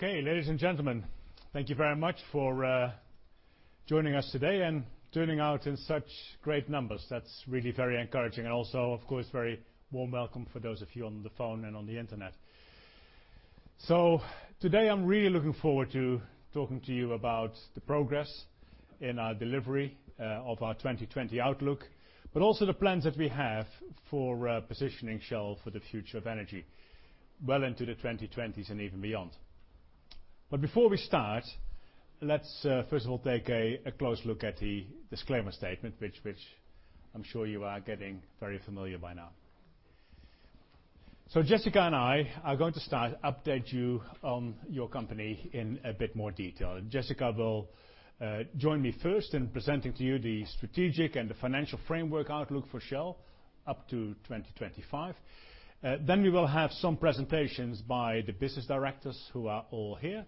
Ladies and gentlemen, thank you very much for joining us today and turning out in such great numbers. That's really very encouraging and also, of course, a very warm welcome for those of you on the phone and on the internet. Today, I'm really looking forward to talking to you about the progress in our delivery of our 2020 outlook, but also the plans that we have for positioning Shell for the future of energy well into the 2020s and even beyond. Before we start, let's first of all take a close look at the disclaimer statement, which I'm sure you are getting very familiar by now. Jessica and I are going to start to update you on your company in a bit more detail. Jessica will join me first in presenting to you the strategic and the financial framework outlook for Shell up to 2025. We will have some presentations by the business directors who are all here.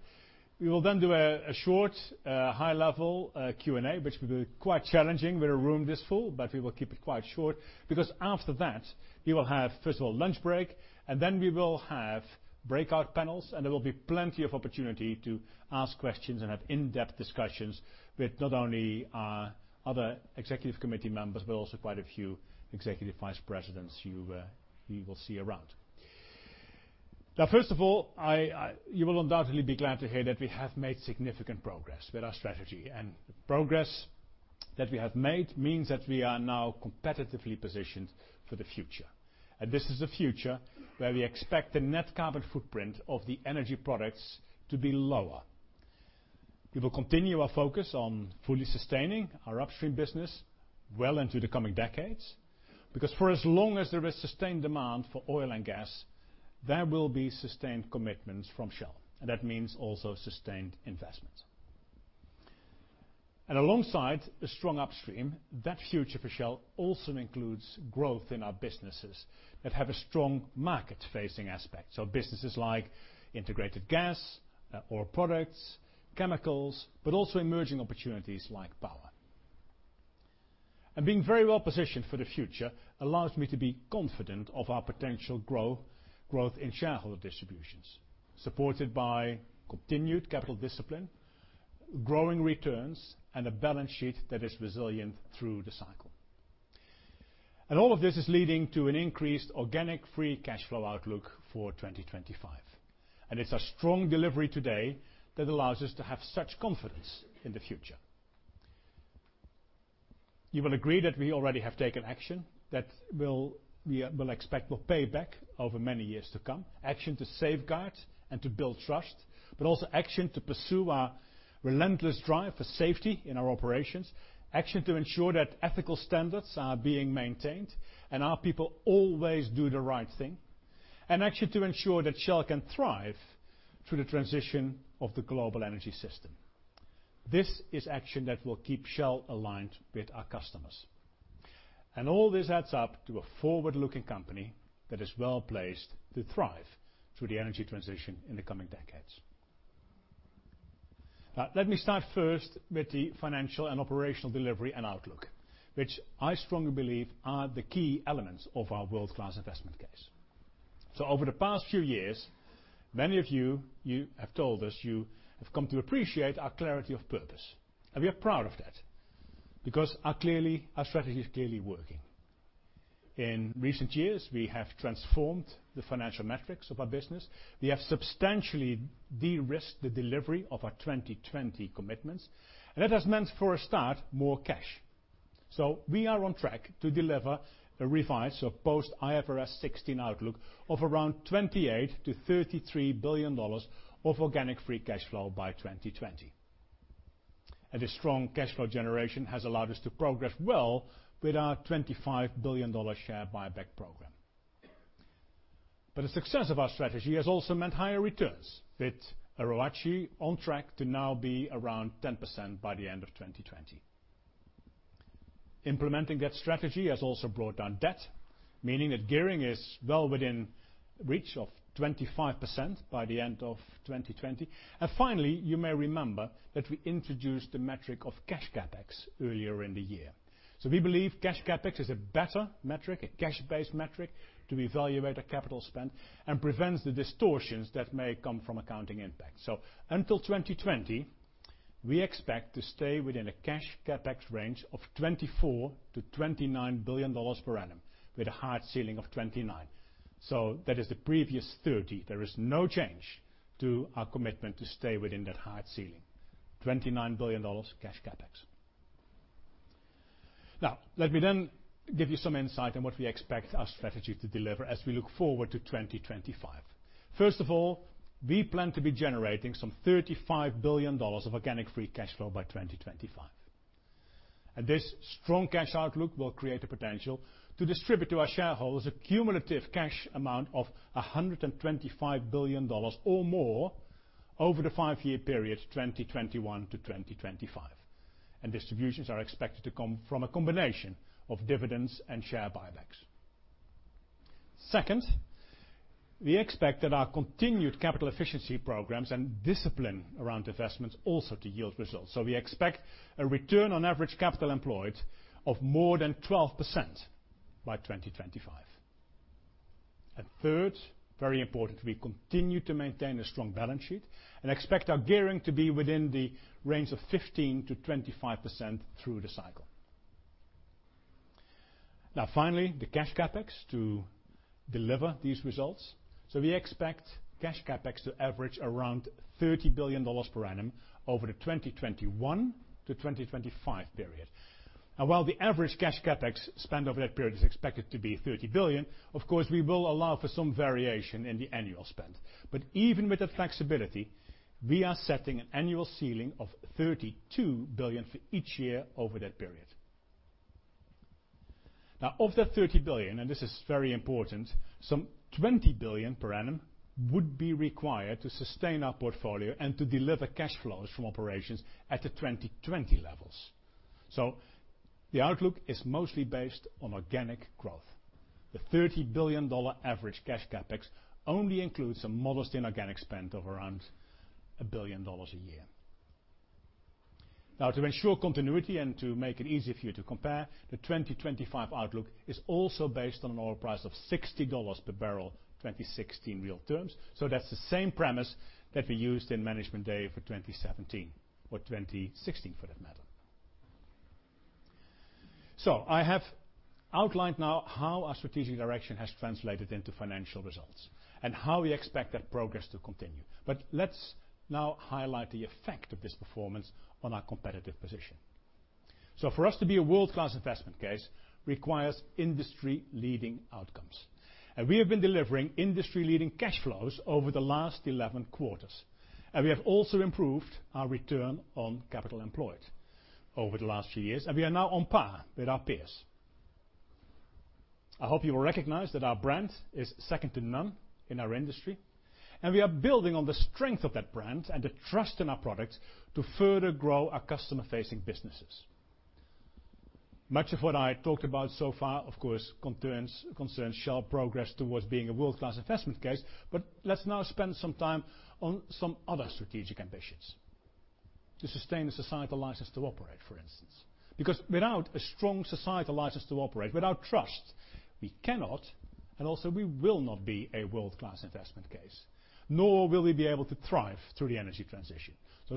We will then do a short high-level Q&A, which will be quite challenging with a room this full, but we will keep it quite short because after that, we will have first of all a lunch break, and then we will have breakout panels and there will be plenty of opportunity to ask questions and have in-depth discussions with not only our other executive committee members, but also quite a few executive vice presidents you will see around. First of all, you will undoubtedly be glad to hear that we have made significant progress with our strategy. The progress that we have made means that we are now competitively positioned for the future. This is a future where we expect the net carbon footprint of the energy products to be lower. We will continue our focus on fully sustaining our upstream business well into the coming decades because for as long as there is sustained demand for oil and gas, there will be sustained commitments from Shell. That means also sustained investment. Alongside a strong upstream, that future for Shell also includes growth in our businesses that have a strong market-facing aspect. Businesses like integrated gas, oil products, chemicals, but also emerging opportunities like power. Being very well positioned for the future allows me to be confident of our potential growth in shareholder distributions, supported by continued capital discipline, growing returns, and a balance sheet that is resilient through the cycle. All of this is leading to an increased organic free cash flow outlook for 2025. It's a strong delivery today that allows us to have such confidence in the future. You will agree that we already have taken action that we will expect will pay back over many years to come, action to safeguard and to build trust, but also action to pursue our relentless drive for safety in our operations, action to ensure that ethical standards are being maintained and our people always do the right thing, and action to ensure that Shell can thrive through the transition of the global energy system. This is action that will keep Shell aligned with our customers. All this adds up to a forward-looking company that is well-placed to thrive through the energy transition in the coming decades. Let me start first with the financial and operational delivery and outlook, which I strongly believe are the key elements of our world-class investment case. Over the past few years, many of you have told us you have come to appreciate our clarity of purpose. We are proud of that because our strategy is clearly working. In recent years, we have transformed the financial metrics of our business. We have substantially de-risked the delivery of our 2020 commitments, and that has meant for a start, more cash. We are on track to deliver a revised post-IFRS 16 outlook of around $28 billion-$33 billion of organic free cash flow by 2020. This strong cash flow generation has allowed us to progress well with our $25 billion share buyback program. The success of our strategy has also meant higher returns, with ROACE on track to now be around 10% by the end of 2020. Implementing that strategy has also brought down debt, meaning that gearing is well within reach of 25% by the end of 2020. Finally, you may remember that we introduced the metric of cash CapEx earlier in the year. We believe cash CapEx is a better metric, a cash-based metric to evaluate our capital spend and prevents the distortions that may come from accounting impact. Until 2020, we expect to stay within a cash CapEx range of $24 billion-$29 billion per annum with a hard ceiling of $29 billion. That is the previous $30 billion. There is no change to our commitment to stay within that hard ceiling, $29 billion cash CapEx. Let me then give you some insight on what we expect our strategy to deliver as we look forward to 2025. First of all, we plan to be generating some $35 billion of organic free cash flow by 2025. This strong cash outlook will create the potential to distribute to our shareholders a cumulative cash amount of $125 billion or more over the five-year period 2021 to 2025. Distributions are expected to come from a combination of dividends and share buybacks. Second, we expect that our continued capital efficiency programs and discipline around investments also to yield results. We expect a return on average capital employed of more than 12% by 2025. Third, very important, we continue to maintain a strong balance sheet and expect our gearing to be within the range of 15%-25% through the cycle. Finally, the cash CapEx to deliver these results. We expect cash CapEx to average around $30 billion per annum over the 2021 to 2025 period. While the average cash CapEx spend over that period is expected to be $30 billion, of course, we will allow for some variation in the annual spend. Even with that flexibility, we are setting an annual ceiling of $32 billion for each year over that period. Of that $30 billion, and this is very important, some $20 billion per annum would be required to sustain our portfolio and to deliver cash flows from operations at the 2020 levels. The outlook is mostly based on organic growth. The $30 billion average cash CapEx only includes a modest inorganic spend of around $1 billion a year. To ensure continuity and to make it easier for you to compare, the 2025 outlook is also based on an oil price of $60 per barrel, 2016 real terms. That's the same premise that we used in management day for 2017 or 2016, for that matter. I have outlined now how our strategic direction has translated into financial results and how we expect that progress to continue. Let's now highlight the effect of this performance on our competitive position. For us to be a world-class investment case requires industry-leading outcomes, and we have been delivering industry-leading cash flows over the last 11 quarters. We have also improved our return on capital employed over the last few years, and we are now on par with our peers. I hope you will recognize that our brand is second to none in our industry, and we are building on the strength of that brand and the trust in our products to further grow our customer-facing businesses. Much of what I talked about so far, of course, concerns Shell progress towards being a world-class investment case. Let's now spend some time on some other strategic ambitions. To sustain a societal license to operate, for instance. Because without a strong societal license to operate, without trust, we cannot and also we will not be a world-class investment case, nor will we be able to thrive through the energy transition.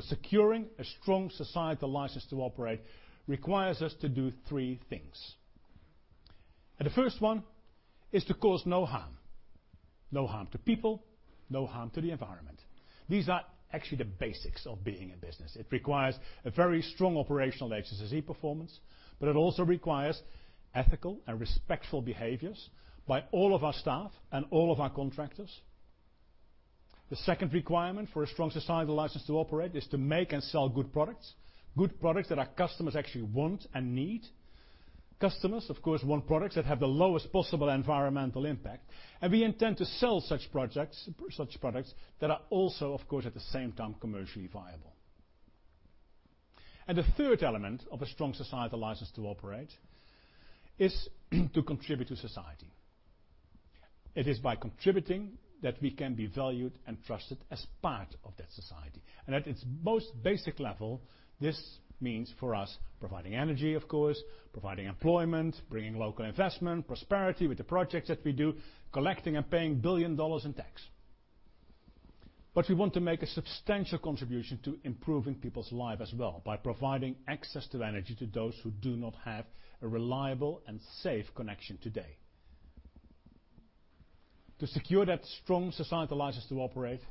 Securing a strong societal license to operate requires us to do three things. The first one is to cause no harm. No harm to people, no harm to the environment. These are actually the basics of being in business. It requires a very strong operational HSSE performance, but it also requires ethical and respectful behaviors by all of our staff and all of our contractors. The second requirement for a strong societal license to operate is to make and sell good products. Good products that our customers actually want and need. Customers, of course, want products that have the lowest possible environmental impact, and we intend to sell such products that are also, of course, at the same time commercially viable. The third element of a strong societal license to operate is to contribute to society. It is by contributing that we can be valued and trusted as part of that society. At its most basic level, this means for us providing energy, of course, providing employment, bringing local investment, prosperity with the projects that we do, collecting and paying $1 billion in tax. We want to make a substantial contribution to improving people's lives as well by providing access to energy to those who do not have a reliable and safe connection today. To secure that strong societal license to operate,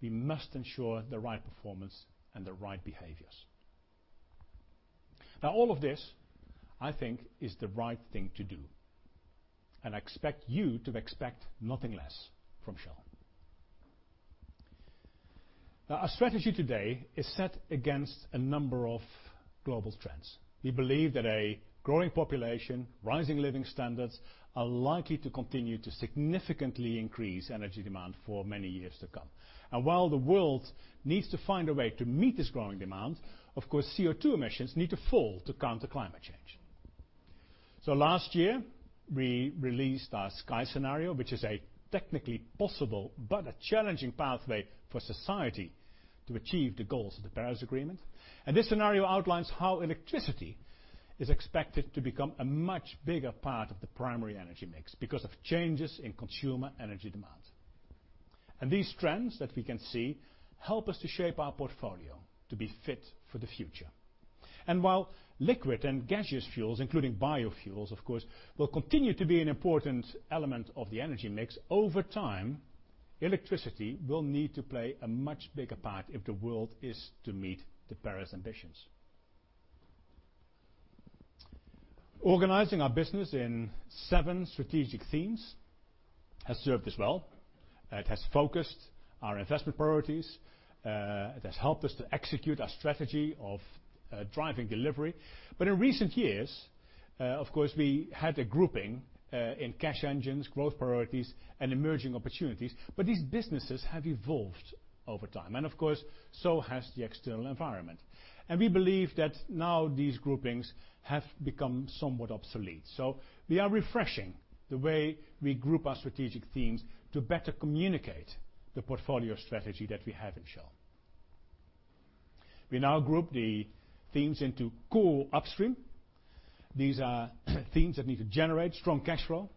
we must ensure the right performance and the right behaviors. All of this, I think, is the right thing to do, and I expect you to expect nothing less from Shell. Our strategy today is set against a number of global trends. We believe that a growing population, rising living standards, are likely to continue to significantly increase energy demand for many years to come. While the world needs to find a way to meet this growing demand, of course, CO2 emissions need to fall to counter climate change. Last year, we released our Sky scenario, which is a technically possible but a challenging pathway for society to achieve the goals of the Paris Agreement. This scenario outlines how electricity is expected to become a much bigger part of the primary energy mix because of changes in consumer energy demand. These trends that we can see help us to shape our portfolio to be fit for the future. While liquid and gaseous fuels, including biofuels, of course, will continue to be an important element of the energy mix, over time, electricity will need to play a much bigger part if the world is to meet the Paris ambitions. Organizing our business in seven strategic themes has served us well. It has focused our investment priorities. It has helped us to execute our strategy of driving delivery. In recent years, of course, we had a grouping in cash engines, growth priorities, and emerging opportunities, these businesses have evolved over time. Of course, so has the external environment. We believe that now these groupings have become somewhat obsolete. We are refreshing the way we group our strategic themes to better communicate the portfolio strategy that we have in Shell. We now group the themes into core upstream. These are themes that need to generate strong cash flow.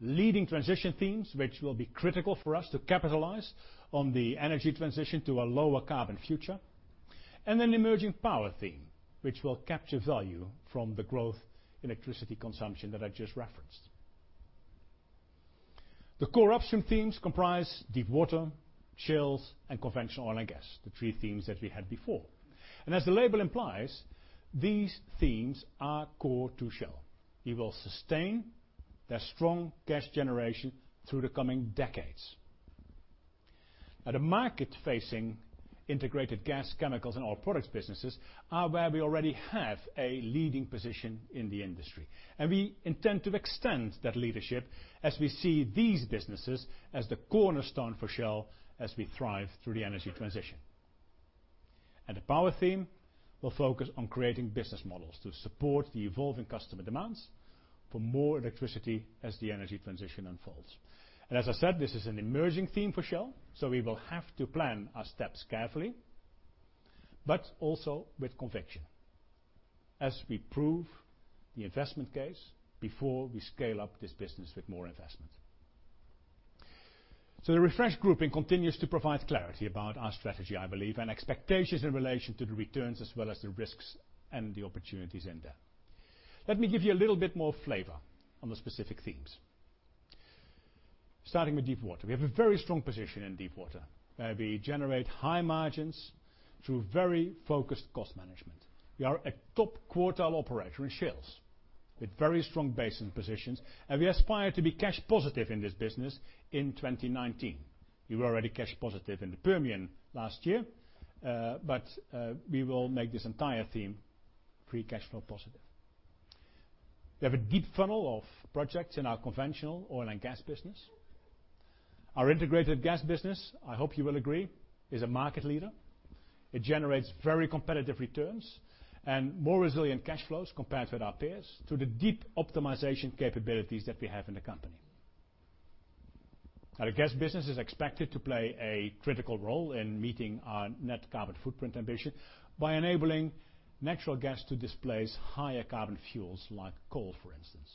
Leading transition themes, which will be critical for us to capitalize on the energy transition to a lower carbon future. An emerging power theme, which will capture value from the growth in electricity consumption that I just referenced. The core upstream themes comprise Deepwater, Shales, and Conventional Oil and Gas, the three themes that we had before. As the label implies, these themes are core to Shell. We will sustain their strong cash generation through the coming decades. The market-facing integrated gas, chemicals, and oil products businesses are where we already have a leading position in the industry, we intend to extend that leadership as we see these businesses as the cornerstone for Shell as we thrive through the energy transition. The power theme will focus on creating business models to support the evolving customer demands for more electricity as the energy transition unfolds. As I said, this is an emerging theme for Shell, we will have to plan our steps carefully, but also with conviction as we prove the investment case before we scale up this business with more investment. The refreshed grouping continues to provide clarity about our strategy, I believe, and expectations in relation to the returns as well as the risks and the opportunities in there. Let me give you a little bit more flavor on the specific themes. Starting with Deepwater. We have a very strong position in Deepwater, where we generate high margins through very focused cost management. We are a top quartile operator in Shales with very strong basin positions, we aspire to be cash positive in this business in 2019. We were already cash positive in the Permian last year, we will make this entire theme free cash flow positive. We have a deep funnel of projects in our Conventional Oil and Gas business. Our integrated gas business, I hope you will agree, is a market leader. It generates very competitive returns and more resilient cash flows compared with our peers through the deep optimization capabilities that we have in the company. The gas business is expected to play a critical role in meeting our net carbon footprint ambition by enabling natural gas to displace higher carbon fuels like coal, for instance.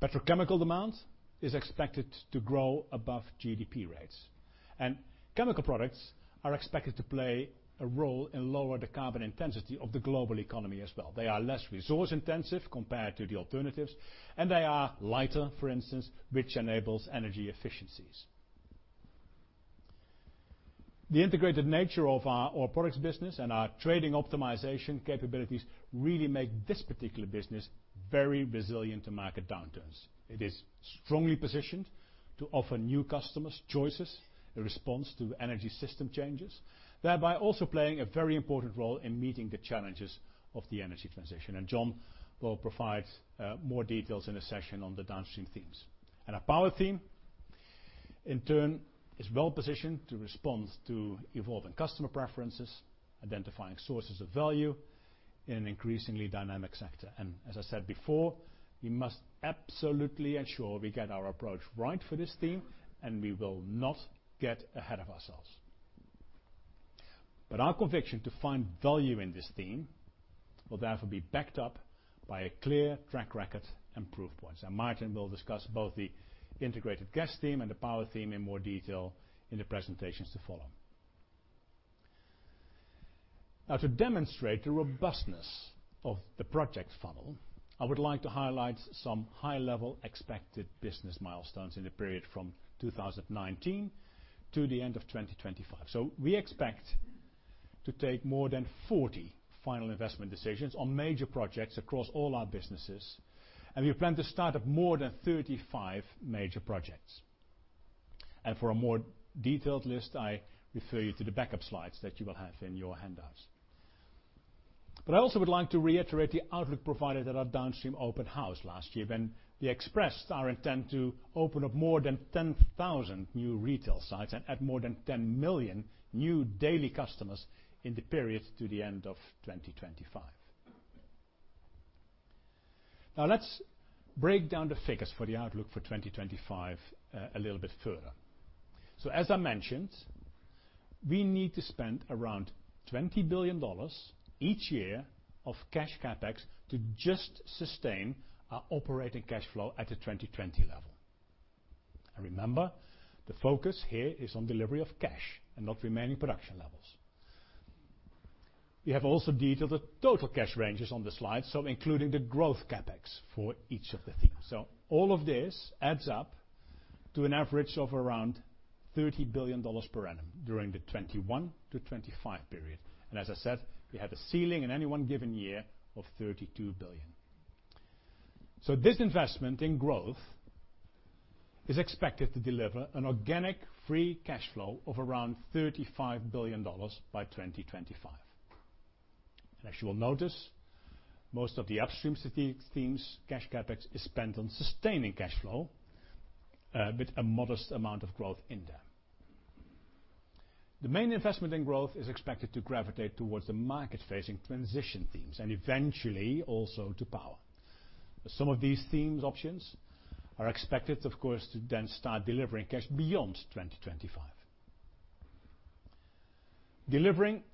Petrochemical demand is expected to grow above GDP rates, and chemical products are expected to play a role in lower the carbon intensity of the global economy as well. They are less resource intensive compared to the alternatives, and they are lighter, for instance, which enables energy efficiencies. The integrated nature of our oil products business and our trading optimization capabilities really make this particular business very resilient to market downturns. It is strongly positioned to offer new customers choices in response to energy system changes, thereby also playing a very important role in meeting the challenges of the energy transition. John will provide more details in a session on the Downstream themes. Our power theme, in turn, is well-positioned to respond to evolving customer preferences, identifying sources of value in an increasingly dynamic sector. As I said before, we must absolutely ensure we get our approach right for this theme, and we will not get ahead of ourselves. Our conviction to find value in this theme will therefore be backed up by a clear track record and proof points. Maarten will discuss both the integrated gas theme and the power theme in more detail in the presentations to follow. To demonstrate the robustness of the project funnel, I would like to highlight some high-level expected business milestones in the period from 2019 to the end of 2025. We expect to take more than 40 final investment decisions on major projects across all our businesses, and we plan to start up more than 35 major projects. For a more detailed list, I refer you to the backup slides that you will have in your handouts. I also would like to reiterate the outlook provided at our Downstream Open House last year when we expressed our intent to open up more than 10,000 new retail sites and add more than 10 million new daily customers in the period to the end of 2025. Let's break down the figures for the outlook for 2025 a little bit further. As I mentioned, we need to spend around $20 billion each year of cash CapEx to just sustain our operating cash flow at the 2020 level. Remember, the focus here is on delivery of cash and not remaining production levels. We have also detailed the total cash ranges on the slide, including the growth CapEx for each of the themes. All of this adds up to an average of around $30 billion per annum during the 2021 to 2025 period. As I said, we have a ceiling in any one given year of $32 billion. This investment in growth is expected to deliver an organic free cash flow of around $35 billion by 2025. As you will notice, most of the Upstream themes cash CapEx is spent on sustaining cash flow with a modest amount of growth in there. The main investment in growth is expected to gravitate towards the market-facing transition themes and eventually also to power. Some of these themes options are expected, of course, to then start delivering cash beyond 2025. Delivering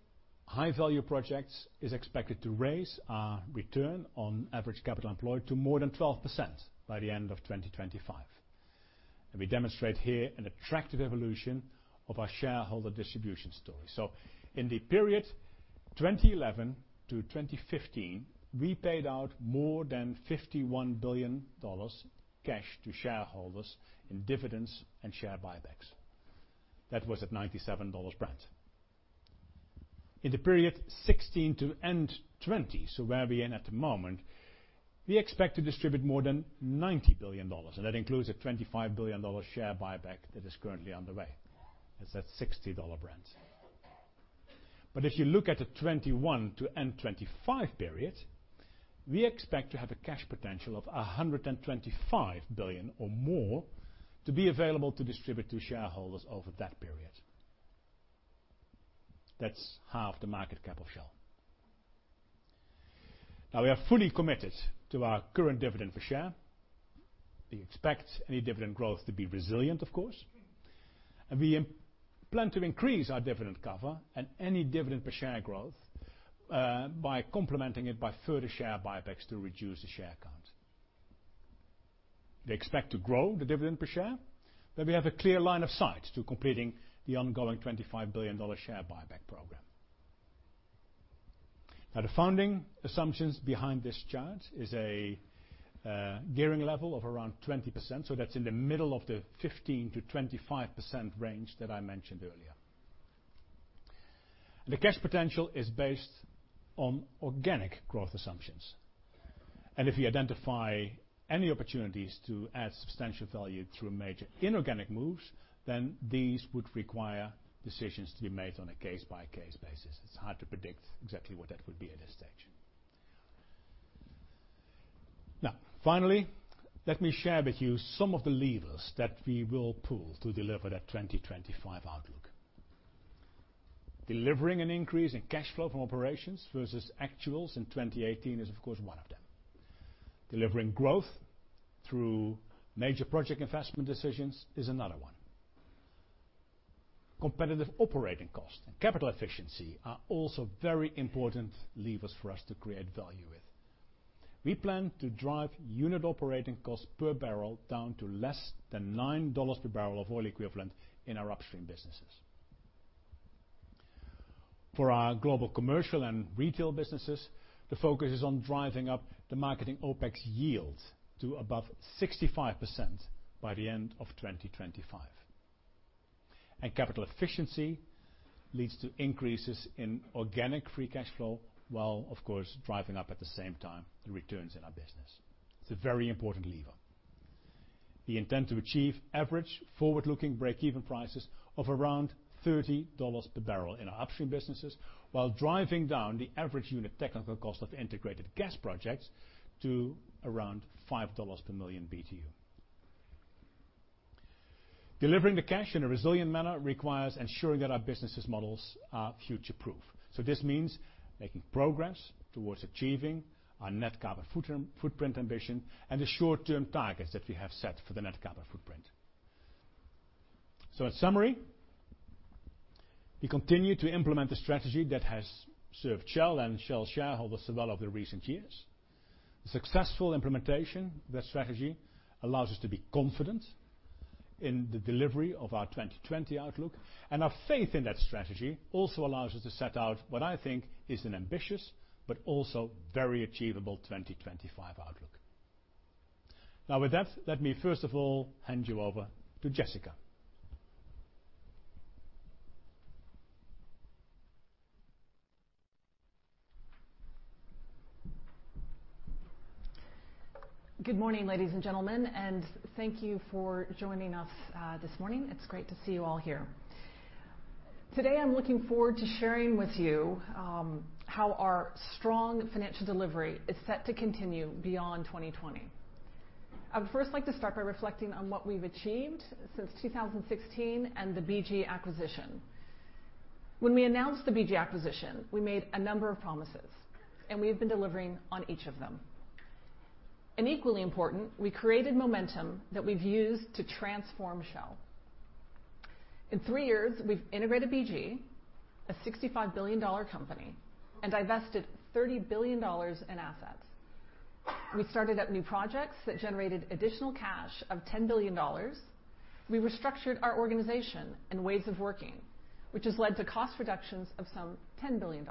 high-value projects is expected to raise our return on average capital employed to more than 12% by the end of 2025. We demonstrate here an attractive evolution of our shareholder distribution story. In the period 2011 to 2015, we paid out more than $51 billion cash to shareholders in dividends and share buybacks. That was at $97 Brent. In the period 2016 to end 2020, where we are at the moment, we expect to distribute more than $90 billion, and that includes a $25 billion share buyback that is currently underway. That's at $60 Brent. If you look at the 2021 to end 2025 period, we expect to have a cash potential of $125 billion or more to be available to distribute to shareholders over that period. That's half the market cap of Shell. We are fully committed to our current dividend per share. We expect any dividend growth to be resilient, of course. We plan to increase our dividend cover and any dividend per share growth by complementing it by further share buybacks to reduce the share count. We expect to grow the dividend per share, we have a clear line of sight to completing the ongoing $25 billion share buyback program. The founding assumptions behind this chart is a gearing level of around 20%, that's in the middle of the 15%-25% range that I mentioned earlier. The cash potential is based on organic growth assumptions. If you identify any opportunities to add substantial value through major inorganic moves, these would require decisions to be made on a case-by-case basis. It's hard to predict exactly what that would be at this stage. Finally, let me share with you some of the levers that we will pull to deliver that 2025 outlook. Delivering an increase in cash flow from operations versus actuals in 2018 is of course one of them. Delivering growth through major project investment decisions is another one. Competitive operating cost and capital efficiency are also very important levers for us to create value with. We plan to drive unit operating costs per barrel down to less than $9 per barrel of oil equivalent in our upstream businesses. For our global commercial and retail businesses, the focus is on driving up the marketing OpEx yield to above 65% by the end of 2025. Capital efficiency leads to increases in organic free cash flow, while of course, driving up at the same time the returns in our business. It's a very important lever. We intend to achieve average forward-looking breakeven prices of around $30 per barrel in our upstream businesses, while driving down the average unit technical cost of integrated gas projects to around $5 per million BTU. Delivering the cash in a resilient manner requires ensuring that our businesses models are future proof. This means making progress towards achieving our net carbon footprint ambition and the short-term targets that we have set for the net carbon footprint. In summary, we continue to implement the strategy that has served Shell and Shell shareholders so well over the recent years. The successful implementation of that strategy allows us to be confident in the delivery of our 2020 outlook, and our faith in that strategy also allows us to set out what I think is an ambitious but also very achievable 2025 outlook. With that, let me first of all hand you over to Jessica. Good morning, ladies and gentlemen, and thank you for joining us this morning. It's great to see you all here. Today I'm looking forward to sharing with you how our strong financial delivery is set to continue beyond 2020. I would first like to start by reflecting on what we've achieved since 2016 and the BG acquisition. When we announced the BG acquisition, we made a number of promises, and we've been delivering on each of them. Equally important, we created momentum that we've used to transform Shell. In three years, we've integrated BG, a $65 billion company, and divested $30 billion in assets. We started up new projects that generated additional cash of $10 billion. We restructured our organization and ways of working, which has led to cost reductions of some $10 billion.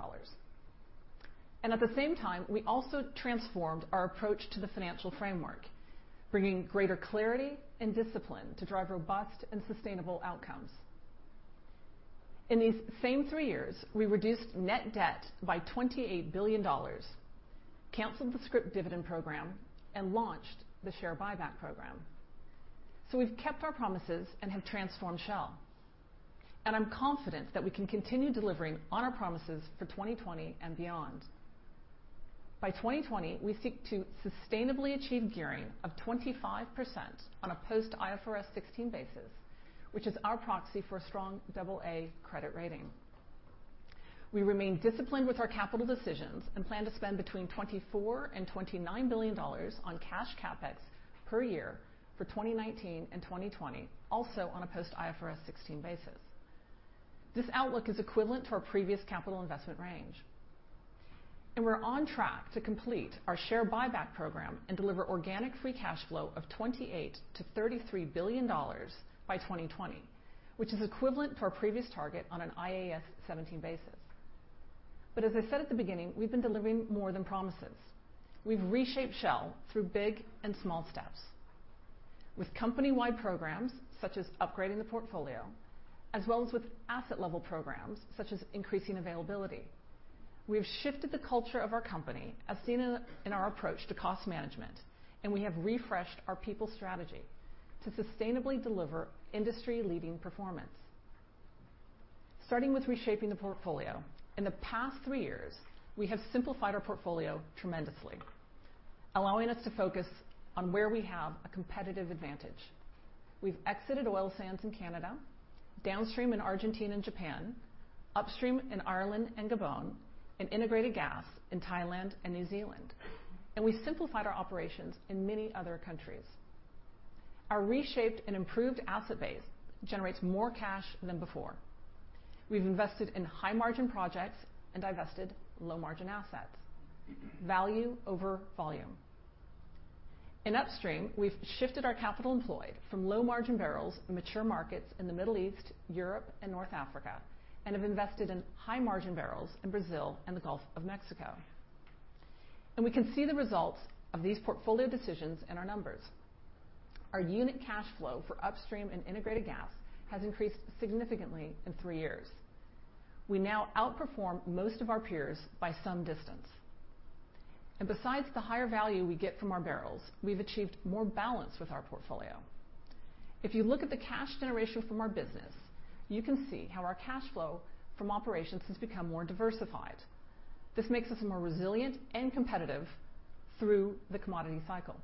At the same time, we also transformed our approach to the financial framework, bringing greater clarity and discipline to drive robust and sustainable outcomes. In these same three years, we reduced net debt by $28 billion, canceled the scrip dividend program, and launched the share buyback program. We've kept our promises and have transformed Shell, and I'm confident that we can continue delivering on our promises for 2020 and beyond. By 2020, we seek to sustainably achieve gearing of 25% on a post IFRS 16 basis, which is our proxy for a strong double A credit rating. We remain disciplined with our capital decisions and plan to spend between $24 billion and $29 billion on cash CapEx per year for 2019 and 2020, also on a post IFRS 16 basis. This outlook is equivalent to our previous capital investment range. We're on track to complete our share buyback program and deliver organic free cash flow of $28 billion-$33 billion by 2020, which is equivalent to our previous target on an IAS 17 basis. As I said at the beginning, we've been delivering more than promises. We've reshaped Shell through big and small steps. With company-wide programs, such as upgrading the portfolio, as well as with asset-level programs, such as increasing availability. We have shifted the culture of our company, as seen in our approach to cost management, and we have refreshed our people strategy to sustainably deliver industry-leading performance. Starting with reshaping the portfolio. In the past three years, we have simplified our portfolio tremendously, allowing us to focus on where we have a competitive advantage. We've exited oil sands in Canada, downstream in Argentina and Japan, upstream in Ireland and Gabon, and integrated gas in Thailand and New Zealand. We simplified our operations in many other countries. Our reshaped and improved asset base generates more cash than before. We've invested in high margin projects and divested low margin assets. Value over volume. In upstream, we've shifted our capital employed from low margin barrels in mature markets in the Middle East, Europe, and North Africa, and have invested in high margin barrels in Brazil and the Gulf of Mexico. We can see the results of these portfolio decisions in our numbers. Our unit cash flow for upstream and integrated gas has increased significantly in three years. We now outperform most of our peers by some distance. Besides the higher value we get from our barrels, we've achieved more balance with our portfolio. If you look at the cash generation from our business, you can see how our cash flow from operations has become more diversified. This makes us more resilient and competitive through the commodity cycle.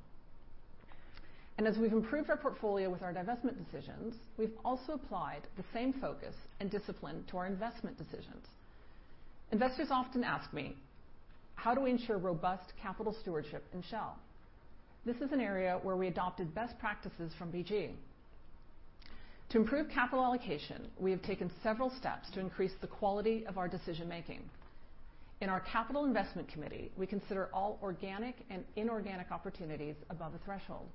As we've improved our portfolio with our divestment decisions, we've also applied the same focus and discipline to our investment decisions. Investors often ask me, how do we ensure robust capital stewardship in Shell? This is an area where we adopted best practices from BG. To improve capital allocation, we have taken several steps to increase the quality of our decision making. In our capital investment committee, we consider all organic and inorganic opportunities above a threshold.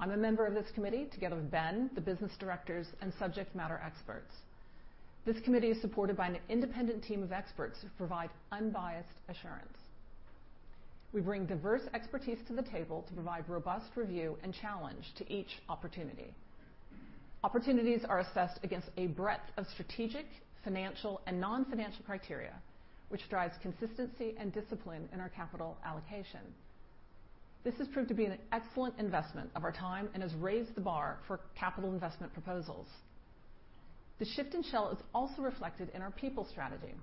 I'm a member of this committee together with Ben, the business directors, and subject matter experts. This committee is supported by an independent team of experts who provide unbiased assurance. We bring diverse expertise to the table to provide robust review and challenge to each opportunity. Opportunities are assessed against a breadth of strategic, financial, and non-financial criteria, which drives consistency and discipline in our capital allocation. This has proved to be an excellent investment of our time and has raised the bar for capital investment proposals. The shift in Shell is also reflected in our people strategy.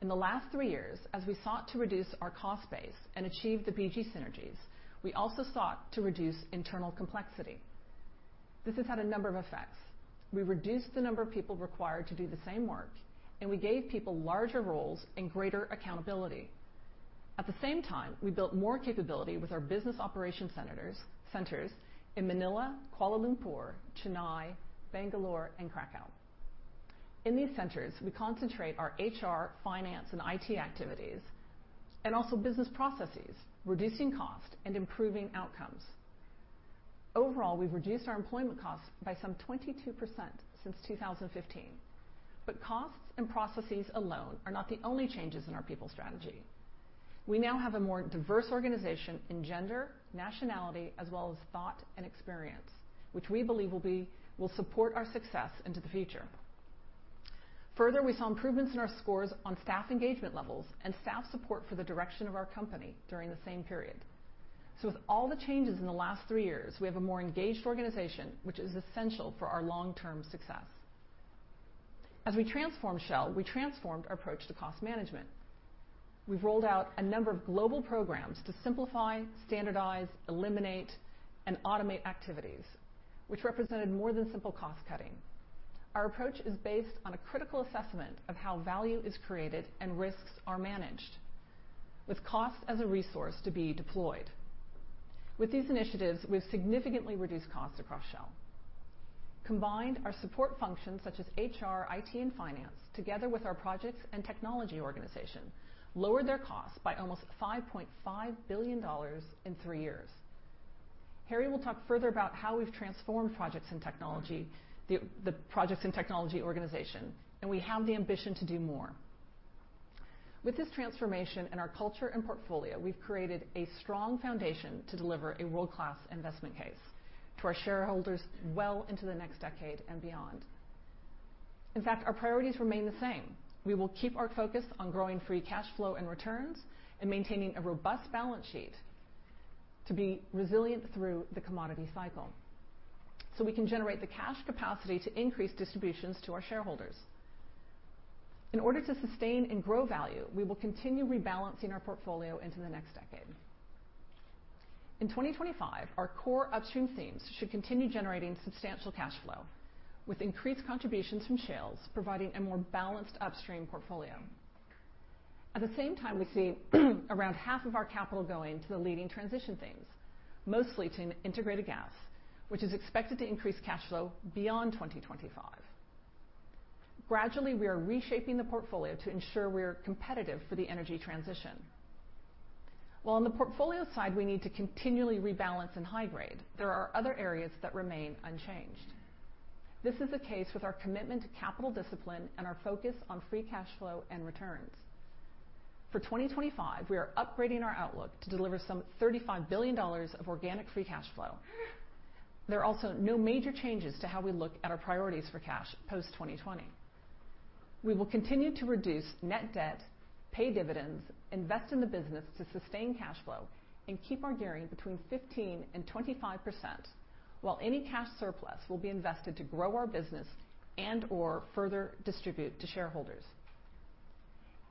In the last three years, as we sought to reduce our cost base and achieve the BG synergies, we also sought to reduce internal complexity. This has had a number of effects. We reduced the number of people required to do the same work, and we gave people larger roles and greater accountability. At the same time, we built more capability with our business operation centers in Manila, Kuala Lumpur, Chennai, Bangalore, and Krakow. In these centers, we concentrate our HR, finance, and IT activities, and also business processes, reducing cost and improving outcomes. Overall, we've reduced our employment costs by some 22% since 2015. Costs and processes alone are not the only changes in our people strategy. We now have a more diverse organization in gender, nationality, as well as thought and experience, which we believe will support our success into the future. Further, we saw improvements in our scores on staff engagement levels and staff support for the direction of our company during the same period. With all the changes in the last three years, we have a more engaged organization, which is essential for our long-term success. As we transformed Shell, we transformed our approach to cost management. We've rolled out a number of global programs to simplify, standardize, eliminate, and automate activities, which represented more than simple cost cutting. Our approach is based on a critical assessment of how value is created and risks are managed, with cost as a resource to be deployed. With these initiatives, we've significantly reduced costs across Shell. Combined, our support functions such as HR, IT, and finance, together with our Projects & Technology organization, lowered their costs by almost $5.5 billion in three years. Harry will talk further about how we've transformed the Projects & Technology organization, and we have the ambition to do more. With this transformation in our culture and portfolio, we've created a strong foundation to deliver a world-class investment case to our shareholders well into the next decade and beyond. In fact, our priorities remain the same. We will keep our focus on growing free cash flow and returns and maintaining a robust balance sheet to be resilient through the commodity cycle so we can generate the cash capacity to increase distributions to our shareholders. In order to sustain and grow value, we will continue rebalancing our portfolio into the next decade. In 2025, our core Upstream themes should continue generating substantial cash flow, with increased contributions from Shales providing a more balanced Upstream portfolio. At the same time, we see around half of our capital going to the leading transition themes, mostly to Integrated Gas, which is expected to increase cash flow beyond 2025. Gradually, we are reshaping the portfolio to ensure we are competitive for the energy transition. While on the portfolio side, we need to continually rebalance and high grade, there are other areas that remain unchanged. This is the case with our commitment to capital discipline and our focus on free cash flow and returns. For 2025, we are upgrading our outlook to deliver some $35 billion of organic free cash flow. There are also no major changes to how we look at our priorities for cash post 2020. We will continue to reduce net debt, pay dividends, invest in the business to sustain cash flow, and keep our gearing between 15%-25%, while any cash surplus will be invested to grow our business and/or further distribute to shareholders.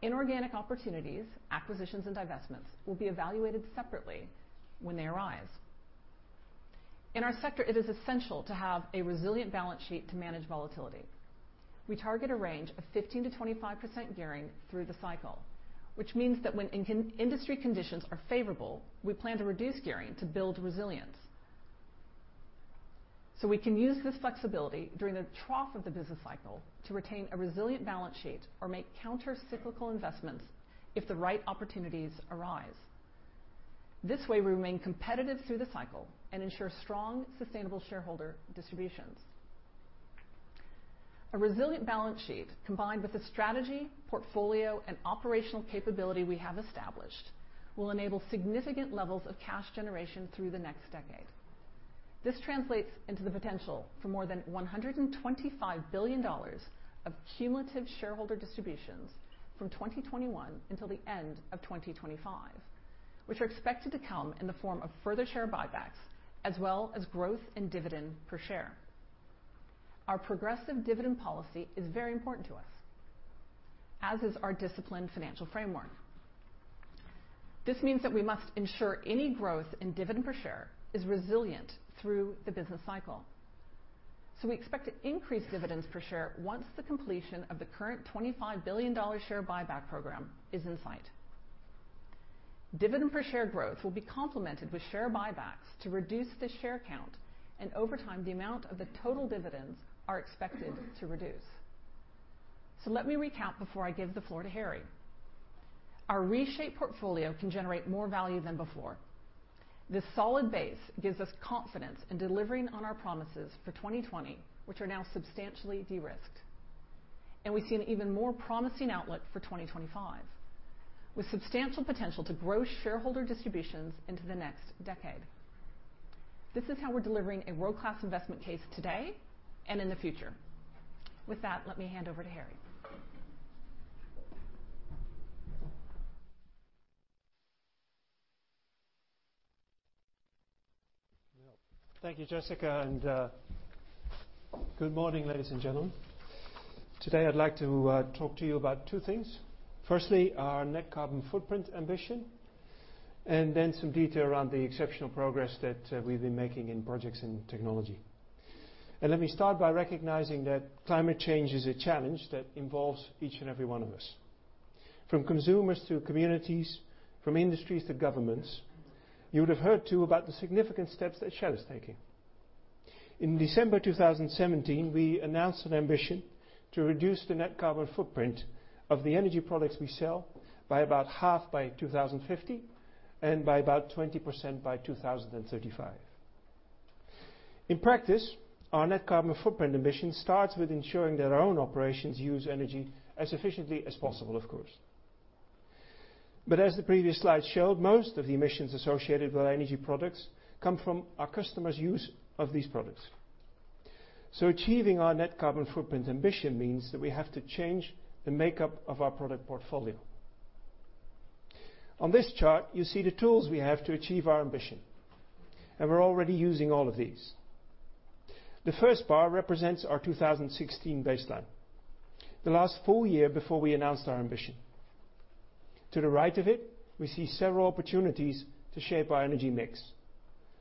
Inorganic opportunities, acquisitions, and divestments will be evaluated separately when they arise. In our sector, it is essential to have a resilient balance sheet to manage volatility. We target a range of 15%-25% gearing through the cycle, which means that when industry conditions are favorable, we plan to reduce gearing to build resilience. We can use this flexibility during the trough of the business cycle to retain a resilient balance sheet or make counter-cyclical investments if the right opportunities arise. This way, we remain competitive through the cycle and ensure strong, sustainable shareholder distributions. A resilient balance sheet, combined with the strategy, portfolio, and operational capability we have established, will enable significant levels of cash generation through the next decade. This translates into the potential for more than $125 billion of cumulative shareholder distributions from 2021 until the end of 2025, which are expected to come in the form of further share buybacks, as well as growth in dividend per share. Our progressive dividend policy is very important to us, as is our disciplined financial framework. This means that we must ensure any growth in dividend per share is resilient through the business cycle. We expect to increase dividends per share once the completion of the current $25 billion share buyback program is in sight. Dividend per share growth will be complemented with share buybacks to reduce the share count, and over time, the amount of the total dividends are expected to reduce. Let me recap before I give the floor to Harry. Our reshaped portfolio can generate more value than before. This solid base gives us confidence in delivering on our promises for 2020, which are now substantially de-risked. We see an even more promising outlook for 2025, with substantial potential to grow shareholder distributions into the next decade. This is how we're delivering a world-class investment case today and in the future. With that, let me hand over to Harry. Thank you, Jessica, good morning, ladies and gentlemen. Today, I'd like to talk to you about two things. Firstly, our net carbon footprint ambition, then some detail around the exceptional progress that we've been making in Projects & Technology. Let me start by recognizing that climate change is a challenge that involves each and every one of us, from consumers to communities, from industries to governments. You would have heard, too, about the significant steps that Shell is taking. In December 2017, we announced an ambition to reduce the net carbon footprint of the energy products we sell by about half by 2050 and by about 20% by 2035. In practice, our net carbon footprint ambition starts with ensuring that our own operations use energy as efficiently as possible, of course. As the previous slide showed, most of the emissions associated with our energy products come from our customers' use of these products. Achieving our net carbon footprint ambition means that we have to change the makeup of our product portfolio. On this chart, you see the tools we have to achieve our ambition, we're already using all of these. The first bar represents our 2016 baseline, the last full year before we announced our ambition. To the right of it, we see several opportunities to shape our energy mix.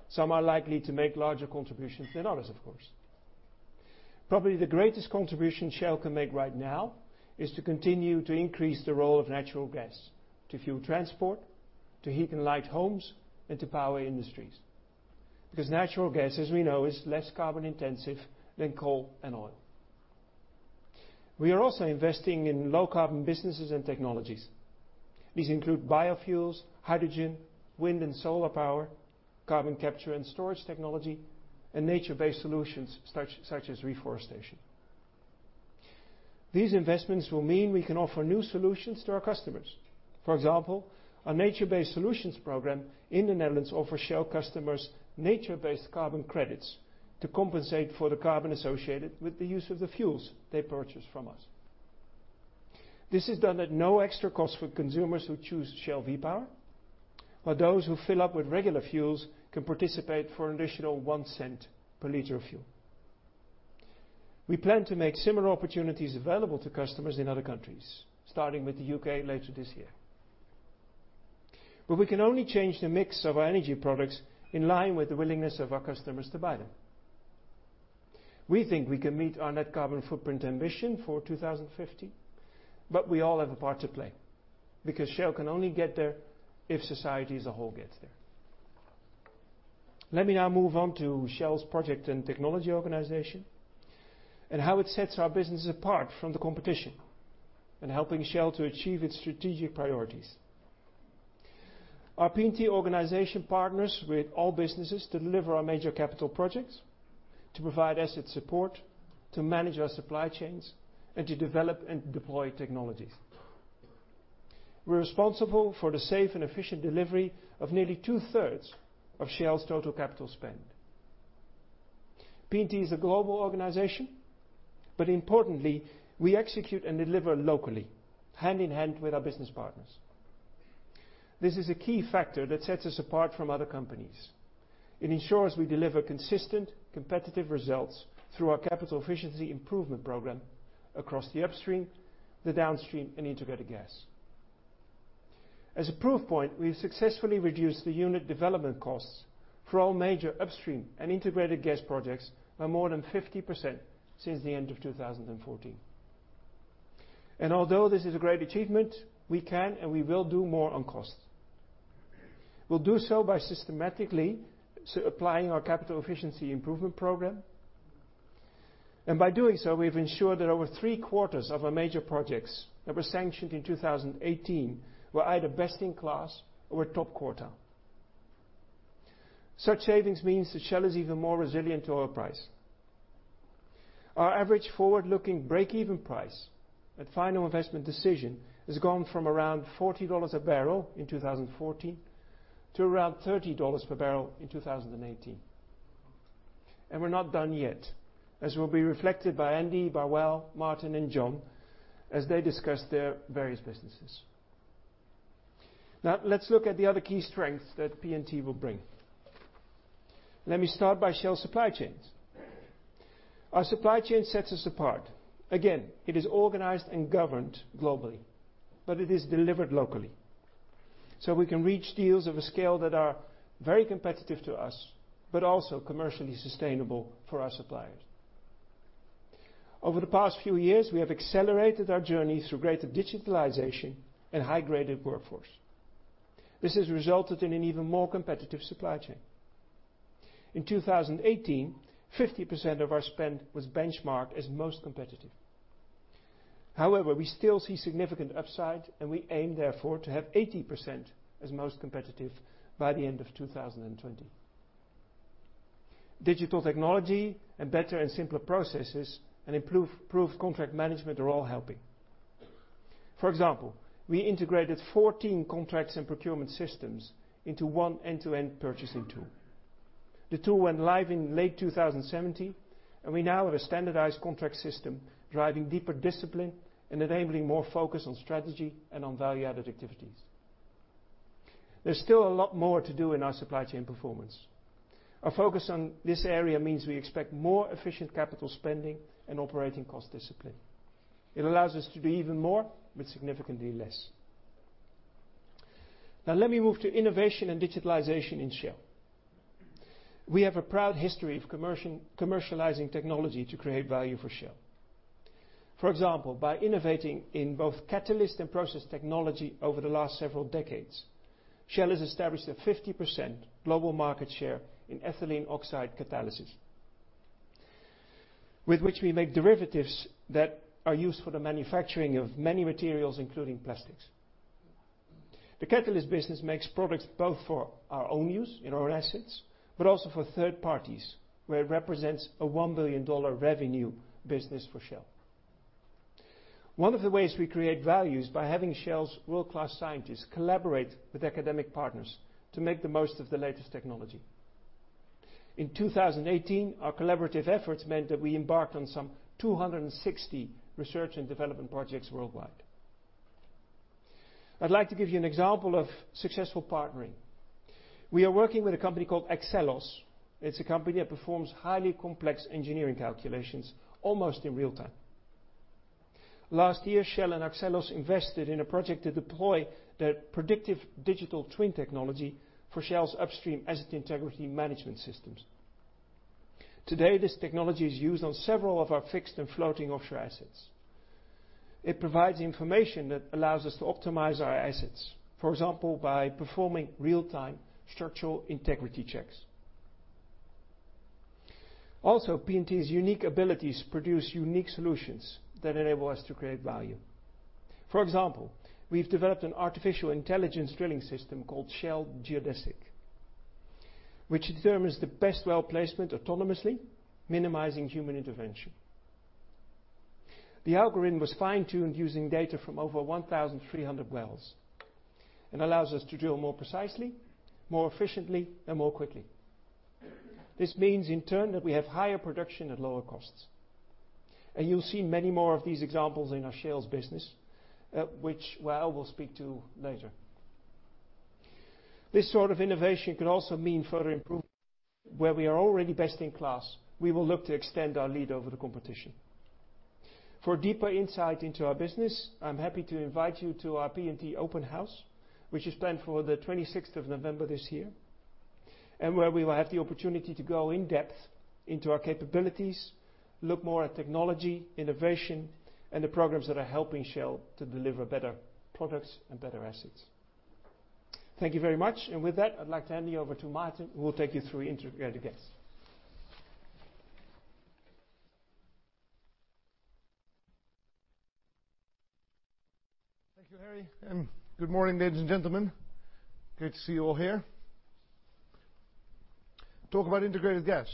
Some are likely to make larger contributions than others, of course. Probably the greatest contribution Shell can make right now is to continue to increase the role of natural gas to fuel transport, to heat and light homes, and to power industries. Natural gas, as we know, is less carbon intensive than coal and oil. We are also investing in low carbon businesses and technologies. These include biofuels, hydrogen, wind and solar power, carbon capture and storage technology, and nature-based solutions such as reforestation. These investments will mean we can offer new solutions to our customers. For example, our nature-based solutions program in the Netherlands offers Shell customers nature-based carbon credits to compensate for the carbon associated with the use of the fuels they purchase from us. This is done at no extra cost for consumers who choose Shell V-Power, while those who fill up with regular fuels can participate for an additional $0.01 per liter of fuel. We plan to make similar opportunities available to customers in other countries, starting with the U.K. later this year. We can only change the mix of our energy products in line with the willingness of our customers to buy them. We think we can meet our net carbon footprint ambition for 2050. We all have a part to play, because Shell can only get there if society as a whole gets there. Let me now move on to Shell's Projects & Technology organization and how it sets our businesses apart from the competition in helping Shell to achieve its strategic priorities. Our P&T organization partners with all businesses to deliver our major capital projects, to provide asset support, to manage our supply chains, and to develop and deploy technologies. We're responsible for the safe and efficient delivery of nearly two-thirds of Shell's total capital spend. P&T is a global organization. Importantly, we execute and deliver locally, hand-in-hand with our business partners. This is a key factor that sets us apart from other companies. It ensures we deliver consistent, competitive results through our capital efficiency improvement program across the Upstream, the Downstream, and Integrated Gas. As a proof point, we've successfully reduced the unit development costs for all major Upstream and Integrated Gas projects by more than 50% since the end of 2014. Although this is a great achievement, we can and we will do more on cost. We'll do so by systematically applying our capital efficiency improvement program. By doing so, we've ensured that over three-quarters of our major projects that were sanctioned in 2018 were either best in class or top quarter. Such savings means that Shell is even more resilient to oil price. Our average forward-looking breakeven price at final investment decision has gone from around $40 a barrel in 2014 to around $30 per barrel in 2018. We're not done yet, as will be reflected by Andy, by Wael, Maarten, and John as they discuss their various businesses. Now, let's look at the other key strengths that P&T will bring. Let me start by Shell supply chains. Our supply chain sets us apart. Again, it is organized and governed globally, but it is delivered locally. We can reach deals of a scale that are very competitive to us, but also commercially sustainable for our suppliers. Over the past few years, we have accelerated our journey through greater digitalization and high-graded workforce. This has resulted in an even more competitive supply chain. In 2018, 50% of our spend was benchmarked as most competitive. However, we still see significant upside. We aim, therefore, to have 80% as most competitive by the end of 2020. Digital technology and better and simpler processes and improved contract management are all helping. For example, we integrated 14 contracts and procurement systems into one end-to-end purchasing tool. The tool went live in late 2017. We now have a standardized contract system driving deeper discipline and enabling more focus on strategy and on value-added activities. There's still a lot more to do in our supply chain performance. Our focus on this area means we expect more efficient capital spending and operating cost discipline. It allows us to do even more with significantly less. Now let me move to innovation and digitalization in Shell. We have a proud history of commercializing technology to create value for Shell. For example, by innovating in both catalyst and process technology over the last several decades, Shell has established a 50% global market share in ethylene oxide catalysis, with which we make derivatives that are used for the manufacturing of many materials, including plastics. The catalyst business makes products both for our own use in our assets, but also for third parties, where it represents a $1 billion revenue business for Shell. One of the ways we create value is by having Shell's world-class scientists collaborate with academic partners to make the most of the latest technology. In 2018, our collaborative efforts meant that we embarked on some 260 research and development projects worldwide. I'd like to give you an example of successful partnering. We are working with a company called Akselos. It's a company that performs highly complex engineering calculations almost in real time. Last year, Shell and Akselos invested in a project to deploy their predictive digital twin technology for Shell's upstream asset integrity management systems. Today, this technology is used on several of our fixed and floating offshore assets. It provides information that allows us to optimize our assets, for example, by performing real-time structural integrity checks. P&T's unique abilities produce unique solutions that enable us to create value. For example, we've developed an artificial intelligence drilling system called Shell Geodesic, which determines the best well placement autonomously, minimizing human intervention. The algorithm was fine-tuned using data from over 1,300 wells and allows us to drill more precisely, more efficiently, and more quickly. This means, in turn, that we have higher production at lower costs. You'll see many more of these examples in our Shell's business, which Wael will speak to later. This sort of innovation can also mean further improvement where we are already best in class. We will look to extend our lead over the competition. For deeper insight into our business, I'm happy to invite you to our P&T Open House, which is planned for the 26th of November this year, where we will have the opportunity to go in depth into our capabilities, look more at technology, innovation and the programs that are helping Shell to deliver better products and better assets. Thank you very much. With that, I'd like to hand you over to Maarten, who will take you through integrated gas. Thank you, Harry, and good morning ladies and gentlemen. Great to see you all here. Talk about integrated gas.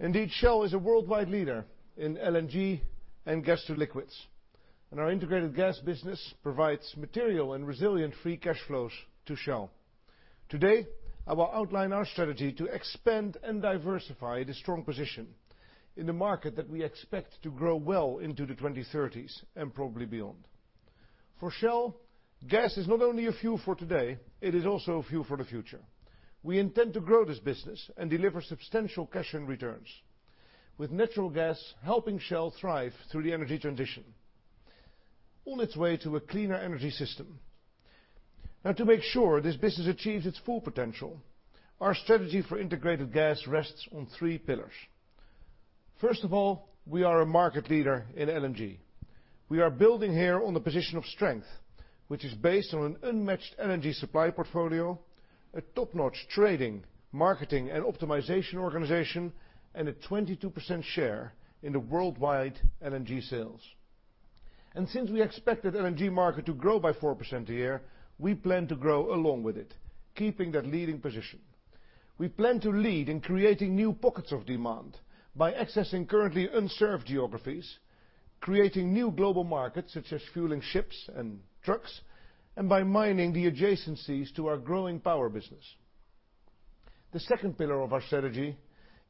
Indeed, Shell is a worldwide leader in LNG and gas to liquids, our integrated gas business provides material and resilient free cash flows to Shell. Today, I will outline our strategy to expand and diversify this strong position in the market that we expect to grow well into the 2030s and probably beyond. For Shell, gas is not only a fuel for today, it is also a fuel for the future. We intend to grow this business and deliver substantial cash and returns. With natural gas helping Shell thrive through the energy transition on its way to a cleaner energy system. To make sure this business achieves its full potential, our strategy for integrated gas rests on three pillars. First of all, we are a market leader in LNG. We are building here on the position of strength, which is based on an unmatched energy supply portfolio, a top-notch trading, marketing, and optimization organization, and a 22% share in the worldwide LNG sales. Since we expect that LNG market to grow by 4% a year, we plan to grow along with it, keeping that leading position. We plan to lead in creating new pockets of demand by accessing currently unserved geographies, creating new global markets such as fueling ships and trucks, and by mining the adjacencies to our growing power business. The second pillar of our strategy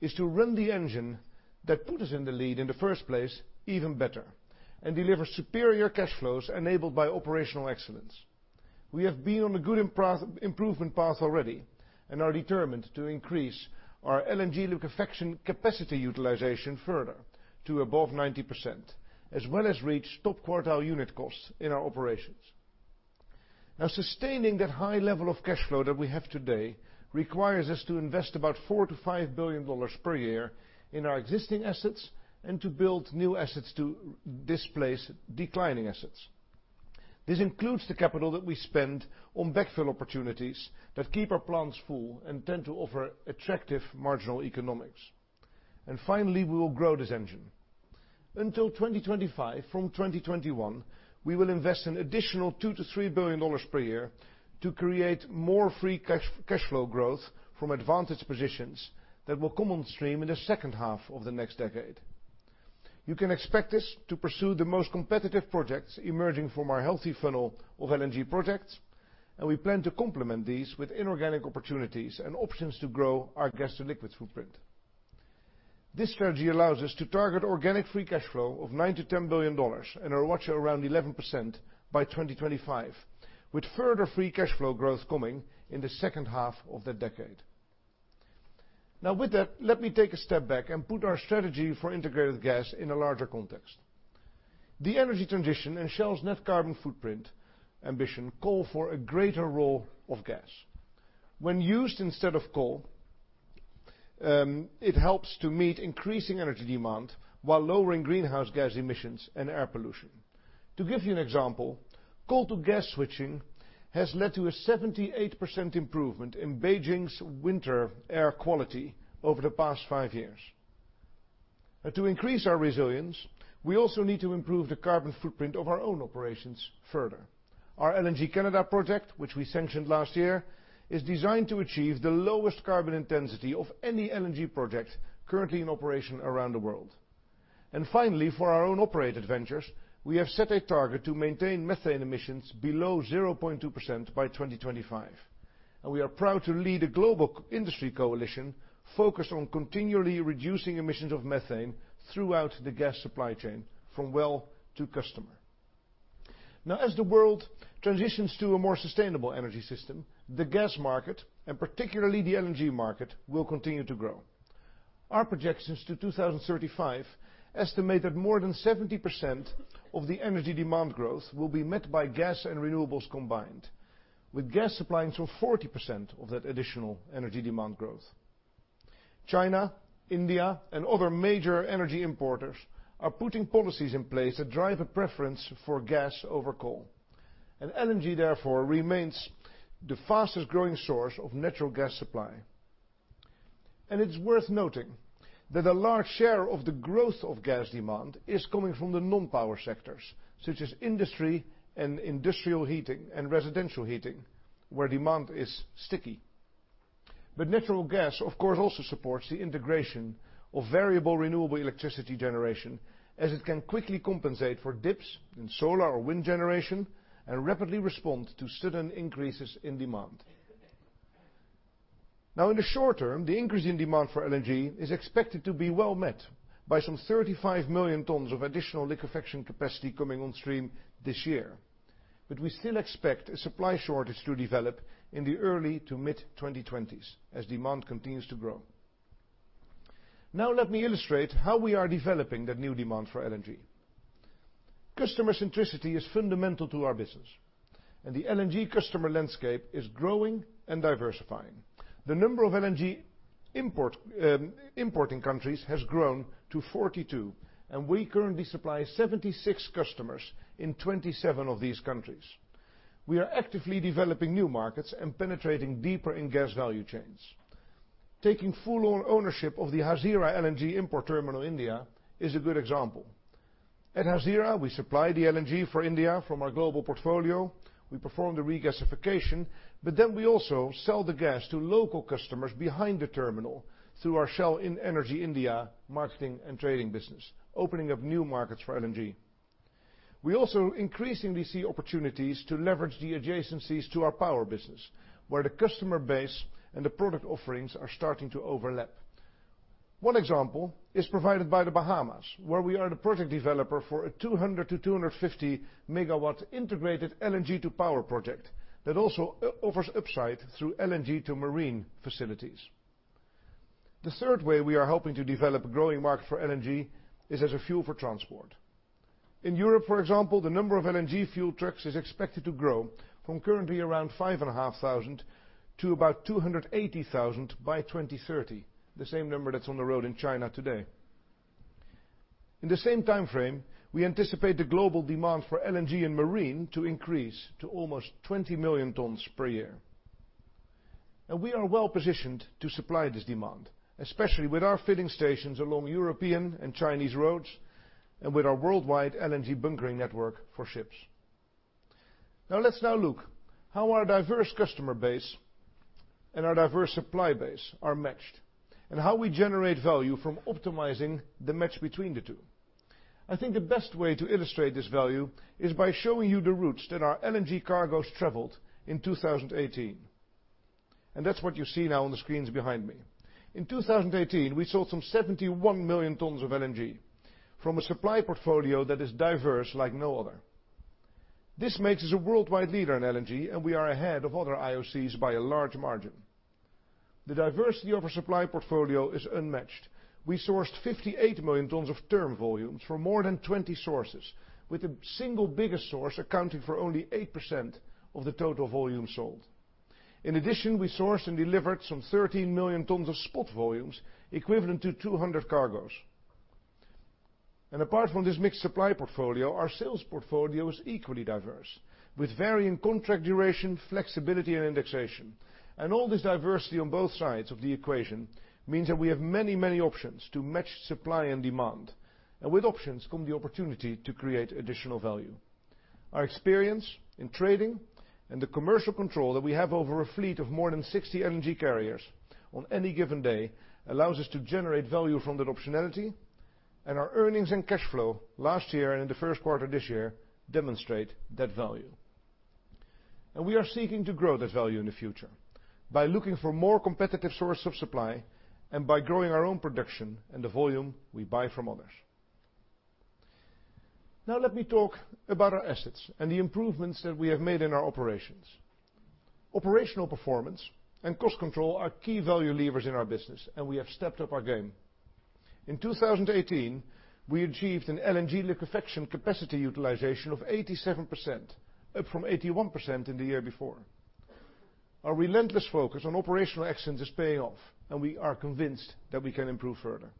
is to run the engine that put us in the lead in the first place even better and deliver superior cash flows enabled by operational excellence. We have been on a good improvement path already and are determined to increase our LNG liquefaction capacity utilization further to above 90%, as well as reach top quartile unit costs in our operations. Sustaining that high level of cash flow that we have today requires us to invest about $4 billion-$5 billion per year in our existing assets and to build new assets to displace declining assets. This includes the capital that we spend on backfill opportunities that keep our plants full and tend to offer attractive marginal economics. Finally, we will grow this engine. Until 2025 from 2021, we will invest an additional $2 billion-$3 billion per year to create more free cash flow growth from advantage positions that will come on stream in the second half of the next decade. You can expect us to pursue the most competitive projects emerging from our healthy funnel of LNG projects, we plan to complement these with inorganic opportunities and options to grow our gas to liquids footprint. This strategy allows us to target organic free cash flow of $9 billion-$10 billion and a ROACE around 11% by 2025, with further free cash flow growth coming in the second half of the decade. With that, let me take a step back and put our strategy for integrated gas in a larger context. The energy transition and Shell's net carbon footprint ambition call for a greater role of gas. When used instead of coal, it helps to meet increasing energy demand while lowering greenhouse gas emissions and air pollution. To give you an example, coal to gas switching has led to a 78% improvement in Beijing's winter air quality over the past five years. To increase our resilience, we also need to improve the carbon footprint of our own operations further. Our LNG Canada project, which we sanctioned last year, is designed to achieve the lowest carbon intensity of any LNG project currently in operation around the world. Finally, for our own operated ventures, we have set a target to maintain methane emissions below 0.2% by 2025. We are proud to lead a global industry coalition focused on continually reducing emissions of methane throughout the gas supply chain from well to customer. As the world transitions to a more sustainable energy system, the gas market, and particularly the LNG market, will continue to grow. Our projections to 2035 estimate that more than 70% of the energy demand growth will be met by gas and renewables combined, with gas supplying some 40% of that additional energy demand growth. China, India, and other major energy importers are putting policies in place that drive a preference for gas over coal. LNG therefore remains the fastest growing source of natural gas supply. It's worth noting that a large share of the growth of gas demand is coming from the non-power sectors, such as industry and industrial heating and residential heating, where demand is sticky. Natural gas of course also supports the integration of variable renewable electricity generation, as it can quickly compensate for dips in solar or wind generation and rapidly respond to sudden increases in demand. In the short term, the increase in demand for LNG is expected to be well met by some 35 million tons of additional liquefaction capacity coming on stream this year. We still expect a supply shortage to develop in the early to mid-2020s as demand continues to grow. Let me illustrate how we are developing that new demand for LNG. Customer centricity is fundamental to our business, and the LNG customer landscape is growing and diversifying. The number of LNG importing countries has grown to 42, and we currently supply 76 customers in 27 of these countries. We are actively developing new markets and penetrating deeper in gas value chains. Taking full ownership of the Hazira LNG Import Terminal India is a good example. At Hazira, we supply the LNG for India from our global portfolio. We perform the regasification, but we also sell the gas to local customers behind the terminal through our Shell Energy India marketing and trading business, opening up new markets for LNG. We also increasingly see opportunities to leverage the adjacencies to our power business, where the customer base and the product offerings are starting to overlap. One example is provided by the Bahamas, where we are the project developer for a 200 to 250 megawatt integrated LNG to power project that also offers upside through LNG to marine facilities. The third way we are helping to develop a growing market for LNG is as a fuel for transport. In Europe, for example, the number of LNG fuel trucks is expected to grow from currently around 5,500 to about 280,000 by 2030, the same number that's on the road in China today. In the same time frame, we anticipate the global demand for LNG and marine to increase to almost 20 million tons per year. We are well-positioned to supply this demand, especially with our filling stations along European and Chinese roads and with our worldwide LNG bunkering network for ships. Let's now look how our diverse customer base and our diverse supply base are matched and how we generate value from optimizing the match between the two. I think the best way to illustrate this value is by showing you the routes that our LNG cargos traveled in 2018. That's what you see now on the screens behind me. In 2018, we sold some 71 million tons of LNG from a supply portfolio that is diverse like no other. This makes us a worldwide leader in LNG, and we are ahead of other IOCs by a large margin. The diversity of our supply portfolio is unmatched. We sourced 58 million tons of term volumes from more than 20 sources, with the single biggest source accounting for only 8% of the total volume sold. In addition, we sourced and delivered some 13 million tons of spot volumes, equivalent to 200 cargos. Apart from this mixed supply portfolio, our sales portfolio is equally diverse, with varying contract duration, flexibility, and indexation. All this diversity on both sides of the equation means that we have many, many options to match supply and demand. With options come the opportunity to create additional value. Our experience in trading and the commercial control that we have over a fleet of more than 60 LNG carriers on any given day allows us to generate value from that optionality, and our earnings and cash flow last year and in the first quarter of this year demonstrate that value. We are seeking to grow that value in the future by looking for more competitive sources of supply and by growing our own production and the volume we buy from others. Now let me talk about our assets and the improvements that we have made in our operations. Operational performance and cost control are key value levers in our business, and we have stepped up our game. In 2018, we achieved an LNG liquefaction capacity utilization of 87%, up from 81% in the year before. Our relentless focus on operational excellence is paying off, and we are convinced that we can improve further.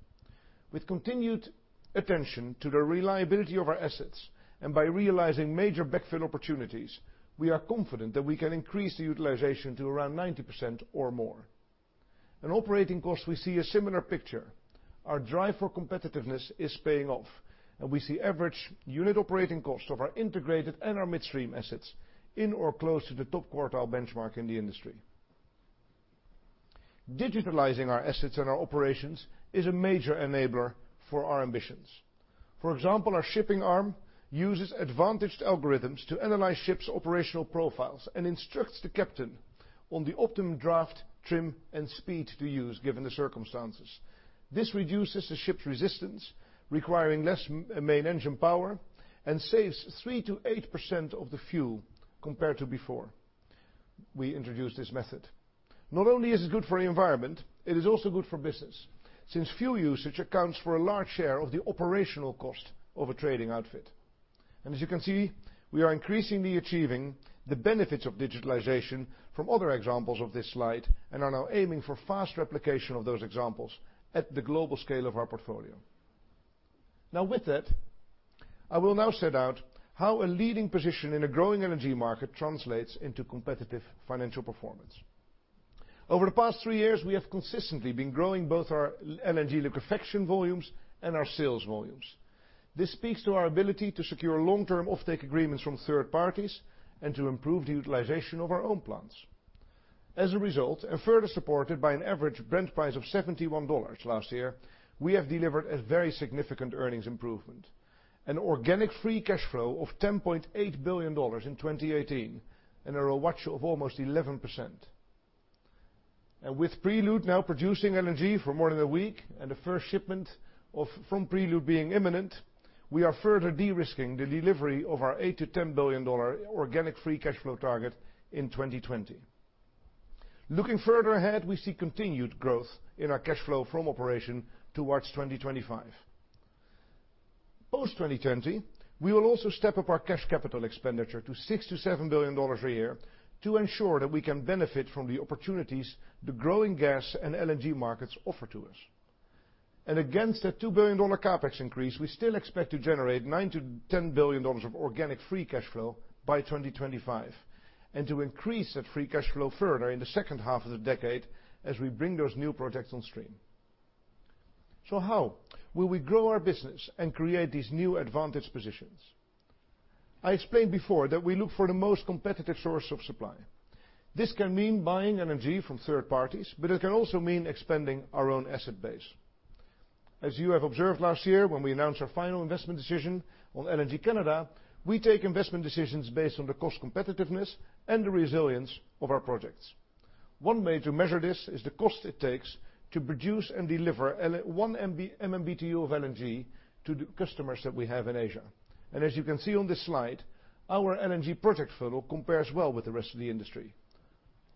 With continued attention to the reliability of our assets and by realizing major backfill opportunities, we are confident that we can increase the utilization to around 90% or more. In operating costs, we see a similar picture. Our drive for competitiveness is paying off, and we see average unit operating cost of our integrated and our midstream assets in or close to the top quartile benchmark in the industry. Digitalizing our assets and our operations is a major enabler for our ambitions. For example, our shipping arm uses advantaged algorithms to analyze ships' operational profiles and instructs the captain on the optimum draft, trim, and speed to use given the circumstances. This reduces the ship's resistance, requiring less main engine power, and saves 3%-8% of the fuel compared to before we introduced this method. Not only is it good for the environment, it is also good for business, since fuel usage accounts for a large share of the operational cost of a trading outfit. As you can see, we are increasingly achieving the benefits of digitalization from other examples on this slide and are now aiming for fast replication of those examples at the global scale of our portfolio. Now with that, I will now set out how a leading position in a growing energy market translates into competitive financial performance. Over the past three years, we have consistently been growing both our LNG liquefaction volumes and our sales volumes. This speaks to our ability to secure long-term offtake agreements from third parties and to improve the utilization of our own plants. Further supported by an average Brent price of $71 last year, we have delivered a very significant earnings improvement. An organic free cash flow of $10.8 billion in 2018, and a ROACE of almost 11%. With Prelude now producing LNG for more than a week, the first shipment from Prelude being imminent, we are further de-risking the delivery of our $8 billion-$10 billion organic free cash flow target in 2020. Looking further ahead, we see continued growth in our cash flow from operation towards 2025. Post 2020, we will also step up our cash CapEx to $6 billion-$7 billion a year to ensure that we can benefit from the opportunities the growing gas and LNG markets offer to us. Against that $2 billion CapEx increase, we still expect to generate $9 billion-$10 billion of organic free cash flow by 2025, to increase that free cash flow further in the second half of the decade as we bring those new projects on stream. How will we grow our business and create these new advantage positions? I explained before that we look for the most competitive source of supply. This can mean buying LNG from third parties, but it can also mean expanding our own asset base. As you have observed last year when we announced our final investment decision on LNG Canada, we take investment decisions based on the cost competitiveness and the resilience of our projects. One way to measure this is the cost it takes to produce and deliver one MMBtu of LNG to the customers that we have in Asia. As you can see on this slide, our LNG project funnel compares well with the rest of the industry.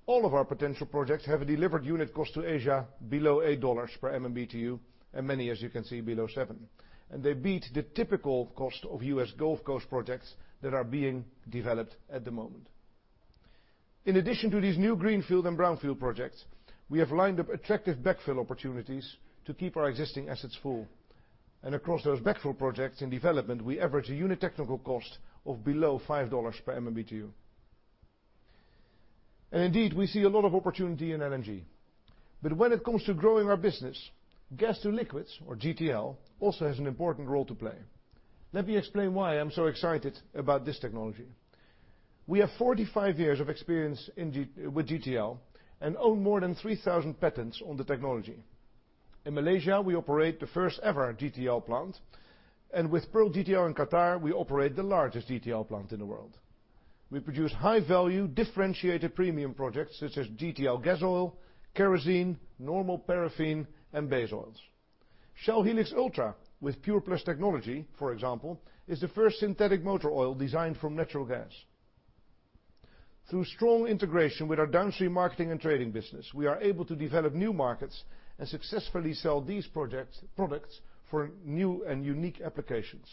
All of our potential projects have a delivered unit cost to Asia below $8 per MMBtu, many, as you can see, below $7. They beat the typical cost of U.S. Gulf Coast projects that are being developed at the moment. In addition to these new greenfield and brownfield projects, we have lined up attractive backfill opportunities to keep our existing assets full. Across those backfill projects in development, we average a unit technical cost of below $5 per MMBtu. Indeed, we see a lot of opportunity in LNG. When it comes to growing our business, gas to liquids, or GTL, also has an important role to play. Let me explain why I'm so excited about this technology. We have 45 years of experience with GTL and own more than 3,000 patents on the technology. In Malaysia, we operate the first-ever GTL plant. With Pearl GTL in Qatar, we operate the largest GTL plant in the world. We produce high-value, differentiated premium projects such as GTL gas oil, kerosene, normal paraffin, and base oils. Shell Helix Ultra with PurePlus Technology, for example, is the first synthetic motor oil designed from natural gas. Through strong integration with our downstream marketing and trading business, we are able to develop new markets and successfully sell these products for new and unique applications.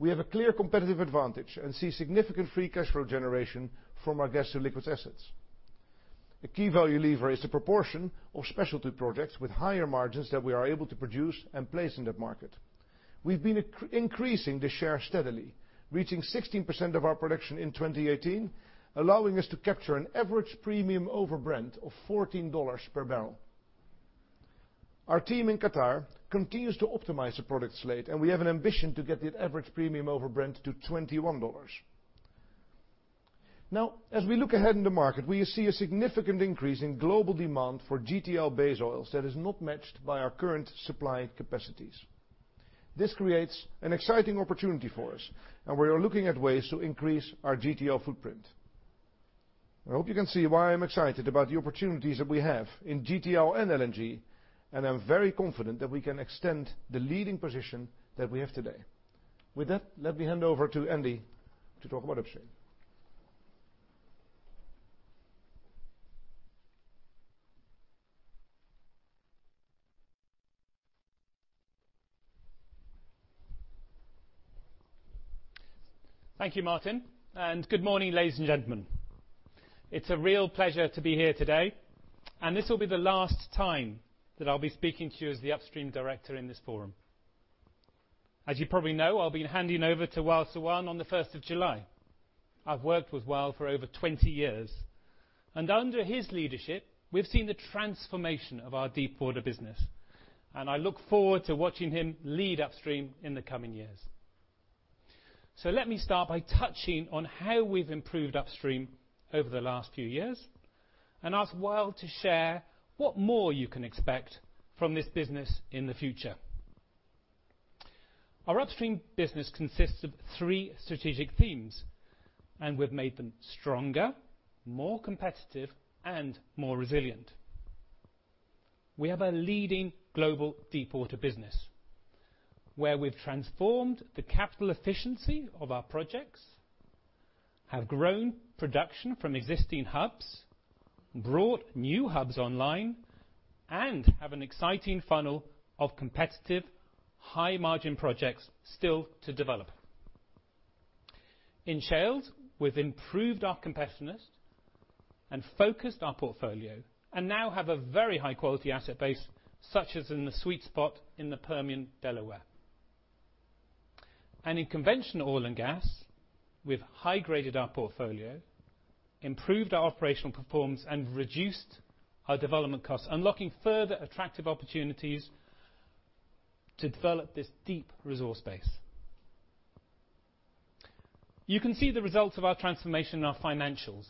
We have a clear competitive advantage and see significant free cash flow generation from our gas to liquids assets. A key value lever is the proportion of specialty products with higher margins that we are able to produce and place in the market. We've been increasing the share steadily, reaching 16% of our production in 2018, allowing us to capture an average premium over Brent of $14 per barrel. Our team in Qatar continues to optimize the product slate, and we have an ambition to get the average premium over Brent to $21. As we look ahead in the market, we see a significant increase in global demand for GTL base oils that is not matched by our current supply capacities. This creates an exciting opportunity for us, and we are looking at ways to increase our GTL footprint. I hope you can see why I'm excited about the opportunities that we have in GTL and LNG, and I'm very confident that we can extend the leading position that we have today. With that, let me hand over to Andy to talk about Upstream. Thank you, Maarten, and good morning, ladies and gentlemen. It's a real pleasure to be here today, and this will be the last time that I'll be speaking to you as the Upstream Director in this forum. As you probably know, I'll be handing over to Wael Sawan on the 1st of July. I've worked with Wael for over 20 years, and under his leadership, we've seen the transformation of our Deepwater business, and I look forward to watching him lead Upstream in the coming years. Let me start by touching on how we've improved Upstream over the last few years and ask Wael to share what more you can expect from this business in the future. Our Upstream business consists of three strategic themes, and we've made them stronger, more competitive, and more resilient. We have a leading global Deepwater business where we've transformed the capital efficiency of our projects, have grown production from existing hubs, brought new hubs online, and have an exciting funnel of competitive, high-margin projects still to develop. In Shales, we've improved our competitiveness and focused our portfolio and now have a very high-quality asset base, such as in the sweet spot in the Permian Delaware. In conventional oil and gas, we've high-graded our portfolio, improved our operational performance, and reduced our development costs, unlocking further attractive opportunities to develop this deep resource base. You can see the results of our transformation in our financials.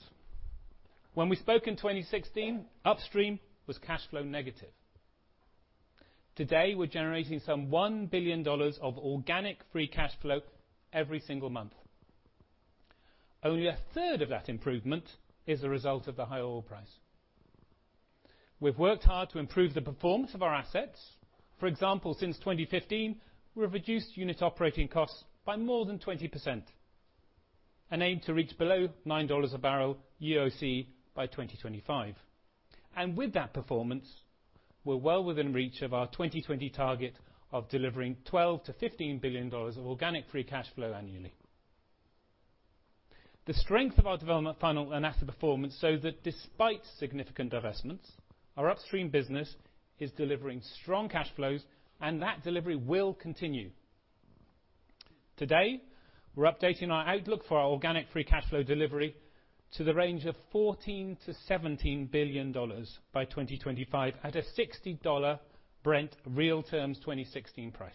When we spoke in 2016, Upstream was cash flow negative. Today, we're generating some $1 billion of organic free cash flow every single month. Only a third of that improvement is a result of the high oil price. We've worked hard to improve the performance of our assets. For example, since 2015, we've reduced unit operating costs by more than 20%, and aim to reach below $9 a barrel UOC by 2025. With that performance, we're well within reach of our 2020 target of delivering $12 billion-$15 billion of organic free cash flow annually. The strength of our development funnel and asset performance show that despite significant divestments, our Upstream business is delivering strong cash flows, and that delivery will continue. Today, we're updating our outlook for our organic free cash flow delivery to the range of $14 billion-$17 billion by 2025 at a $60 Brent real terms 2016 price.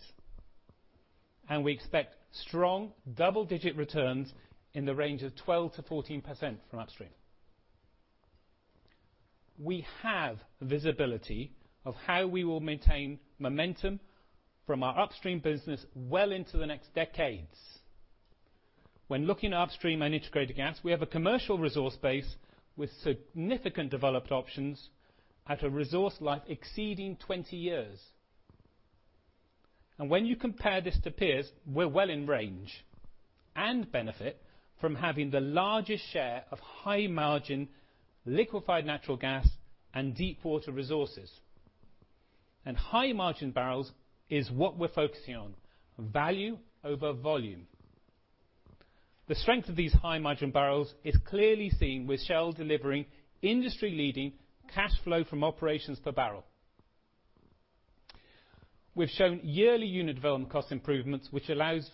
We expect strong double-digit returns in the range of 12%-14% from Upstream. We have visibility of how we will maintain momentum from our Upstream business well into the next decades. When looking at upstream and integrated gas, we have a commercial resource base with significant developed options at a resource life exceeding 20 years. When you compare this to peers, we're well in range and benefit from having the largest share of high-margin liquefied natural gas and Deepwater resources. High-margin barrels is what we're focusing on, value over volume. The strength of these high-margin barrels is clearly seen with Shell delivering industry-leading cash flow from operations per barrel. We've shown yearly unit development cost improvements, which allows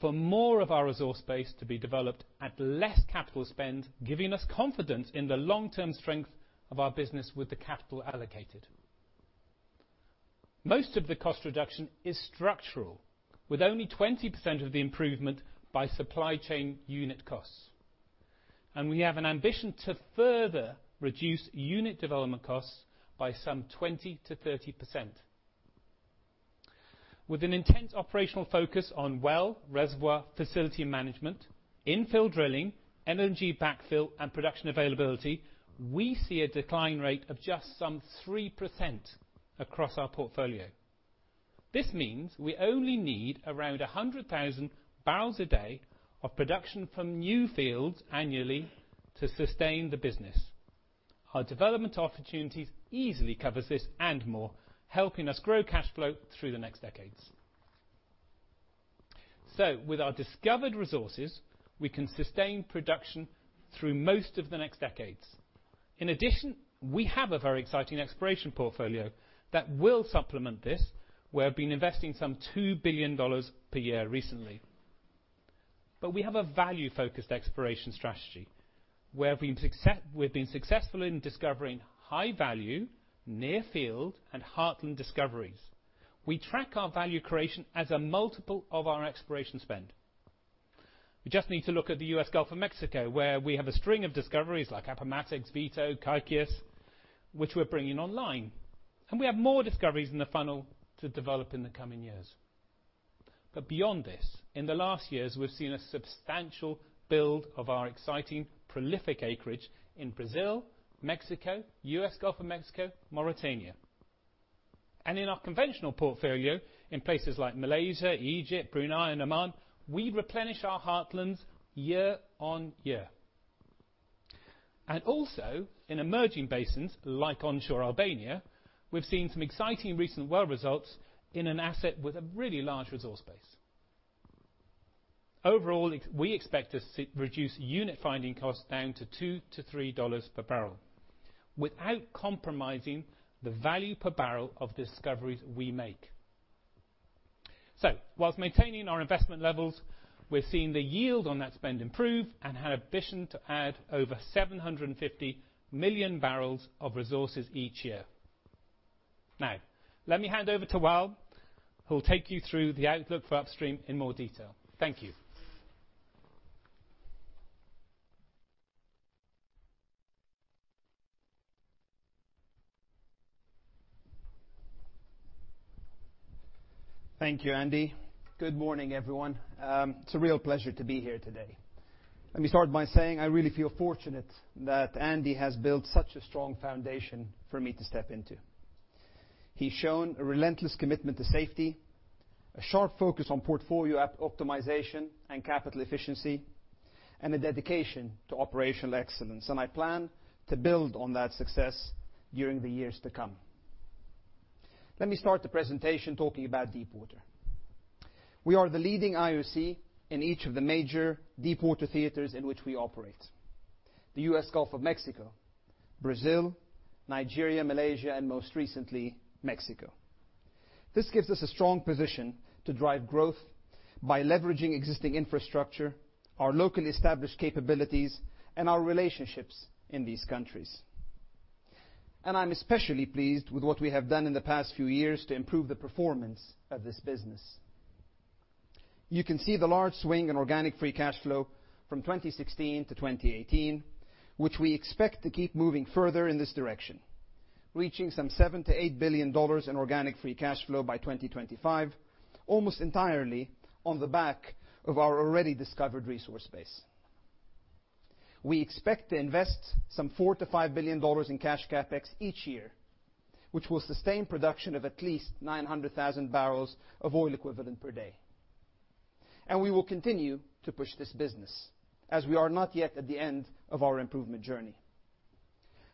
for more of our resource base to be developed at less capital spend, giving us confidence in the long-term strength of our business with the capital allocated. Most of the cost reduction is structural, with only 20% of the improvement by supply chain unit costs. We have an ambition to further reduce unit development costs by some 20%-30%. With an intense operational focus on well, reservoir, facility management, infill drilling, LNG backfill, and production availability, we see a decline rate of just some 3% across our portfolio. This means we only need around 100,000 barrels a day of production from new fields annually to sustain the business. Our development opportunities easily covers this and more, helping us grow cash flow through the next decades. With our discovered resources, we can sustain production through most of the next decades. In addition, we have a very exciting exploration portfolio that will supplement this. We have been investing some $2 billion per year recently. We have a value-focused exploration strategy. We've been successful in discovering high-value, near-field, and heartland discoveries. We track our value creation as a multiple of our exploration spend. We just need to look at the U.S. Gulf of Mexico, where we have a string of discoveries like Appomattox, Vito, Kaikias, which we're bringing online. We have more discoveries in the funnel to develop in the coming years. Beyond this, in the last years, we've seen a substantial build of our exciting prolific acreage in Brazil, Mexico, U.S. Gulf of Mexico, Mauritania. In our conventional portfolio, in places like Malaysia, Egypt, Brunei, and Oman, we replenish our heartlands year on year. Also in emerging basins like onshore Albania, we've seen some exciting recent well results in an asset with a really large resource base. Overall, we expect to reduce unit finding costs down to $2-$3 per barrel without compromising the value per barrel of discoveries we make. Whilst maintaining our investment levels, we're seeing the yield on that spend improve and have ambition to add over 750 million barrels of resources each year. Now, let me hand over to Wael, who will take you through the outlook for Upstream in more detail. Thank you. Thank you, Andy. Good morning, everyone. It's a real pleasure to be here today. Let me start by saying I really feel fortunate that Andy has built such a strong foundation for me to step into. He's shown a relentless commitment to safety, a sharp focus on portfolio optimization and capital efficiency, and a dedication to operational excellence. I plan to build on that success during the years to come. Let me start the presentation talking about deepwater. We are the leading IOC in each of the major deepwater theaters in which we operate, the U.S. Gulf of Mexico, Brazil, Nigeria, Malaysia, and most recently, Mexico. This gives us a strong position to drive growth by leveraging existing infrastructure, our locally established capabilities, and our relationships in these countries. I'm especially pleased with what we have done in the past few years to improve the performance of this business. You can see the large swing in organic free cash flow from 2016 to 2018, which we expect to keep moving further in this direction, reaching some $7 billion to $8 billion in organic free cash flow by 2025, almost entirely on the back of our already discovered resource base. We expect to invest some $4 billion to $5 billion in cash CapEx each year, which will sustain production of at least 900,000 barrels of oil equivalent per day. We will continue to push this business, as we are not yet at the end of our improvement journey.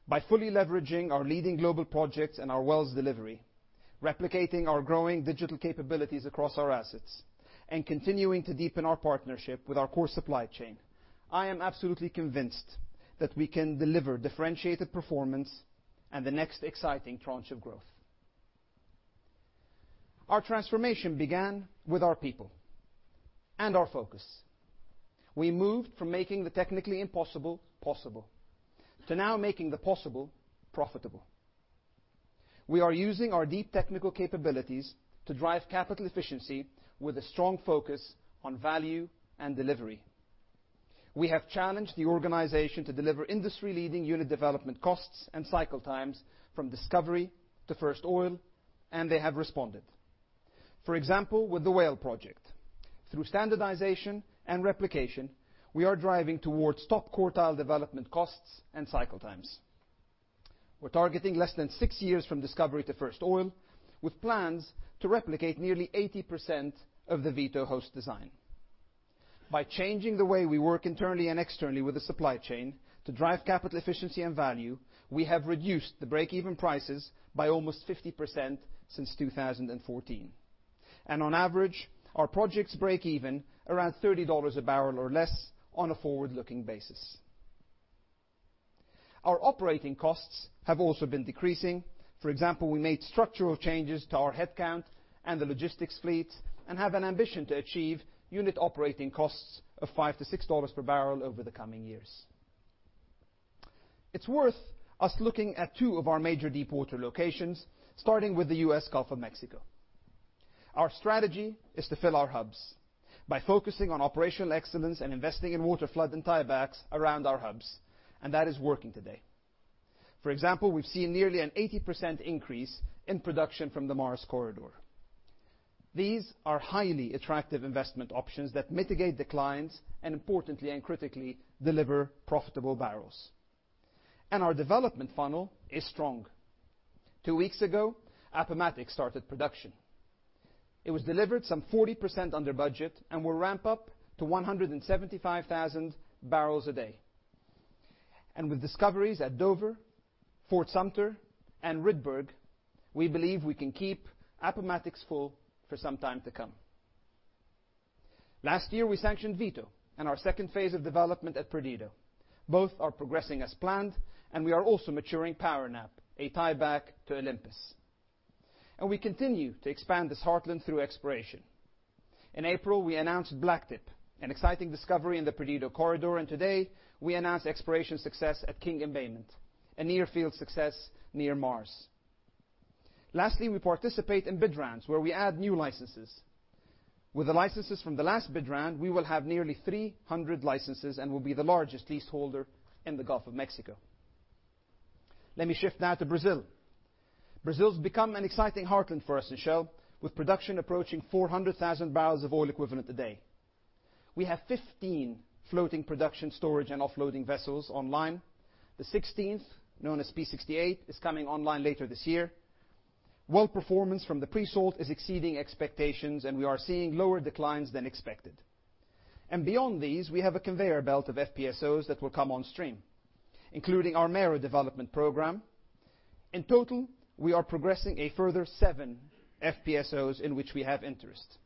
By fully leveraging our leading global projects and our wells delivery, replicating our growing digital capabilities across our assets, and continuing to deepen our partnership with our core supply chain, I am absolutely convinced that we can deliver differentiated performance and the next exciting tranche of growth. Our transformation began with our people and our focus. We moved from making the technically impossible possible to now making the possible profitable. We are using our deep technical capabilities to drive capital efficiency with a strong focus on value and delivery. We have challenged the organization to deliver industry-leading unit development costs and cycle times from discovery to first oil. They have responded. For example, with the Whale project. Through standardization and replication, we are driving towards top quartile development costs and cycle times. We're targeting less than six years from discovery to first oil, with plans to replicate nearly 80% of the Vito host design. By changing the way we work internally and externally with the supply chain to drive capital efficiency and value, we have reduced the break-even prices by almost 50% since 2014. On average, our projects break even around $30 a barrel or less on a forward-looking basis. Our operating costs have also been decreasing. For example, we made structural changes to our headcount and the logistics fleet and have an ambition to achieve unit operating costs of $5 to $6 per barrel over the coming years. It's worth us looking at two of our major deepwater locations, starting with the U.S. Gulf of Mexico. Our strategy is to fill our hubs by focusing on operational excellence and investing in water flood and tiebacks around our hubs. That is working today. For example, we've seen nearly an 80% increase in production from the Mars Corridor. These are highly attractive investment options that mitigate declines and importantly and critically deliver profitable barrels. Our development funnel is strong. Two weeks ago, Appomattox started production. It was delivered some 40% under budget and will ramp up to 175,000 barrels a day. With discoveries at Dover, Fort Sumter, and Rydberg, we believe we can keep Appomattox full for some time to come. Last year, we sanctioned Vito and our phase 2 of development at Perdido. Both are progressing as planned, we are also maturing PowerNap, a tieback to Olympus. We continue to expand this heartland through exploration. In April, we announced BlackTip, an exciting discovery in the Perdido Corridor, today we announce exploration success at King Embayment, a near field success near Mars. Lastly, we participate in bid rounds where we add new licenses. With the licenses from the last bid round, we will have nearly 300 licenses and will be the largest leaseholder in the Gulf of Mexico. Let me shift now to Brazil. Brazil has become an exciting heartland for us in Shell, with production approaching 400,000 barrels of oil equivalent a day. We have 15 floating production storage and offloading vessels online. The 16th, known as P-68, is coming online later this year. Well performance from the pre-salt is exceeding expectations, we are seeing lower declines than expected. Beyond these, we have a conveyor belt of FPSOs that will come on stream, including our Mero development program. In total, we are progressing a further 7 FPSOs in which we have interest.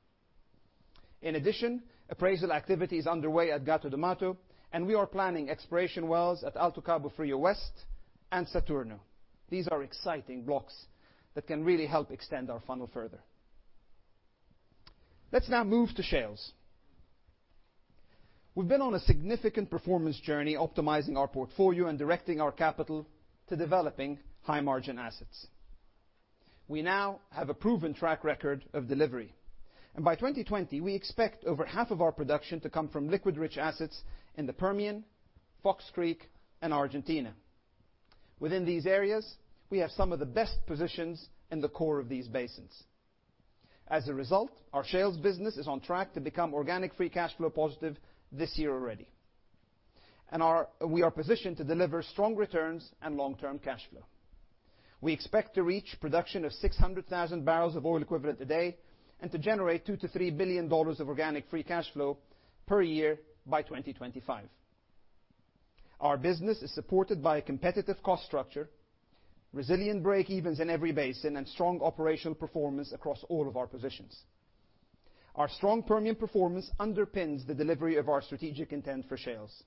In addition, appraisal activity is underway at Gato do Mato, we are planning exploration wells at Alto Cabo Frio West and Saturno. These are exciting blocks that can really help extend our funnel further. Let's now move to Shales. We've been on a significant performance journey, optimizing our portfolio and directing our capital to developing high-margin assets. We now have a proven track record of delivery, by 2020, we expect over half of our production to come from liquid-rich assets in the Permian, Fox Creek, and Argentina. Within these areas, we have some of the best positions in the core of these basins. As a result, our Shales business is on track to become organic free cash flow positive this year already. We are positioned to deliver strong returns and long-term cash flow. We expect to reach production of 600,000 barrels of oil equivalent a day and to generate $2 billion-$3 billion of organic free cash flow per year by 2025. Our business is supported by a competitive cost structure, resilient break evens in every basin, and strong operational performance across all of our positions. Our strong Permian performance underpins the delivery of our strategic intent for Shales.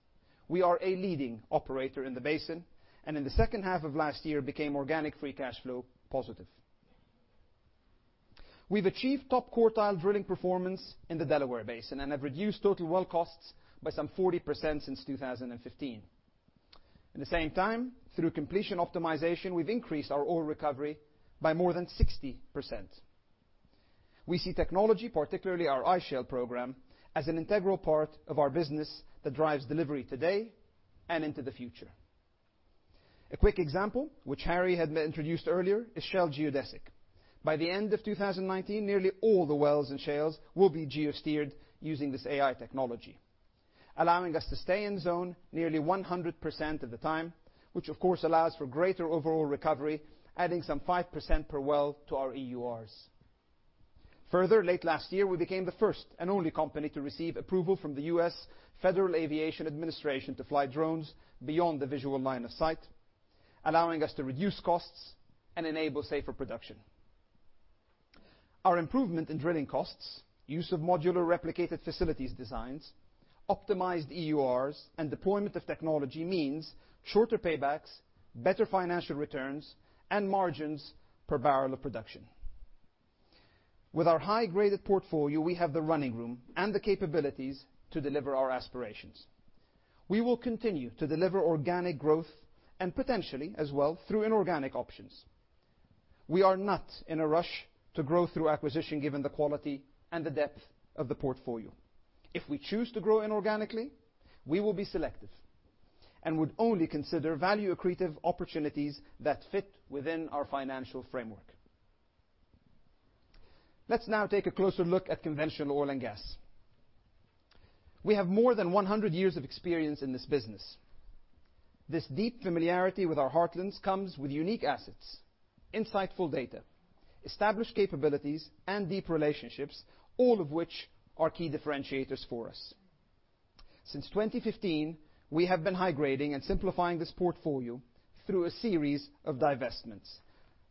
We are a leading operator in the basin, in the second half of last year became organic free cash flow positive. We've achieved top quartile drilling performance in the Delaware Basin and have reduced total well costs by some 40% since 2015. At the same time, through completion optimization, we've increased our oil recovery by more than 60%. We see technology, particularly our iShale program, as an integral part of our business that drives delivery today and into the future. A quick example, which Harry had introduced earlier, is Shell Geodesic. By the end of 2019, nearly all the wells in Shales will be geosteered using this AI technology, allowing us to stay in zone nearly 100% of the time, which of course, allows for greater overall recovery, adding some 5% per well to our EURs. Further, late last year, we became the first and only company to receive approval from the U.S. Federal Aviation Administration to fly drones beyond the visual line of sight, allowing us to reduce costs and enable safer production. Our improvement in drilling costs, use of modular replicated facilities designs, optimized EURs, and deployment of technology means shorter paybacks, better financial returns, and margins per barrel of production. With our high-graded portfolio, we have the running room and the capabilities to deliver our aspirations. We will continue to deliver organic growth, and potentially as well through inorganic options. We are not in a rush to grow through acquisition given the quality and the depth of the portfolio. If we choose to grow inorganically, we will be selective and would only consider value-accretive opportunities that fit within our financial framework. Let's now take a closer look at conventional oil and gas. We have more than 100 years of experience in this business. This deep familiarity with our Heartlands comes with unique assets, insightful data, established capabilities, and deep relationships, all of which are key differentiators for us. Since 2015, we have been high-grading and simplifying this portfolio through a series of divestments,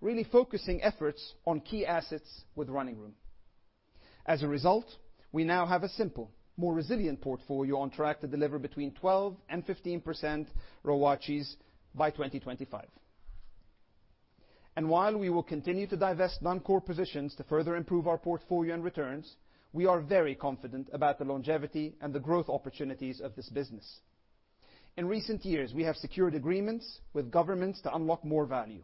really focusing efforts on key assets with running room. As a result, we now have a simple, more resilient portfolio on track to deliver between 12%-15% ROACEs by 2025. While we will continue to divest non-core positions to further improve our portfolio and returns, we are very confident about the longevity and the growth opportunities of this business. In recent years, we have secured agreements with governments to unlock more value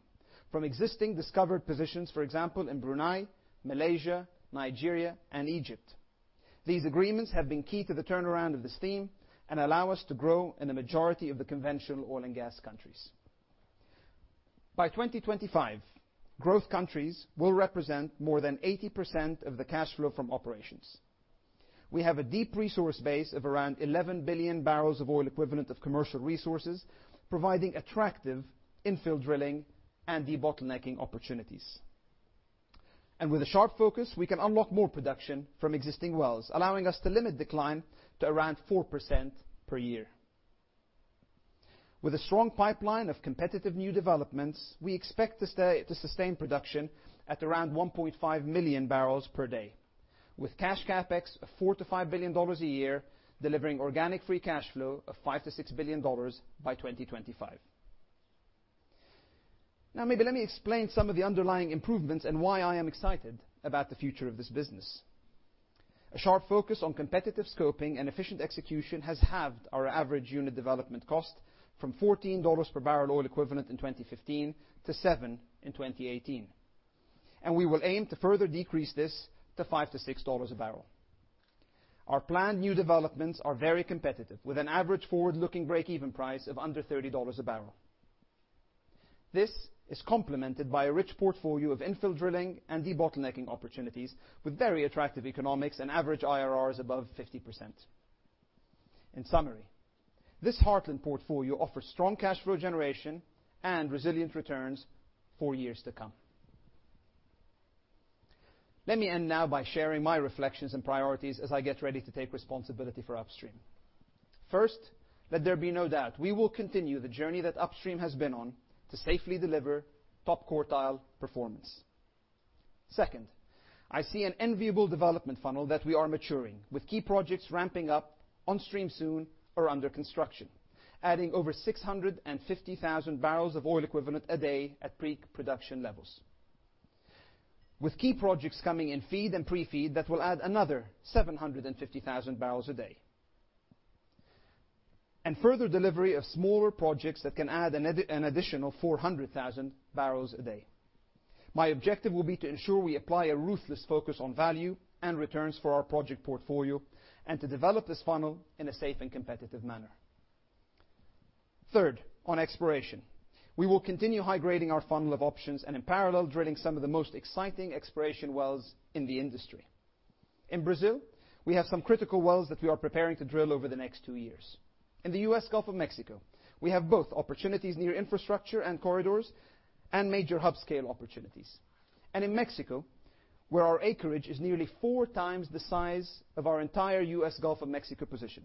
from existing discovered positions, for example, in Brunei, Malaysia, Nigeria, and Egypt. These agreements have been key to the turnaround of this theme and allow us to grow in the majority of the conventional oil and gas countries. By 2025, growth countries will represent more than 80% of the cash flow from operations. We have a deep resource base of around 11 billion barrels of oil equivalent of commercial resources, providing attractive infill drilling and debottlenecking opportunities. With a sharp focus, we can unlock more production from existing wells, allowing us to limit decline to around 4% per year. With a strong pipeline of competitive new developments, we expect to sustain production at around 1.5 million barrels per day, with cash CapEx of $4 billion-$5 billion a year, delivering organic free cash flow of $5 billion-$6 billion by 2025. Now, maybe let me explain some of the underlying improvements and why I am excited about the future of this business. A sharp focus on competitive scoping and efficient execution has halved our average unit development cost from $14 per barrel oil equivalent in 2015 to $7 in 2018. We will aim to further decrease this to $5-$6 a barrel. Our planned new developments are very competitive, with an average forward-looking break-even price of under $30 a barrel. This is complemented by a rich portfolio of infill drilling and debottlenecking opportunities with very attractive economics and average IRRs above 50%. In summary, this Heartland portfolio offers strong cash flow generation and resilient returns for years to come. Let me end now by sharing my reflections and priorities as I get ready to take responsibility for Upstream. First, let there be no doubt, we will continue the journey that Upstream has been on to safely deliver top quartile performance. Second, I see an enviable development funnel that we are maturing, with key projects ramping up on stream soon or under construction, adding over 650,000 barrels of oil equivalent a day at peak production levels. With key projects coming in feed and pre-feed that will add another 750,000 barrels a day. Further delivery of smaller projects that can add an additional 400,000 barrels a day. My objective will be to ensure we apply a ruthless focus on value and returns for our project portfolio and to develop this funnel in a safe and competitive manner. Third, on exploration. We will continue high-grading our funnel of options and in parallel, drilling some of the most exciting exploration wells in the industry. In Brazil, we have some critical wells that we are preparing to drill over the next two years. In the U.S. Gulf of Mexico, we have both opportunities near infrastructure and corridors and major hub scale opportunities. In Mexico, where our acreage is nearly four times the size of our entire U.S. Gulf of Mexico position,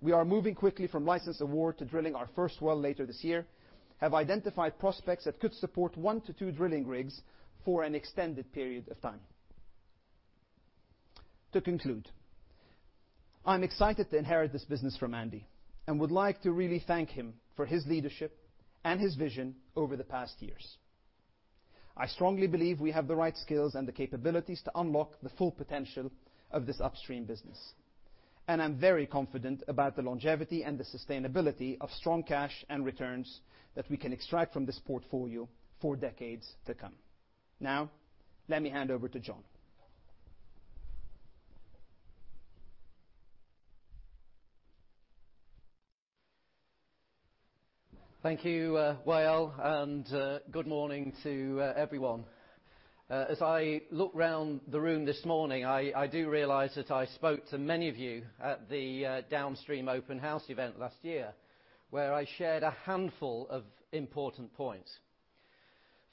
we are moving quickly from license award to drilling our first well later this year, have identified prospects that could support one to two drilling rigs for an extended period of time. To conclude, I'm excited to inherit this business from Andy and would like to really thank him for his leadership and his vision over the past years. I strongly believe we have the right skills and the capabilities to unlock the full potential of this Upstream business, and I'm very confident about the longevity and the sustainability of strong cash and returns that we can extract from this portfolio for decades to come. Now, let me hand over to John. Thank you, Wael, and good morning to everyone. As I look around the room this morning, I do realize that I spoke to many of you at the Downstream Open House event last year, where I shared a handful of important points.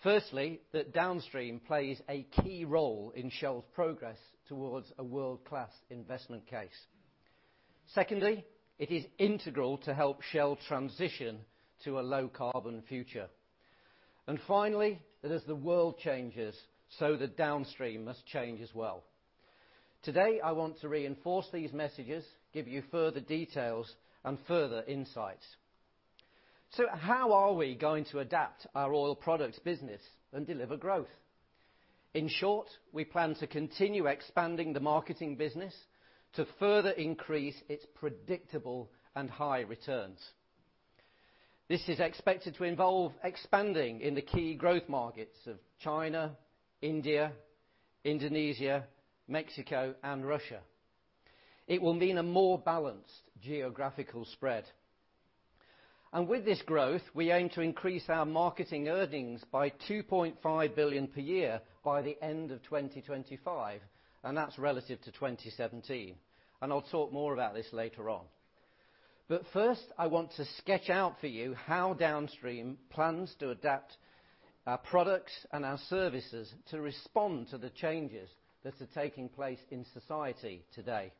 Firstly, that Downstream plays a key role in Shell's progress towards a world-class investment case. Secondly, it is integral to help Shell transition to a low-carbon future. And finally, that as the world changes, so the Downstream must change as well. Today, I want to reinforce these messages, give you further details, and further insights. So how are we going to adapt our oil products business and deliver growth? In short, we plan to continue expanding the marketing business to further increase its predictable and high returns. This is expected to involve expanding in the key growth markets of China, India, Indonesia, Mexico, and Russia. It will mean a more balanced geographical spread. With this growth, we aim to increase our marketing earnings by $2.5 billion per year by the end of 2025, and that's relative to 2017. I will talk more about this later on. First, I want to sketch out for you how Downstream plans to adapt our products and our services to respond to the changes that are taking place in society today.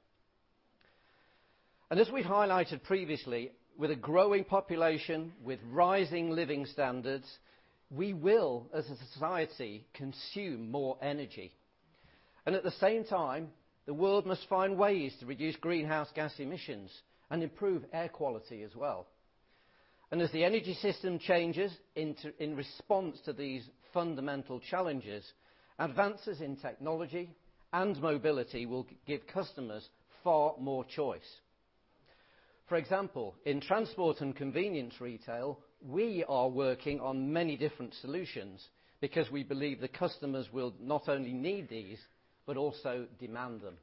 As we highlighted previously, with a growing population, with rising living standards, we will, as a society, consume more energy. At the same time, the world must find ways to reduce greenhouse gas emissions and improve air quality as well. As the energy system changes in response to these fundamental challenges, advances in technology and mobility will give customers far more choice. For example, in transport and convenience retail, we are working on many different solutions because we believe the customers will not only need these, but also demand them.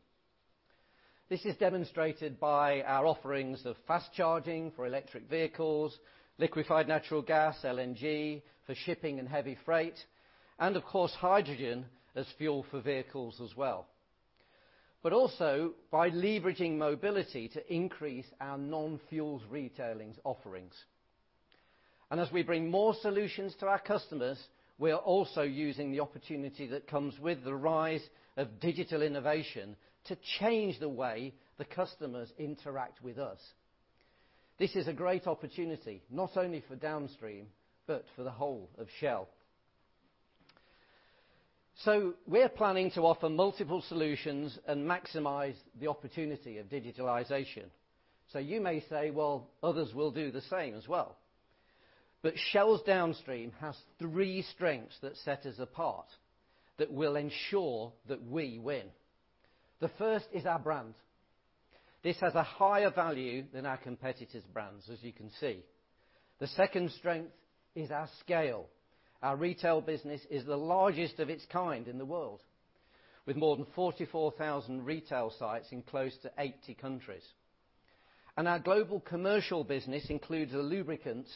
This is demonstrated by our offerings of fast charging for electric vehicles, liquefied natural gas, LNG, for shipping and heavy freight, and of course, hydrogen as fuel for vehicles as well. Also by leveraging mobility to increase our non-fuels retailing offerings. As we bring more solutions to our customers, we are also using the opportunity that comes with the rise of digital innovation to change the way the customers interact with us. This is a great opportunity, not only for Downstream, but for the whole of Shell. We are planning to offer multiple solutions and maximize the opportunity of digitalization. You may say, well, others will do the same as well. Shell's Downstream has three strengths that set us apart that will ensure that we win. The first is our brand. This has a higher value than our competitors' brands, as you can see. The second strength is our scale. Our retail business is the largest of its kind in the world, with more than 44,000 retail sites in close to 80 countries. Our global commercial business includes lubricants,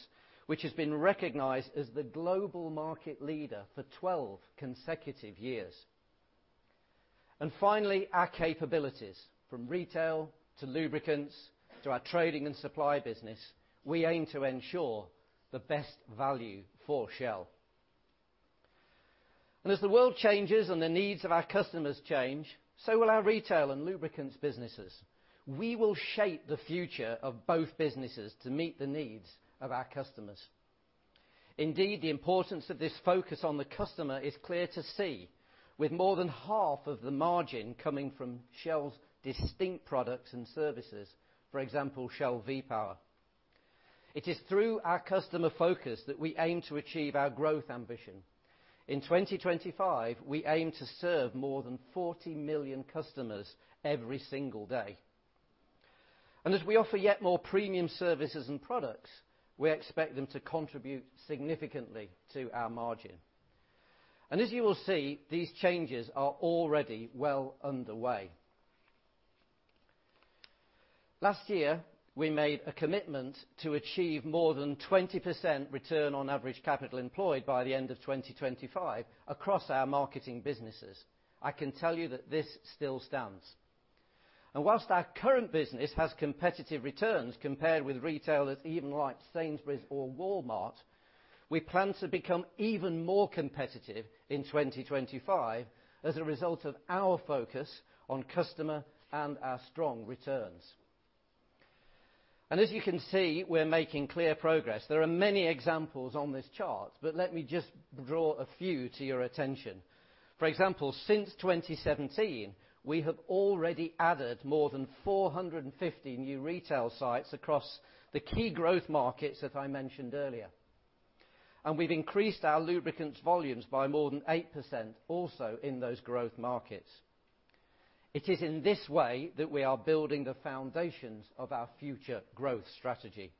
which has been recognized as the global market leader for 12 consecutive years. Finally, our capabilities, from retail to lubricants to our trading and supply business, we aim to ensure the best value for Shell. As the world changes and the needs of our customers change, so will our retail and lubricants businesses. We will shape the future of both businesses to meet the needs of our customers. Indeed, the importance of this focus on the customer is clear to see, with more than half of the margin coming from Shell's distinct products and services. For example, Shell V-Power. It is through our customer focus that we aim to achieve our growth ambition. In 2025, we aim to serve more than 40 million customers every single day. As we offer yet more premium services and products, we expect them to contribute significantly to our margin. As you will see, these changes are already well underway. Last year, we made a commitment to achieve more than 20% return on average capital employed by the end of 2025 across our marketing businesses. I can tell you that this still stands. Whilst our current business has competitive returns compared with retailers even like Sainsbury's or Walmart, we plan to become even more competitive in 2025 as a result of our focus on customer and our strong returns. As you can see, we're making clear progress. There are many examples on this chart, but let me just draw a few to your attention. For example, since 2017, we have already added more than 450 new retail sites across the key growth markets that I mentioned earlier. We've increased our lubricants volumes by more than 8% also in those growth markets. It is in this way that we are building the foundations of our future growth strategy.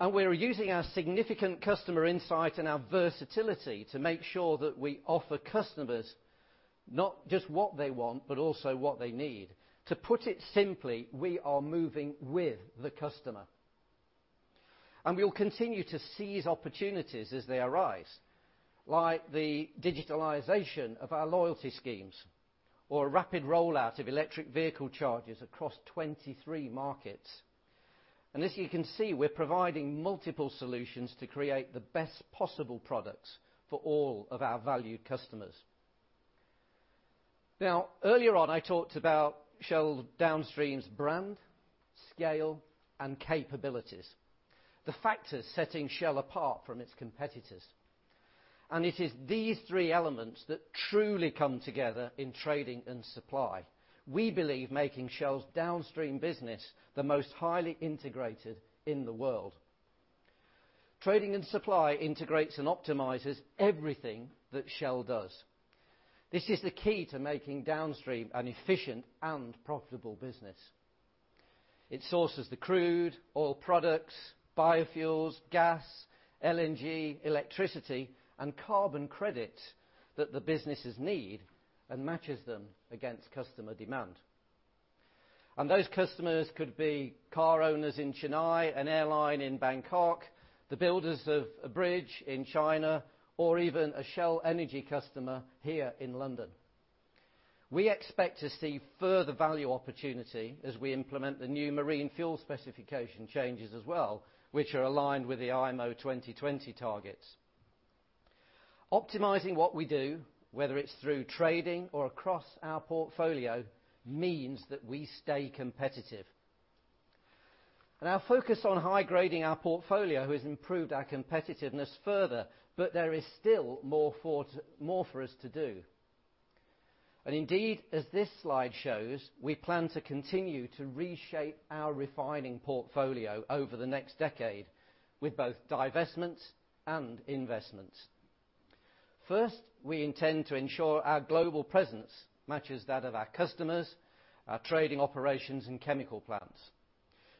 We're using our significant customer insight and our versatility to make sure that we offer customers not just what they want, but also what they need. To put it simply, we are moving with the customer. We will continue to seize opportunities as they arise, like the digitalization of our loyalty schemes, or rapid rollout of electric vehicle chargers across 23 markets. As you can see, we're providing multiple solutions to create the best possible products for all of our valued customers. Now, earlier on, I talked about Shell Downstream's brand, scale, and capabilities, the factors setting Shell apart from its competitors. It is these three elements that truly come together in trading and supply. We believe making Shell's Downstream business the most highly integrated in the world. Trading and supply integrates and optimizes everything that Shell does. This is the key to making Downstream an efficient and profitable business. It sources the crude, oil products, biofuels, gas, LNG, electricity, and carbon credits that the businesses need and matches them against customer demand. Those customers could be car owners in Chennai, an airline in Bangkok, the builders of a bridge in China, or even a Shell Energy customer here in London. We expect to see further value opportunity as we implement the new marine fuel specification changes as well, which are aligned with the IMO 2020 targets. Optimizing what we do, whether it's through trading or across our portfolio, means that we stay competitive. Our focus on high-grading our portfolio has improved our competitiveness further, but there is still more for us to do. Indeed, as this slide shows, we plan to continue to reshape our refining portfolio over the next decade with both divestments and investments. First, we intend to ensure our global presence matches that of our customers, our trading operations, and chemical plants.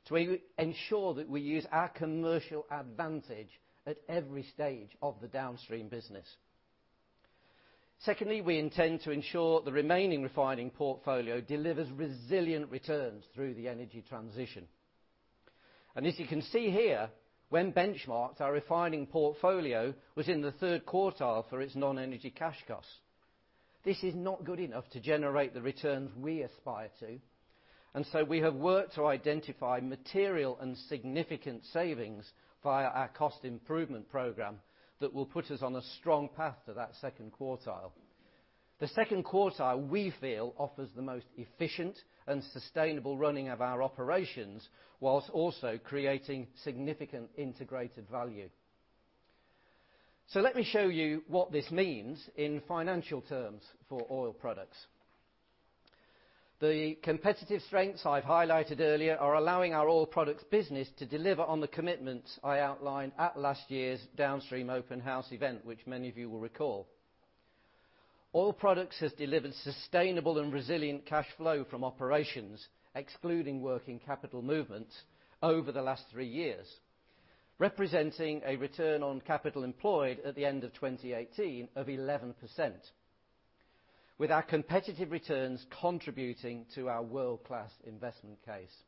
We ensure that we use our commercial advantage at every stage of the Downstream business. Secondly, we intend to ensure the remaining refining portfolio delivers resilient returns through the energy transition. As you can see here, when benchmarked, our refining portfolio was in the third quartile for its non-energy cash costs. This is not good enough to generate the returns we aspire to. We have worked to identify material and significant savings via our cost improvement program that will put us on a strong path to that second quartile. The second quartile, we feel, offers the most efficient and sustainable running of our operations whilst also creating significant integrated value. Let me show you what this means in financial terms for oil products. The competitive strengths I've highlighted earlier are allowing our oil products business to deliver on the commitments I outlined at last year's Downstream Open House event, which many of you will recall. Oil products has delivered sustainable and resilient cash flow from operations, excluding working capital movements, over the last three years, representing a return on capital employed at the end of 2018 of 11%, with our competitive returns contributing to our world-class investment case.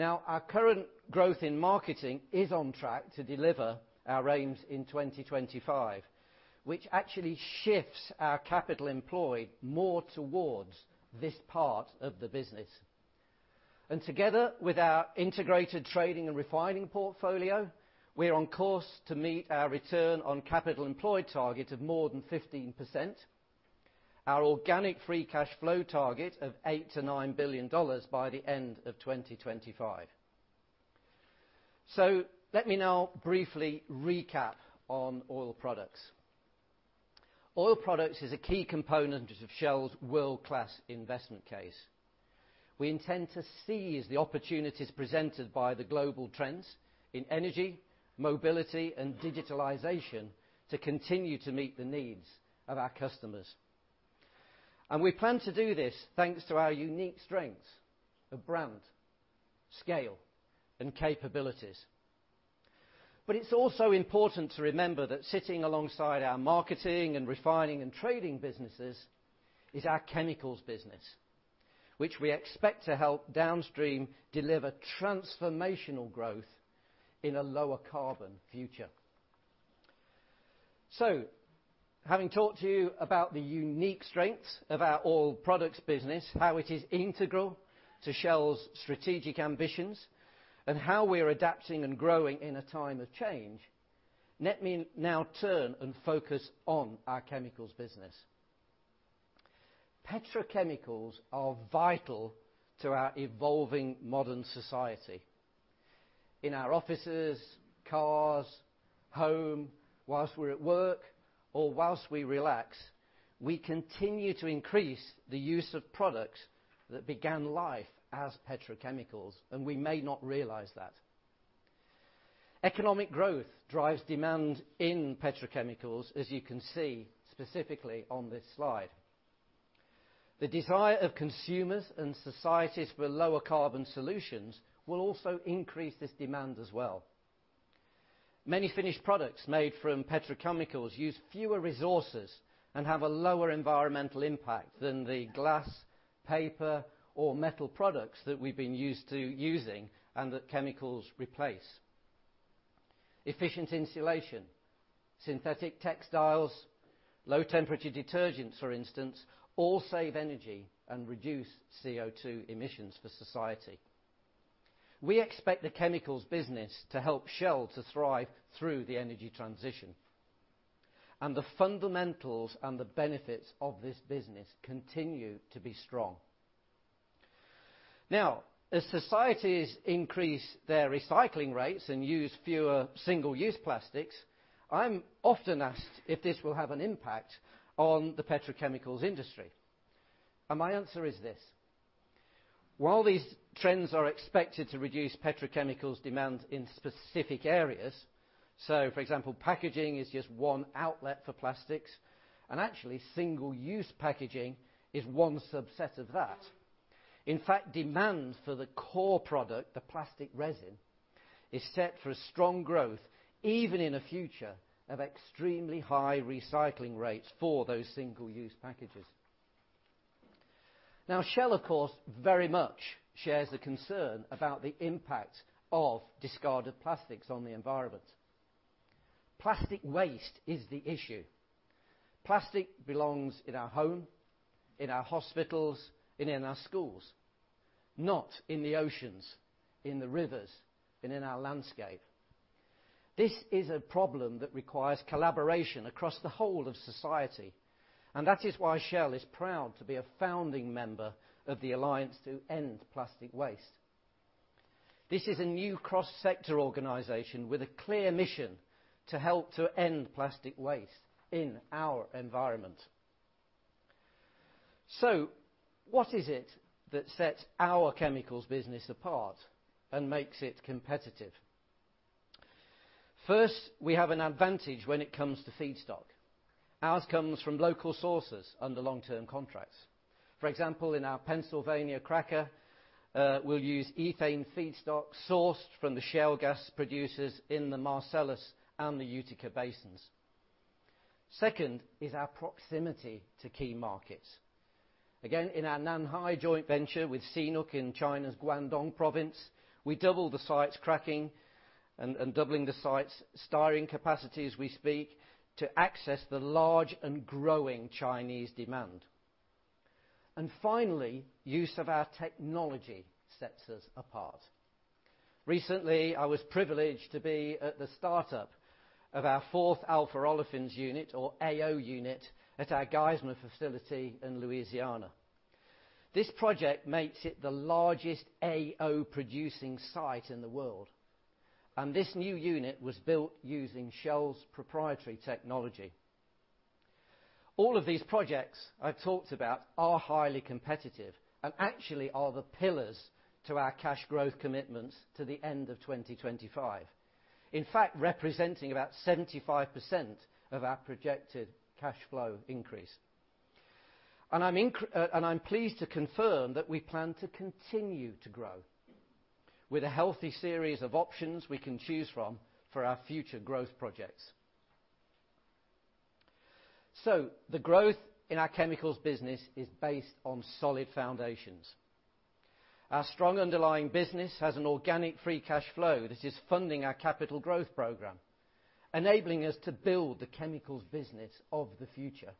Our current growth in marketing is on track to deliver our aims in 2025, which actually shifts our capital employed more towards this part of the business. Together with our integrated trading and refining portfolio, we're on course to meet our return on capital employed target of more than 15%, our organic free cash flow target of $8 billion-$9 billion by the end of 2025. Let me now briefly recap on oil products. Oil products is a key component of Shell's world-class investment case. We intend to seize the opportunities presented by the global trends in energy, mobility, and digitalization to continue to meet the needs of our customers. We plan to do this thanks to our unique strengths of brand, scale, and capabilities. It's also important to remember that sitting alongside our marketing and refining and trading businesses is our chemicals business, which we expect to help Downstream deliver transformational growth in a lower carbon future. Having talked to you about the unique strengths of our oil products business, how it is integral to Shell's strategic ambitions, and how we are adapting and growing in a time of change, let me now turn and focus on our chemicals business. Petrochemicals are vital to our evolving modern society. In our offices, cars, home, whilst we're at work, or whilst we relax, we continue to increase the use of products that began life as petrochemicals, and we may not realize that. Economic growth drives demand in petrochemicals, as you can see specifically on this slide. The desire of consumers and societies for lower carbon solutions will also increase this demand as well. Many finished products made from petrochemicals use fewer resources and have a lower environmental impact than the glass, paper, or metal products that we've been used to using and that chemicals replace. Efficient insulation, synthetic textiles, low-temperature detergents, for instance, all save energy and reduce CO2 emissions for society. We expect the chemicals business to help Shell to thrive through the energy transition, and the fundamentals and the benefits of this business continue to be strong. As societies increase their recycling rates and use fewer single-use plastics, I'm often asked if this will have an impact on the petrochemicals industry, and my answer is this. While these trends are expected to reduce petrochemicals demand in specific areas, so for example, packaging is just one outlet for plastics, and actually, single-use packaging is one subset of that. In fact, demand for the core product, the plastic resin, is set for a strong growth even in a future of extremely high recycling rates for those single-use packages. Shell, of course, very much shares the concern about the impact of discarded plastics on the environment. Plastic waste is the issue. Plastic belongs in our home, in our hospitals, and in our schools, not in the oceans, in the rivers, and in our landscape. This is a problem that requires collaboration across the whole of society. That is why Shell is proud to be a founding member of the Alliance to End Plastic Waste. This is a new cross-sector organization with a clear mission to help to end plastic waste in our environment. What is it that sets our chemicals business apart and makes it competitive? First, we have an advantage when it comes to feedstock. Ours comes from local sources under long-term contracts. For example, in our Pennsylvania cracker, we'll use ethane feedstock sourced from the Shell gas producers in the Marcellus and the Utica basins. Second is our proximity to key markets. Again, in our Nanhai joint venture with CNOOC in China's Guangdong province, we doubled the site's cracking and doubling the site's styrene capacity as we speak to access the large and growing Chinese demand. Finally, use of our technology sets us apart. Recently, I was privileged to be at the startup of our fourth alpha olefins unit, or AO unit, at our Geismar facility in Louisiana. This project makes it the largest AO-producing site in the world. This new unit was built using Shell's proprietary technology. All of these projects I've talked about are highly competitive and actually are the pillars to our cash growth commitments to the end of 2025. In fact, representing about 75% of our projected cash flow increase. I'm pleased to confirm that we plan to continue to grow with a healthy series of options we can choose from for our future growth projects. The growth in our chemicals business is based on solid foundations. Our strong underlying business has an organic free cash flow that is funding our capital growth program, enabling us to build the chemicals business of the future.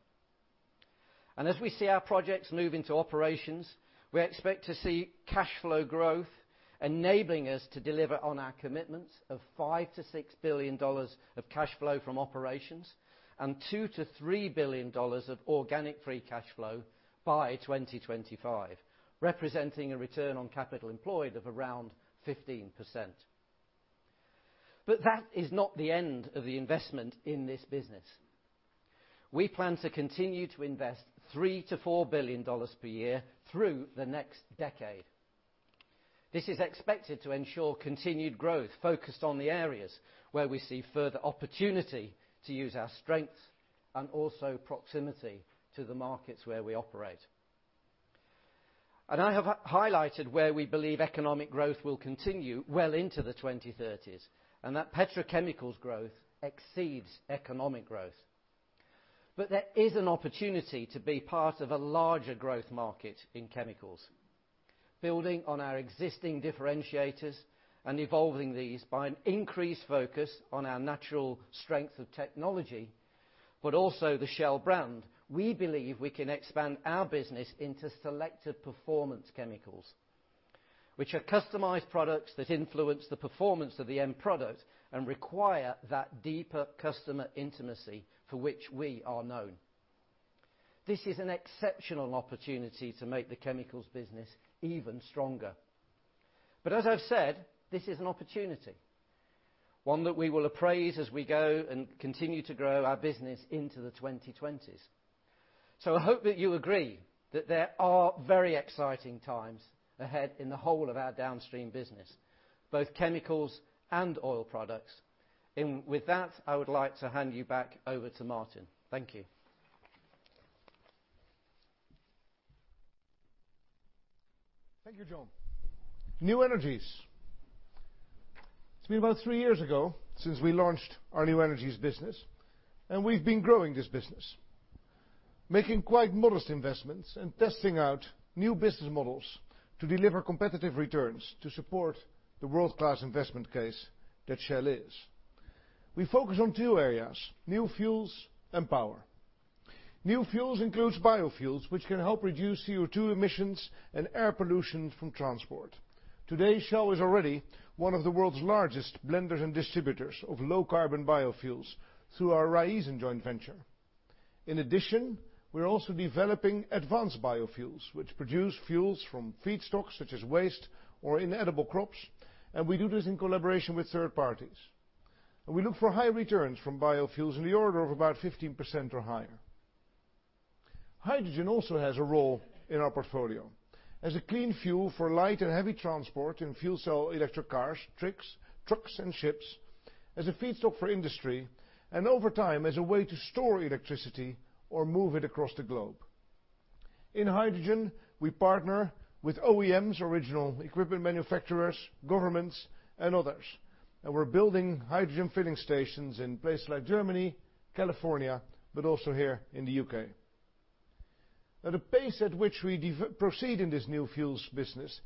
As we see our projects move into operations, we expect to see cash flow growth enabling us to deliver on our commitments of $5 billion-$6 billion of cash flow from operations and $2 billion-$3 billion of organic free cash flow by 2025, representing a return on capital employed of around 15%. That is not the end of the investment in this business. We plan to continue to invest $3 billion-$4 billion per year through the next decade. This is expected to ensure continued growth focused on the areas where we see further opportunity to use our strengths and also proximity to the markets where we operate. I have highlighted where we believe economic growth will continue well into the 2030s. That petrochemicals growth exceeds economic growth. There is an opportunity to be part of a larger growth market in chemicals. Building on our existing differentiators and evolving these by an increased focus on our natural strength of technology, also the Shell brand, we believe we can expand our business into selected performance chemicals, which are customized products that influence the performance of the end product and require that deeper customer intimacy for which we are known. This is an exceptional opportunity to make the chemicals business even stronger. As I've said, this is an opportunity, one that we will appraise as we go and continue to grow our business into the 2020s. I hope that you agree that there are very exciting times ahead in the whole of our Downstream business, both chemicals and oil products. With that, I would like to hand you back over to Maarten. Thank you. Thank you, John. New Energies. It's been about three years ago since we launched our New Energies business, and we've been growing this business, making quite modest investments and testing out new business models to deliver competitive returns to support the world-class investment case that Shell is. We focus on two areas, new fuels and power. New fuels includes biofuels, which can help reduce CO2 emissions and air pollution from transport. Today, Shell is already one of the world's largest blenders and distributors of low-carbon biofuels through our Raízen joint venture. In addition, we're also developing advanced biofuels, which produce fuels from feedstocks such as waste or inedible crops, and we do this in collaboration with third parties. We look for high returns from biofuels in the order of about 15% or higher. Hydrogen also has a role in our portfolio as a clean fuel for light and heavy transport in fuel cell electric cars, trucks, and ships, as a feedstock for industry, and over time, as a way to store electricity or move it across the globe. In hydrogen, we partner with OEMs, original equipment manufacturers, governments, and others, and we're building hydrogen filling stations in places like Germany, California, but also here in the U.K. The pace at which we proceed in this new fuels business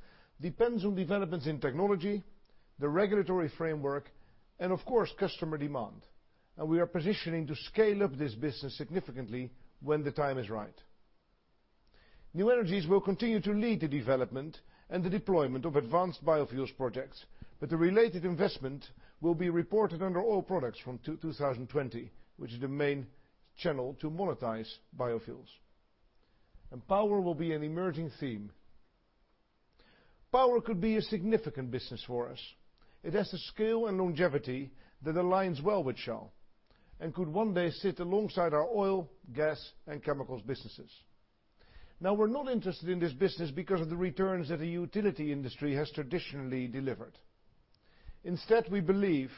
depends on developments in technology, the regulatory framework, and of course, customer demand. We are positioning to scale up this business significantly when the time is right. New Energies will continue to lead the development and the deployment of advanced biofuels projects, but the related investment will be reported under oil products from 2020, which is the main channel to monetize biofuels. Power will be an emerging theme. Power could be a significant business for us. It has the scale and longevity that aligns well with Shell and could one day sit alongside our oil, gas, and chemicals businesses. We're not interested in this business because of the returns that the utility industry has traditionally delivered. Instead, we believe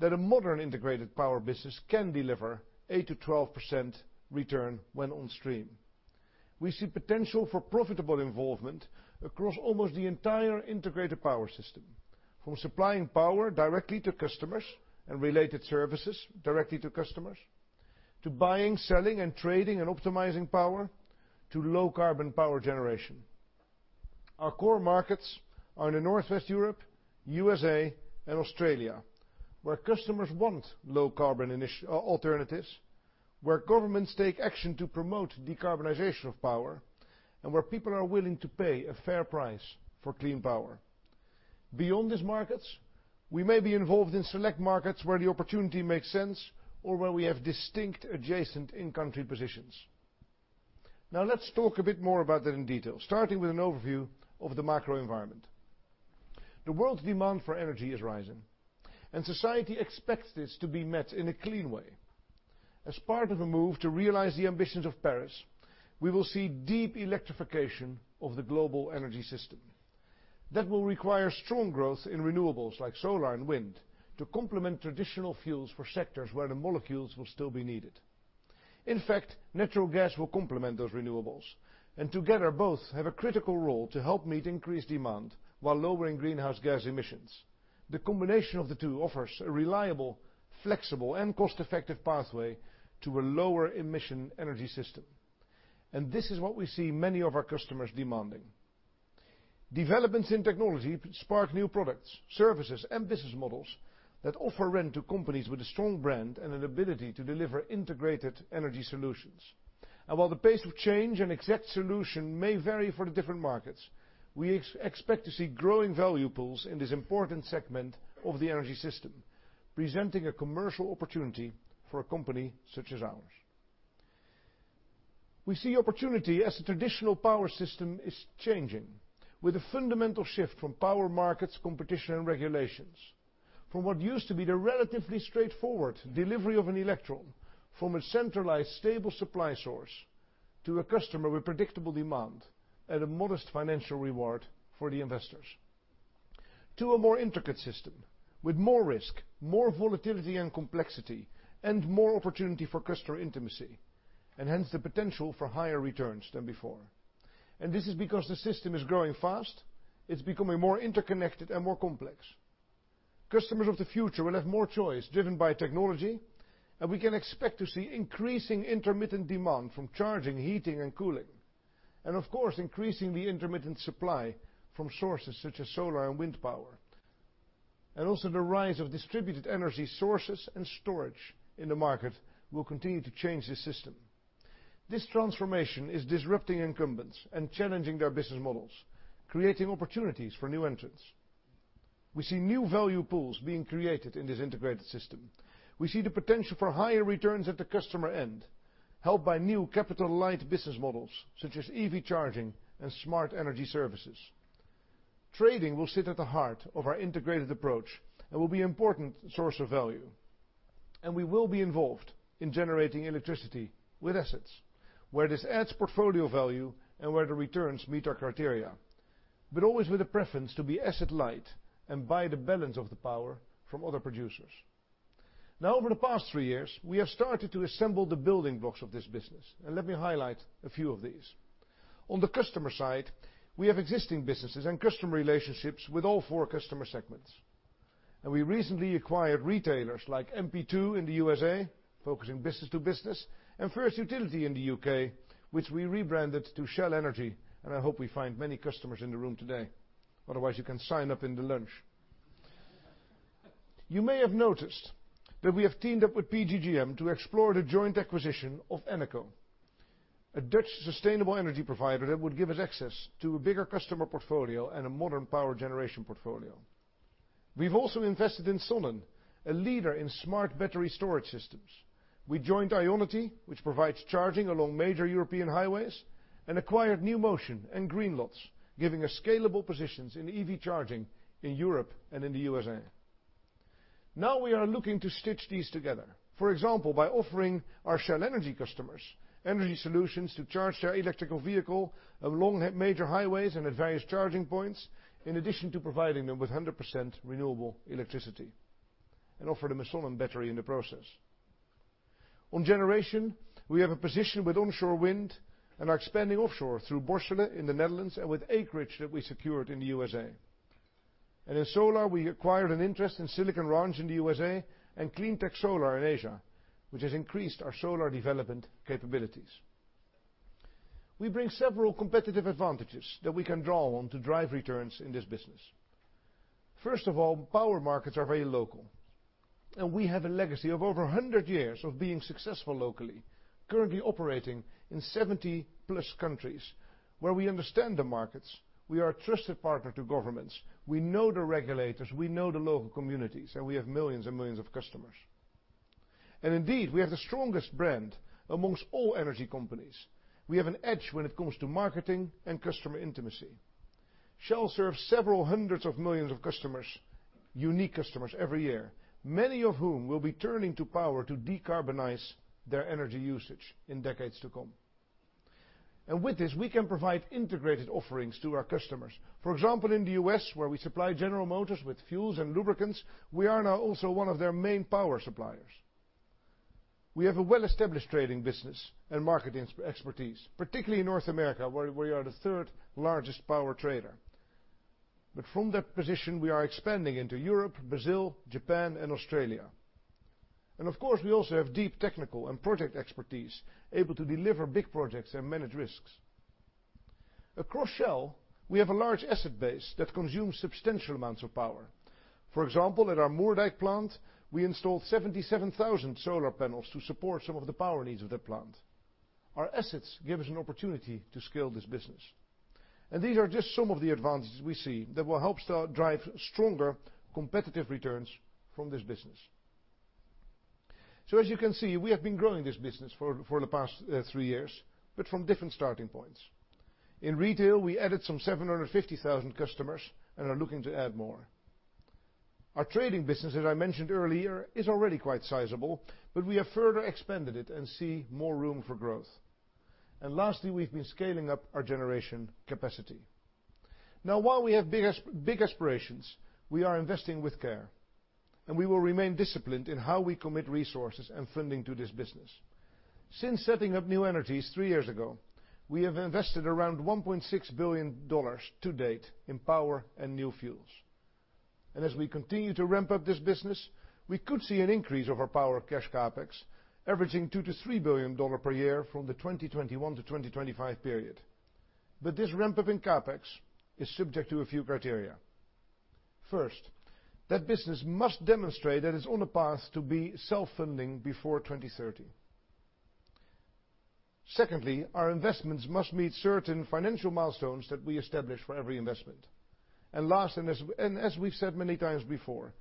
that a modern integrated power business can deliver 8%-12% return when on stream. We see potential for profitable involvement across almost the entire integrated power system, from supplying power directly to customers and related services directly to customers, to buying, selling, and trading and optimizing power, to low-carbon power generation. Our core markets are in Northwest Europe, USA, and Australia, where customers want low-carbon initiatives, alternatives, where governments take action to promote decarbonization of power, and where people are willing to pay a fair price for clean power. Beyond these markets, we may be involved in select markets where the opportunity makes sense or where we have distinct adjacent in-country positions. Let's talk a bit more about that in detail, starting with an overview of the macro environment. The world's demand for energy is rising, and society expects this to be met in a clean way. As part of a move to realize the ambitions of Paris, we will see deep electrification of the global energy system. That will require strong growth in renewables like solar and wind to complement traditional fuels for sectors where the molecules will still be needed. In fact, natural gas will complement those renewables, and together, both have a critical role to help meet increased demand while lowering greenhouse gas emissions. The combination of the two offers a reliable, flexible, and cost-effective pathway to a lower emission energy system. This is what we see many of our customers demanding. Developments in technology spark new products, services, and business models that offer rent to companies with a strong brand and an ability to deliver integrated energy solutions. While the pace of change and exact solution may vary for the different markets, we expect to see growing value pools in this important segment of the energy system, presenting a commercial opportunity for a company such as ours. We see opportunity as the traditional power system is changing with a fundamental shift from power markets, competition, and regulations. From what used to be the relatively straightforward delivery of an electron from a centralized, stable supply source to a customer with predictable demand at a modest financial reward for the investors to a more intricate system with more risk, more volatility and complexity, and more opportunity for customer intimacy, and hence the potential for higher returns than before. This is because the system is growing fast, it's becoming more interconnected and more complex. Customers of the future will have more choice driven by technology, we can expect to see increasing intermittent demand from charging, heating, and cooling. Of course, increasingly intermittent supply from sources such as solar and wind power. Also, the rise of distributed energy sources and storage in the market will continue to change this system. This transformation is disrupting incumbents and challenging their business models, creating opportunities for new entrants. We see new value pools being created in this integrated system. We see the potential for higher returns at the customer end, helped by new capital-light business models such as EV charging and smart energy services. Trading will sit at the heart of our integrated approach and will be an important source of value. We will be involved in generating electricity with assets, where this adds portfolio value and where the returns meet our criteria, but always with a preference to be asset light and buy the balance of the power from other producers. Over the past three years, we have started to assemble the building blocks of this business, let me highlight a few of these. On the customer side, we have existing businesses and customer relationships with all four customer segments. We recently acquired retailers like MP2 in the U.S.A., focusing business to business, and First Utility in the U.K., which we rebranded to Shell Energy. I hope we find many customers in the room today. Otherwise, you can sign up in the lunch. You may have noticed that we have teamed up with PGGM to explore the joint acquisition of Eneco, a Dutch sustainable energy provider that would give us access to a bigger customer portfolio and a modern power generation portfolio. We've also invested in Sonnen, a leader in smart battery storage systems. We joined IONITY, which provides charging along major European highways and acquired NewMotion and Greenlots, giving us scalable positions in EV charging in Europe and in the U.S.A. We are looking to stitch these together, for example, by offering our Shell Energy customers energy solutions to charge their electrical vehicle along major highways and at various charging points, in addition to providing them with 100% renewable electricity, and offer them a Sonnen battery in the process. On generation, we have a position with onshore wind and are expanding offshore through Borssele in the Netherlands and with acreage that we secured in the U.S.A. In solar, we acquired an interest in Silicon Ranch in the U.S.A. and Cleantech Solar in Asia, which has increased our solar development capabilities. We bring several competitive advantages that we can draw on to drive returns in this business. First of all, power markets are very local, and we have a legacy of over 100 years of being successful locally, currently operating in 70 plus countries where we understand the markets. We are a trusted partner to governments. We know the regulators, we know the local communities, and we have millions of customers. Indeed, we have the strongest brand amongst all energy companies. We have an edge when it comes to marketing and customer intimacy. Shell serves several hundreds of millions of customers, unique customers every year, many of whom will be turning to Power to decarbonize their energy usage in decades to come. With this, we can provide integrated offerings to our customers. For example, in the U.S., where we supply General Motors with fuels and lubricants, we are now also one of their main power suppliers. We have a well-established trading business and marketing expertise, particularly in North America, where we are the third largest power trader. But from that position, we are expanding into Europe, Brazil, Japan, and Australia. Of course, we also have deep technical and project expertise able to deliver big projects and manage risks. Across Shell, we have a large asset base that consumes substantial amounts of power. For example, at our Moerdijk plant, we installed 77,000 solar panels to support some of the power needs of that plant. Our assets give us an opportunity to scale this business. These are just some of the advantages we see that will help start drive stronger competitive returns from this business. As you can see, we have been growing this business for the past 3 years, but from different starting points. In retail, we added some 750,000 customers and are looking to add more. Our trading business, as I mentioned earlier, is already quite sizable, but we have further expanded it and see more room for growth. Lastly, we've been scaling up our generation capacity. While we have big aspirations, we are investing with care, and we will remain disciplined in how we commit resources and funding to this business. Since setting up New Energies 3 years ago, we have invested around $1.6 billion to date in power and new fuels. As we continue to ramp up this business, we could see an increase of our power cash CapEx averaging $2 billion-$3 billion per year from the 2021-2025 period. This ramp up in CapEx is subject to a few criteria. First, that business must demonstrate that it is on a path to be self-funding before 2030. Secondly, our investments must meet certain financial milestones that we establish for every investment. As we've said many times before,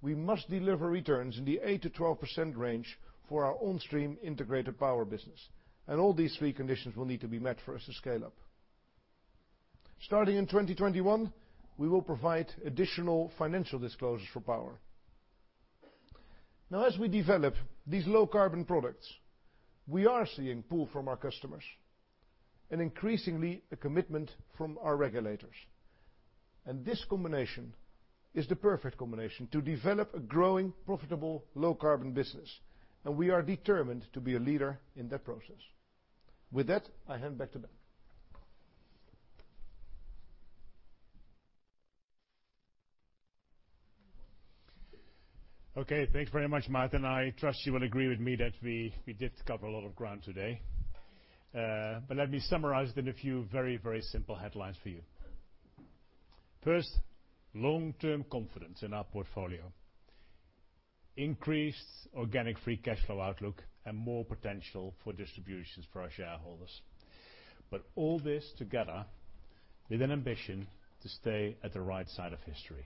we must deliver returns in the 8%-12% range for our own stream integrated power business. All these three conditions will need to be met for us to scale up. Starting in 2021, we will provide additional financial disclosures for power. As we develop these low carbon products, we are seeing pull from our customers and increasingly a commitment from our regulators. This combination is the perfect combination to develop a growing profitable low carbon business, and we are determined to be a leader in that process. With that, I hand back to Ben. Okay, thanks very much, Maarten. I trust you will agree with me that we did cover a lot of ground today. Let me summarize it in a few very simple headlines for you. First, long-term confidence in our portfolio. Increased organic free cash flow outlook, and more potential for distributions for our shareholders. All this together with an ambition to stay at the right side of history.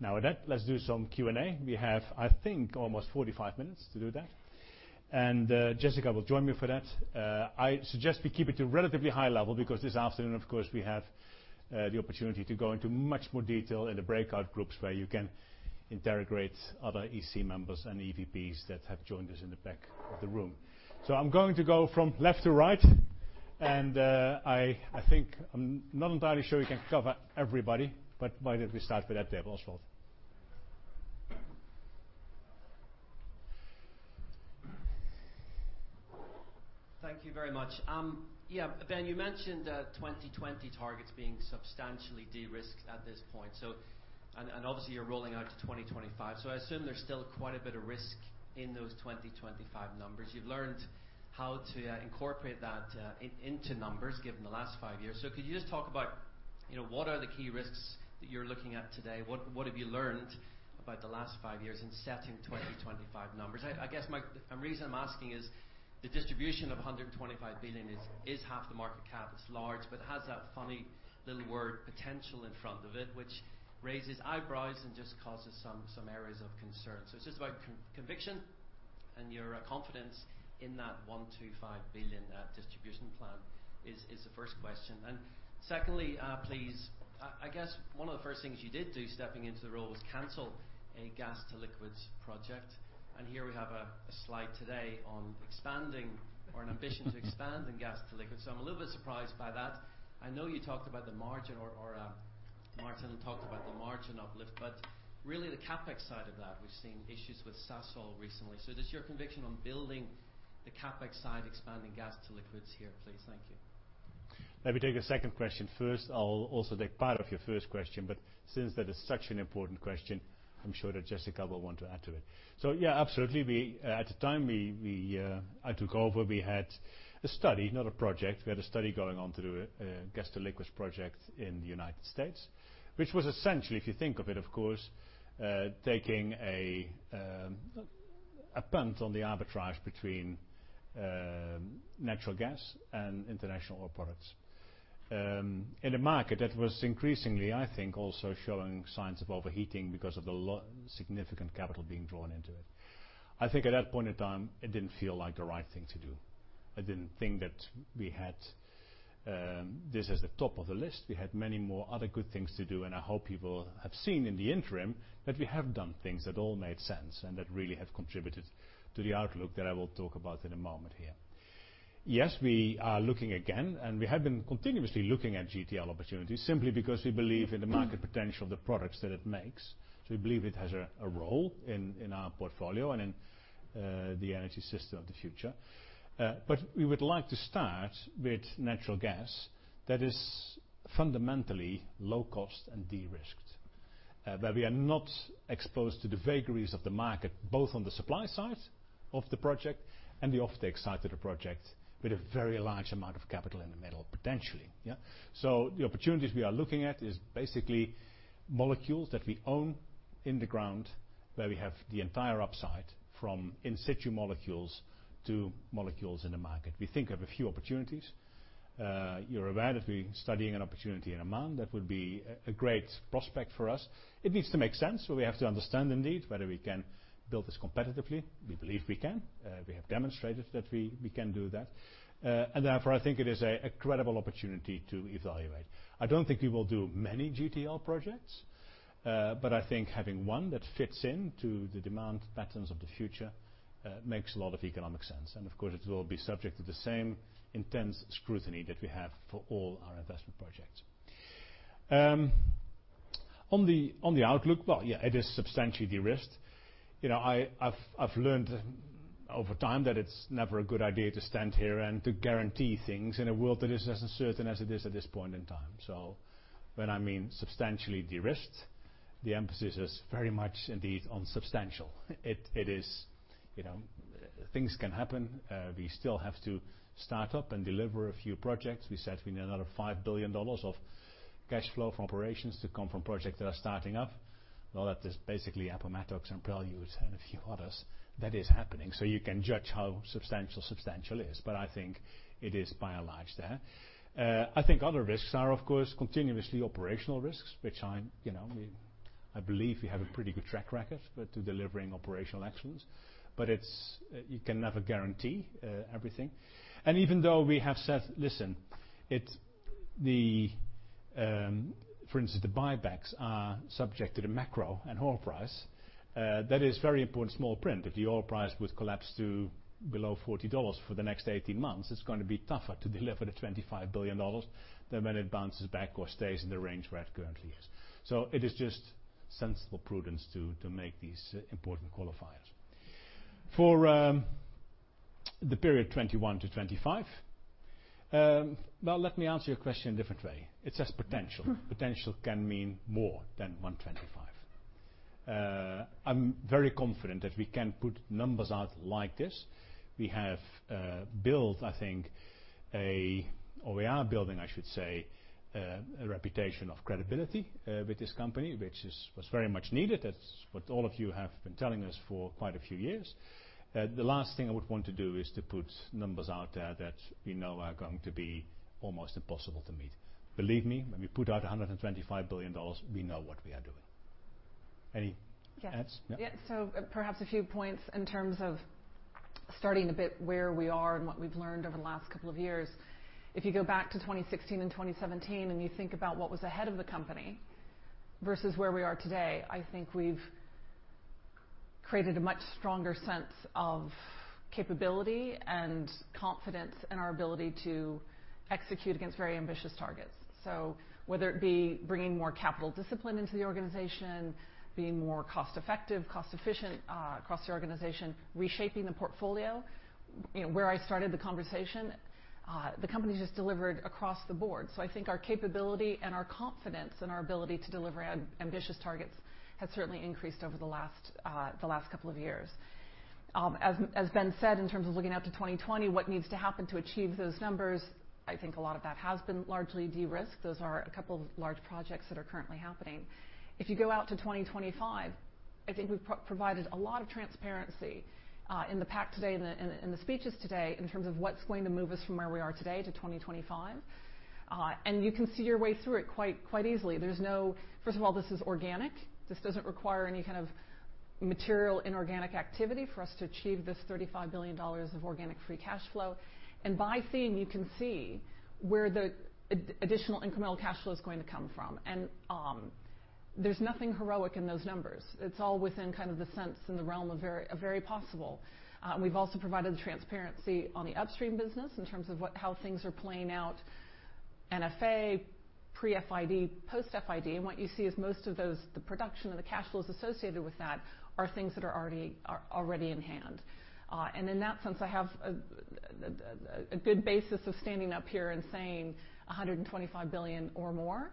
With that, let's do some Q&A. We have, I think, almost 45 minutes to do that. Jessica will join me for that. I suggest we keep it to a relatively high level, because this afternoon, of course, we have the opportunity to go into much more detail in the breakout groups where you can interrogate other EC members and EVPs that have joined us in the back of the room. I'm going to go from left to right. I think I'm not entirely sure we can cover everybody, but why don't we start with that table. Oswald. Thank you very much. Ben, you mentioned the 2020 targets being substantially de-risked at this point. Obviously, you're rolling out to 2025. I assume there's still quite a bit of risk in those 2025 numbers. You've learned how to incorporate that into numbers, given the last five years. Could you just talk about what are the key risks that you're looking at today? What have you learned about the last five years in setting 2025 numbers? The reason I'm asking is the distribution of $125 billion is half the market cap. It's large, but has that funny little word potential in front of it, which raises eyebrows and just causes some areas of concern. It's just about conviction and your confidence in that $125 billion distribution plan is the first question. Secondly, please, one of the first things you did do stepping into the role was cancel a gas to liquids project. Here we have a slide today on expanding or an ambition to expand in gas to liquids. I'm a little bit surprised by that. I know you talked about the margin, or Maarten talked about the margin uplift, but really the CapEx side of that. We've seen issues with Sasol recently. It is your conviction on building the CapEx side, expanding gas to liquids here, please. Thank you. Let me take the second question first. I'll also take part of your first question, since that is such an important question, I'm sure that Jessica will want to add to it. Absolutely, at the time I took over, we had a study, not a project. We had a study going on to do a gas to liquids project in the U.S., which was essentially, if you think of it, of course, taking a punt on the arbitrage between natural gas and international oil products. In a market that was increasingly, I think, also showing signs of overheating because of the significant capital being drawn into it. I think at that point in time, it didn't feel like the right thing to do. I didn't think that we had this as the top of the list. We had many more other good things to do, I hope people have seen in the interim that we have done things that all made sense and that really have contributed to the outlook that I will talk about in a moment here. We are looking again, we have been continuously looking at GTL opportunities simply because we believe in the market potential of the products that it makes. We believe it has a role in our portfolio and in the energy system of the future. We would like to start with natural gas that is fundamentally low cost and de-risked. Where we are not exposed to the vagaries of the market, both on the supply side of the project and the offtake side of the project, with a very large amount of capital in the middle, potentially. The opportunities we are looking at is basically molecules that we own in the ground, where we have the entire upside from in situ molecules to molecules in the market. We think of a few opportunities. You're aware that we're studying an opportunity in Oman that would be a great prospect for us. It needs to make sense, so we have to understand, indeed, whether we can build this competitively. We believe we can. We have demonstrated that we can do that. Therefore, I think it is a credible opportunity to evaluate. I don't think we will do many GTL projects. I think having one that fits into the demand patterns of the future makes a lot of economic sense. Of course, it will be subject to the same intense scrutiny that we have for all our investment projects. On the outlook, well, yeah, it is substantially de-risked. I've learned over time that it's never a good idea to stand here and to guarantee things in a world that is as uncertain as it is at this point in time. When I mean substantially de-risked, the emphasis is very much indeed on substantial. Things can happen. We still have to start up and deliver a few projects. We said we need another $5 billion of cash flow from operations to come from projects that are starting up. Well, that is basically Appomattox and Prelude and a few others. That is happening. You can judge how substantial substantial is. I think it is by and large there. I think other risks are, of course, continuously operational risks, which I believe we have a pretty good track record to delivering operational excellence. You can never guarantee everything. Even though we have said, listen, for instance, the buybacks are subject to the macro and oil price. That is very important small print. If the oil price would collapse to below $40 for the next 18 months, it's going to be tougher to deliver the $25 billion than when it bounces back or stays in the range where it currently is. It is just sensible prudence to make these important qualifiers. The period 2021 to 2025. Well, let me answer your question a different way. It says potential. Potential can mean more than $125 billion. I'm very confident that we can put numbers out like this. We have built, or we are building, I should say, a reputation of credibility with this company, which was very much needed. That's what all of you have been telling us for quite a few years. The last thing I would want to do is to put numbers out there that we know are going to be almost impossible to meet. Believe me, when we put out $125 billion, we know what we are doing. Any adds? Yes. Perhaps a few points in terms of starting a bit where we are and what we've learned over the last couple of years. If you go back to 2016 and 2017, and you think about what was ahead of the company versus where we are today, I think we've created a much stronger sense of capability and confidence in our ability to execute against very ambitious targets. Whether it be bringing more capital discipline into the organization, being more cost effective, cost efficient, across the organization, reshaping the portfolio, where I started the conversation, the company just delivered across the board. I think our capability and our confidence in our ability to deliver ambitious targets has certainly increased over the last couple of years. As Ben said, in terms of looking out to 2020, what needs to happen to achieve those numbers, I think a lot of that has been largely de-risked. Those are a couple of large projects that are currently happening. If you go out to 2025, I think we've provided a lot of transparency, in the pack today, in the speeches today, in terms of what's going to move us from where we are today to 2025. You can see your way through it quite easily. First of all, this is organic. This doesn't require any kind of material inorganic activity for us to achieve this $35 billion of organic free cash flow. By theme, you can see where the additional incremental cash flow is going to come from. There's nothing heroic in those numbers. It's all within the sense and the realm of very possible. We've also provided the transparency on the Upstream business in terms of how things are playing out, NFA, pre-FID, post-FID. What you see is most of those, the production and the cash flows associated with that, are things that are already in hand. In that sense, I have a good basis of standing up here and saying $125 billion or more.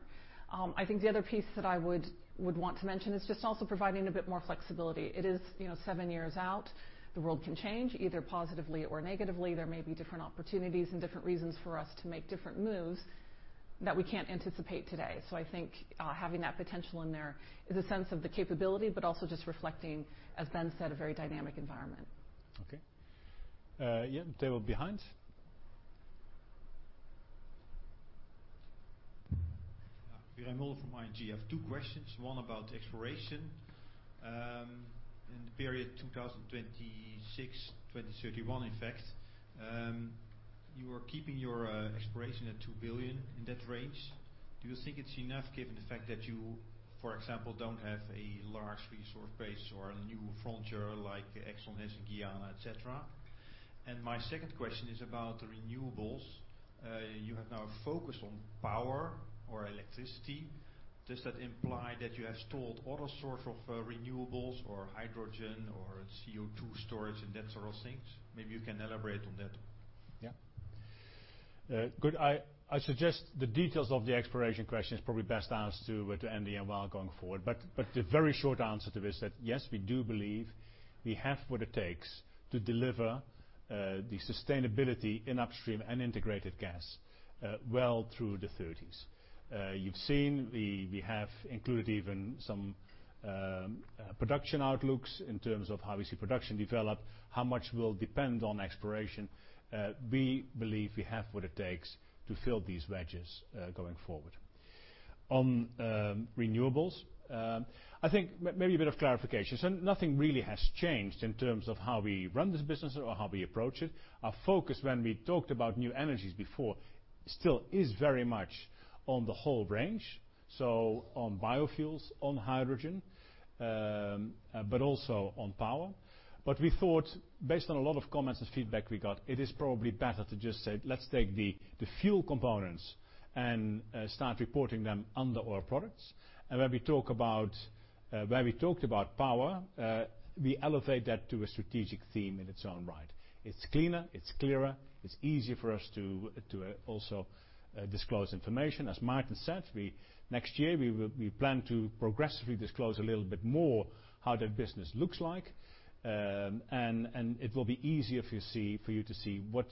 I think the other piece that I would want to mention is just also providing a bit more flexibility. It is seven years out. The world can change either positively or negatively. There may be different opportunities and different reasons for us to make different moves that we can't anticipate today. I think having that potential in there is a sense of the capability, but also just reflecting, as Ben said, a very dynamic environment. Okay. Yeah, table behind. Yeah. Graham Hull from ING. I have two questions, one about exploration. In the period 2026, 2031, in fact, you are keeping your exploration at $2 billion, in that range. Do you think it's enough given the fact that you, for example, don't have a large resource base or a new frontier like Exxon has in Guyana, et cetera? My second question is about renewables. You have now focused on power or electricity. Does that imply that you have stalled other sorts of renewables or hydrogen or CO2 storage and that sort of things? Maybe you can elaborate on that. Yeah. Good. I suggest the details of the exploration question is probably best asked to Andy and Wael going forward. The very short answer to it is that, yes, we do believe we have what it takes to deliver the sustainability in upstream and integrated gas well through the thirties. You've seen we have included even some production outlooks in terms of how we see production develop, how much will depend on exploration. We believe we have what it takes to fill these wedges going forward. On renewables, I think maybe a bit of clarification. Nothing really has changed in terms of how we run this business or how we approach it. Our focus when we talked about new energies before, still is very much on the whole range. On biofuels, on hydrogen, but also on power. We thought, based on a lot of comments and feedback we got, it is probably better to just say, let's take the fuel components and start reporting them under our products. Where we talked about power, we elevate that to a strategic theme in its own right. It's cleaner, it's clearer, it's easier for us to also disclose information. As Maarten said, next year, we plan to progressively disclose a little bit more how that business looks like. It will be easier for you to see what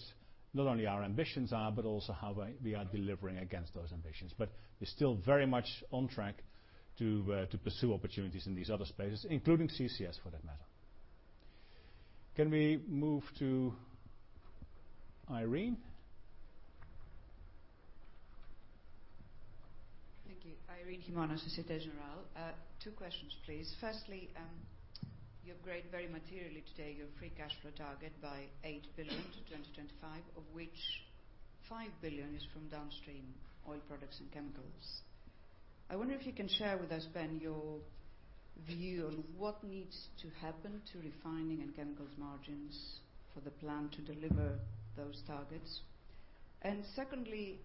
not only our ambitions are, but also how we are delivering against those ambitions. We're still very much on track to pursue opportunities in these other spaces, including CCS, for that matter. Can we move to Irene? Thank you. Irene Himona, Societe Generale. Two questions, please. Firstly, you upgrade very materially today your free cash flow target by $8 billion to 2025, of which $5 billion is from downstream oil products and chemicals. I wonder if you can share with us, Ben, your view on what needs to happen to refining and chemicals margins for the plan to deliver those targets. Secondly,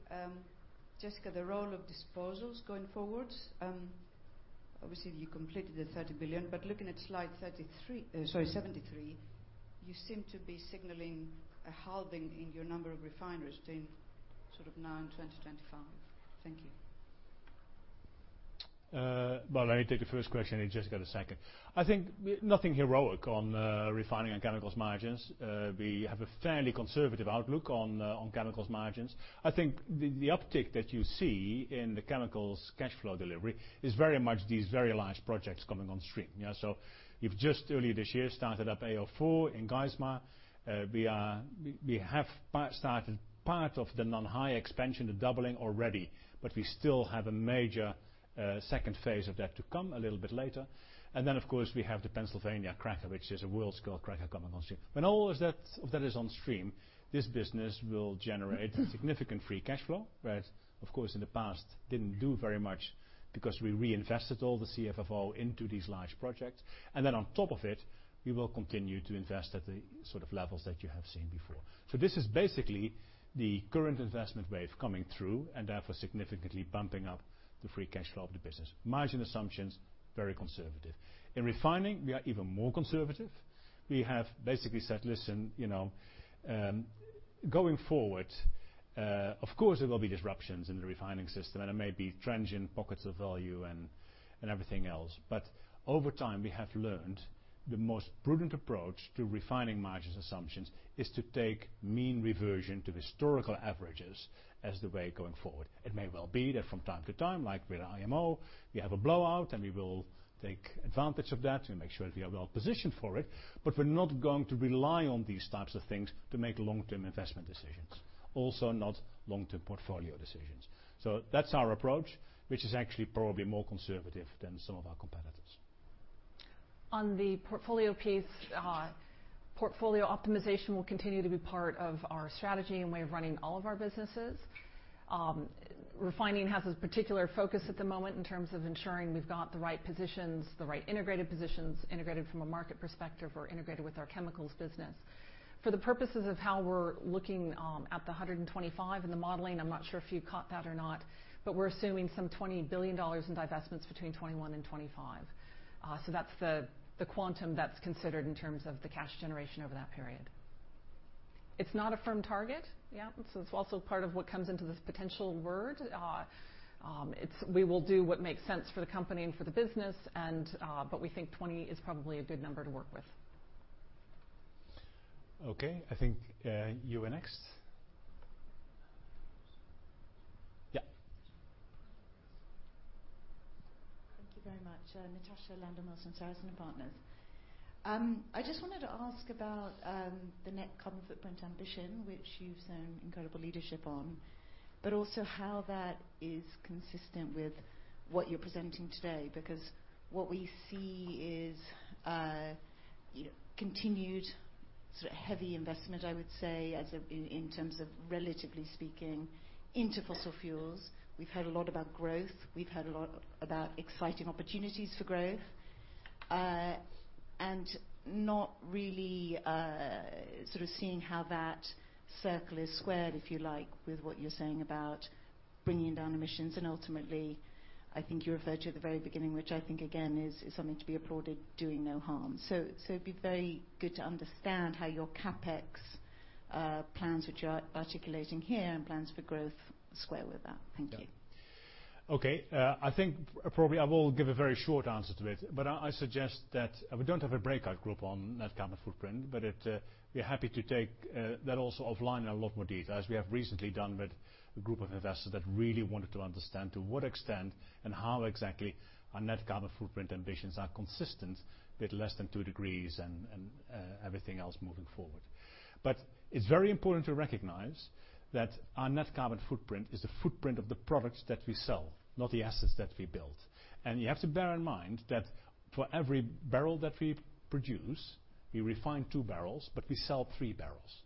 Jessica, the role of disposals going forward. Obviously, you completed the $30 billion, but looking at slide 33, sorry, 73, you seem to be signaling a halving in your number of refineries to sort of nine in 2025. Thank you. Well, let me take the first question, Jessica, the second. I think nothing heroic on refining and chemicals margins. We have a fairly conservative outlook on chemicals margins. I think the uptick that you see in the chemicals cash flow delivery is very much these very large projects coming on stream. Yeah, you've just early this year started up AO4 in Geismar. We have started part of the Nanhai expansion, the doubling already, but we still have a major second phase of that to come a little bit later. Then, of course, we have the Pennsylvania cracker, which is a world-scale cracker coming on stream. When all of that is on stream, this business will generate significant free cash flow, right? Of course, in the past, didn't do very much because we reinvested all the CFFO into these large projects. Then on top of it, we will continue to invest at the sort of levels that you have seen before. This is basically the current investment wave coming through, and therefore significantly bumping up the free cash flow of the business. Margin assumptions, very conservative. In refining, we are even more conservative. We have basically said, "Listen, going forward, of course, there will be disruptions in the refining system, and there may be transient pockets of value and everything else. Over time, we have learned the most prudent approach to refining margins assumptions is to take mean reversion to historical averages as the way going forward. It may well be that from time to time, like with IMO, we have a blowout, and we will take advantage of that and make sure that we are well positioned for it. We're not going to rely on these types of things to make long-term investment decisions. Also, not long-term portfolio decisions." That's our approach, which is actually probably more conservative than some of our competitors. On the portfolio piece, portfolio optimization will continue to be part of our strategy and way of running all of our businesses. Refining has a particular focus at the moment in terms of ensuring we've got the right positions, the right integrated positions, integrated from a market perspective, or integrated with our chemicals business. For the purposes of how we're looking at the 125 and the modeling, I'm not sure if you caught that or not, but we're assuming some $20 billion in divestments between 2021 and 2025. That's the quantum that's considered in terms of the cash generation over that period. It's not a firm target, yeah. It's also part of what comes into this potential word. We will do what makes sense for the company and for the business, but we think 20 is probably a good number to work with. Okay. I think you were next. Yeah. Thank you very much. Natasha Landon, Wilson Sonsini Goodrich & Rosati. I just wanted to ask about the net carbon footprint ambition, which you've shown incredible leadership on, but also how that is consistent with what you're presenting today. What we see is continued heavy investment, I would say, in terms of relatively speaking, into fossil fuels. We've heard a lot about growth, we've heard a lot about exciting opportunities for growth, and not really seeing how that circle is squared, if you like, with what you're saying about bringing down emissions. Ultimately, I think you referred to at the very beginning, which I think again is something to be applauded, doing no harm. It'd be very good to understand how your CapEx plans, which you are articulating here and plans for growth square with that. Thank you. Yeah. Okay. I think probably I will give a very short answer to it, but I suggest that we don't have a breakout group on net carbon footprint, but we are happy to take that also offline in a lot more detail, as we have recently done with a group of investors that really wanted to understand to what extent and how exactly our net carbon footprint ambitions are consistent with less than two degrees and everything else moving forward. It's very important to recognize that our net carbon footprint is the footprint of the products that we sell, not the assets that we built. You have to bear in mind that for every barrel that we produce, we refine two barrels, but we sell three barrels.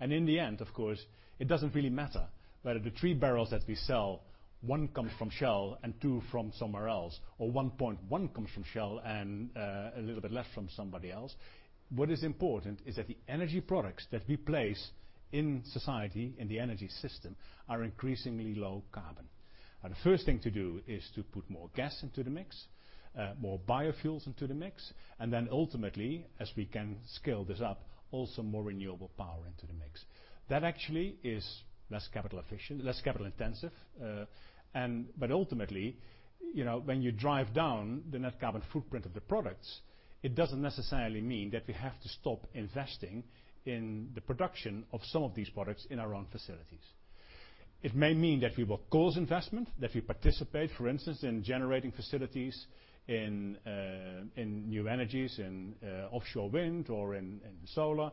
In the end, of course, it doesn't really matter whether the three barrels that we sell, one comes from Shell and two from somewhere else, or 1.1 comes from Shell and a little bit less from somebody else. What is important is that the energy products that we place in society, in the energy system, are increasingly low carbon. The first thing to do is to put more gas into the mix, more biofuels into the mix, and then ultimately, as we can scale this up, also more renewable power into the mix. That actually is less capital efficient, less capital intensive. Ultimately, when you drive down the net carbon footprint of the products, it doesn't necessarily mean that we have to stop investing in the production of some of these products in our own facilities. It may mean that we will cause investment, that we participate, for instance, in generating facilities in new energies, in offshore wind, or in solar.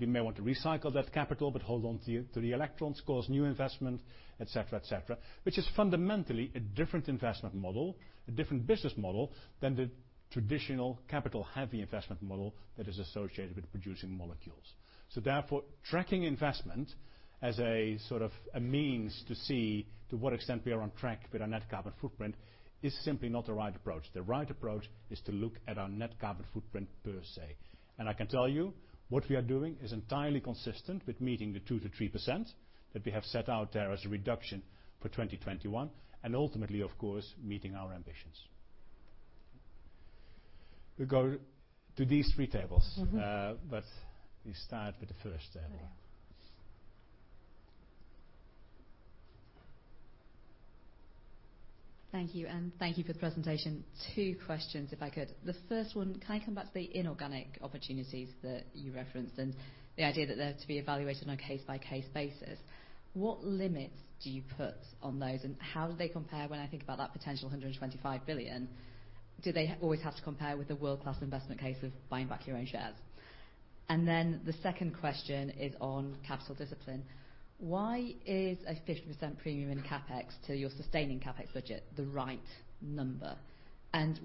We may want to recycle that capital, but hold on to the electrons, cause new investment, et cetera, et cetera. Which is fundamentally a different investment model, a different business model than the traditional capital-heavy investment model that is associated with producing molecules. Therefore, tracking investment as a means to see to what extent we are on track with our net carbon footprint is simply not the right approach. The right approach is to look at our net carbon footprint per se. I can tell you what we are doing is entirely consistent with meeting the 2%-3% that we have set out there as a reduction for 2021, and ultimately, of course, meeting our ambitions. We go to these three tables. We start with the first table. Yeah. Thank you, thank you for the presentation. Two questions, if I could. The first one, can I come back to the inorganic opportunities that you referenced and the idea that they're to be evaluated on a case-by-case basis? What limits do you put on those, and how do they compare when I think about that potential $125 billion? Do they always have to compare with the world-class investment case of buying back your own shares? Then the second question is on capital discipline. Why is a 50% premium in CapEx to your sustaining CapEx budget the right number?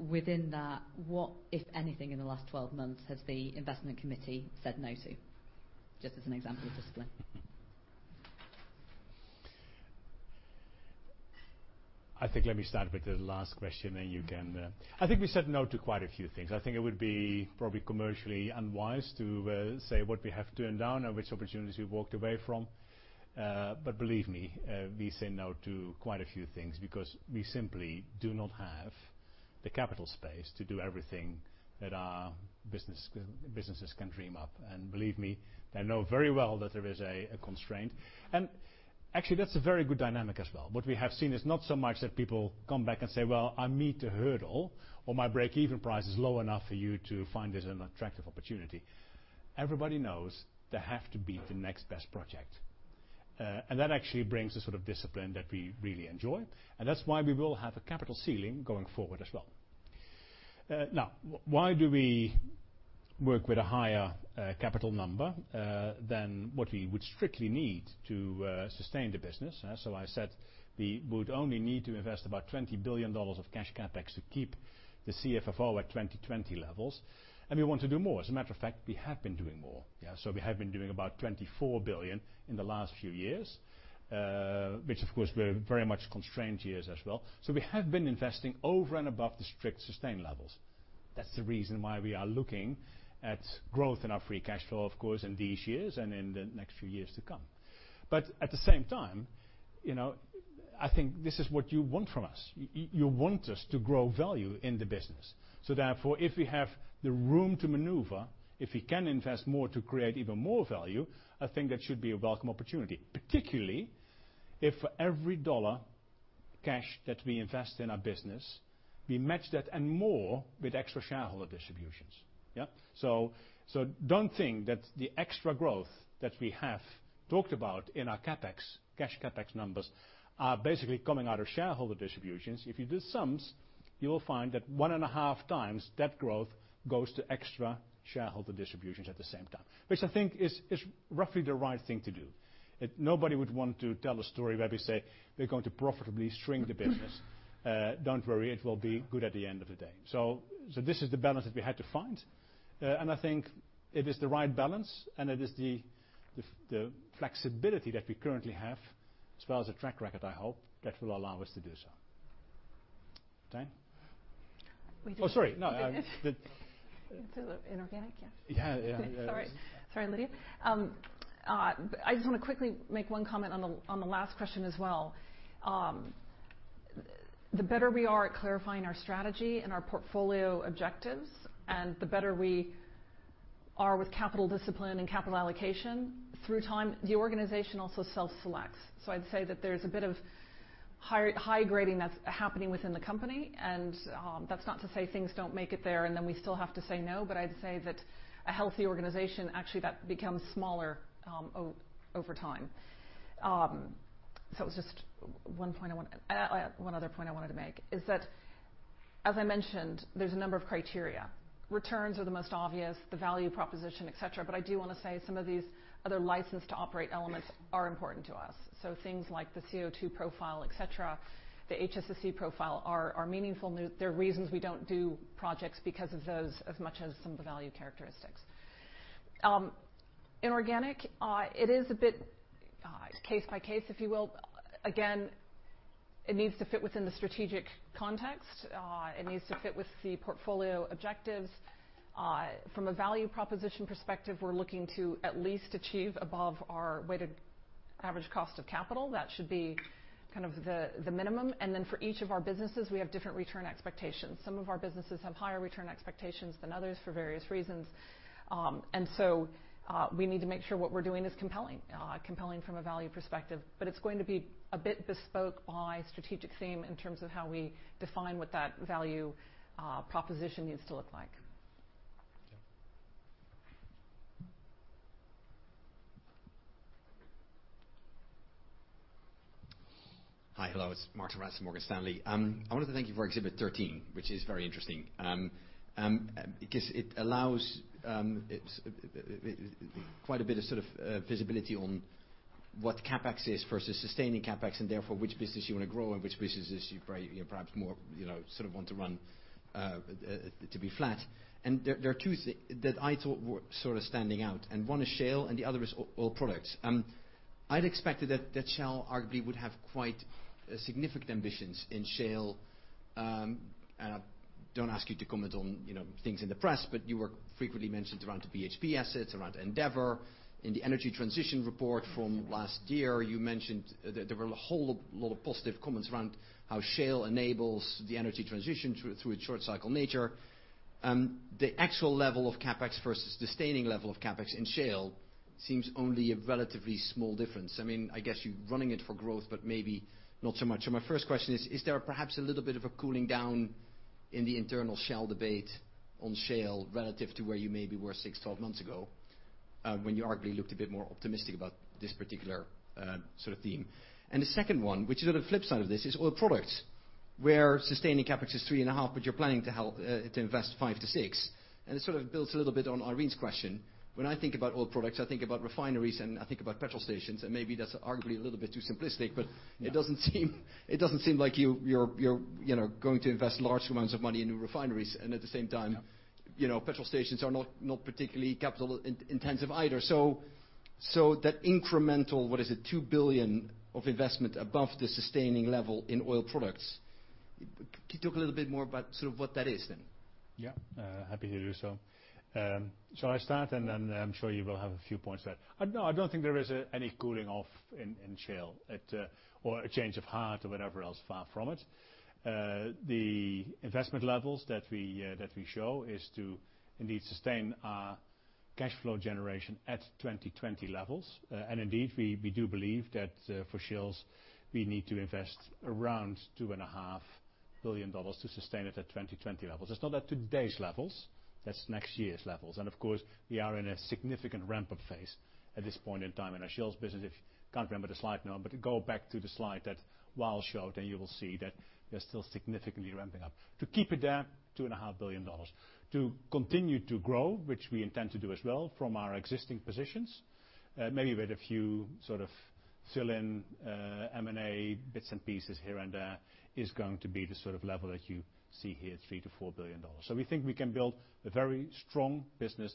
Within that, what, if anything, in the last 12 months, has the investment committee said no to? Just as an example of discipline. I think let me start with the last question. I think we said no to quite a few things. I think it would be probably commercially unwise to say what we have turned down and which opportunities we walked away from. Believe me, we say no to quite a few things because we simply do not have the capital space to do everything that our businesses can dream up. Believe me, they know very well that there is a constraint. Actually, that's a very good dynamic as well. What we have seen is not so much that people come back and say, "Well, I meet the hurdle," or, "My breakeven price is low enough for you to find it an attractive opportunity." Everybody knows they have to beat the next best project. That actually brings a sort of discipline that we really enjoy. That's why we will have a capital ceiling going forward as well. Why do we work with a higher capital number than what we would strictly need to sustain the business? I said we would only need to invest about $20 billion of cash CapEx to keep the CFFO at 2020 levels, we want to do more. As a matter of fact, we have been doing more. We have been doing about $24 billion in the last few years, which, of course, were very much constrained years as well. We have been investing over and above the strict sustain levels. That's the reason why we are looking at growth in our free cash flow, of course, in these years and in the next few years to come. At the same time, I think this is what you want from us. You want us to grow value in the business. Therefore, if we have the room to maneuver, if we can invest more to create even more value, I think that should be a welcome opportunity, particularly if every dollar cash that we invest in our business, we match that and more with extra shareholder distributions. Yeah. Don't think that the extra growth that we have talked about in our CapEx, cash CapEx numbers are basically coming out of shareholder distributions. If you do sums, you will find that one and a half times that growth goes to extra shareholder distributions at the same time, which I think is roughly the right thing to do. Nobody would want to tell a story where we say we're going to profitably shrink the business. Don't worry, it will be good at the end of the day. This is the balance that we had to find. I think it is the right balance, and it is the flexibility that we currently have, as well as a track record, I hope, that will allow us to do so. Diane. Oh, sorry. No. Inorganic, yeah. Yeah. Sorry. Sorry, Lydia. I just want to quickly make one comment on the last question as well. The better we are at clarifying our strategy and our portfolio objectives and the better we are with capital discipline and capital allocation, through time, the organization also self-selects. I'd say that there's a bit of high grading that's happening within the company, and that's not to say things don't make it there, and then we still have to say no, but I'd say that a healthy organization, actually, that becomes smaller over time. It was just one other point I wanted to make is that, as I mentioned, there's a number of criteria. Returns are the most obvious, the value proposition, et cetera. But I do want to say some of these other license to operate elements are important to us. Things like the CO2 profile, et cetera, the HSSE profile are meaningful. There are reasons we don't do projects because of those as much as some of the value characteristics. Inorganic, it is a bit case by case, if you will. Again, it needs to fit within the strategic context. It needs to fit with the portfolio objectives. From a value proposition perspective, we're looking to at least achieve above our weighted average cost of capital. That should be the minimum. Then for each of our businesses, we have different return expectations. Some of our businesses have higher return expectations than others for various reasons. We need to make sure what we're doing is compelling from a value perspective. It's going to be a bit bespoke by strategic theme in terms of how we define what that value proposition needs to look like. Yeah. Hi. Hello. It's Martijn Rats, Morgan Stanley. I wanted to thank you for exhibit 13, which is very interesting. It allows quite a bit of visibility on what CapEx is versus sustaining CapEx and therefore which business you want to grow and which businesses you perhaps more sort of want to run to be flat. There are two that I thought were sort of standing out, and one is Shell and the other is Oil Products. I'd expected that Shell arguably would have quite significant ambitions in shale. I don't ask you to comment on things in the press, but you were frequently mentioned around the BHP assets, around Endeavor. In the Energy Transition report from last year, there were a whole lot of positive comments around how shale enables the energy transition through its short cycle nature. The actual level of CapEx versus the sustaining level of CapEx in shale seems only a relatively small difference. I guess you're running it for growth, but maybe not so much. My first question is there perhaps a little bit of a cooling down in the internal Shell debate on shale relative to where you maybe were six, 12 months ago, when you arguably looked a bit more optimistic about this particular sort of theme? The second one, which is on the flip side of this, is oil products, where sustaining CapEx is $3.5 billion, you're planning to invest $5 billion-$6 billion. It sort of builds a little bit on Irene's question. When I think about oil products, I think about refineries, and I think about petrol stations, and maybe that's arguably a little bit too simplistic. It doesn't seem like you're going to invest large amounts of money into refineries. At the same time. No Petrol stations are not particularly capital-intensive either. That incremental, what is it, $2 billion of investment above the sustaining level in oil products. Can you talk a little bit more about what that is then? Happy to do so. Shall I start and then I'm sure you will have a few points there. I don't think there is any cooling off in Shales, or a change of heart or whatever else. Far from it. The investment levels that we show is to indeed sustain our cash flow generation at 2020 levels. Indeed, we do believe that for Shales we need to invest around $2.5 billion to sustain it at 2020 levels. It's not at today's levels, that's next year's levels. Of course, we are in a significant ramp-up phase at this point in time in our Shales business. If you can't remember the slide now, but go back to the slide that Wael showed, and you will see that we are still significantly ramping up. To keep it there, $2.5 billion. To continue to grow, which we intend to do as well from our existing positions, maybe with a few sort of fill-in M&A bits and pieces here and there is going to be the sort of level that you see here, $3 billion-$4 billion. We think we can build a very strong business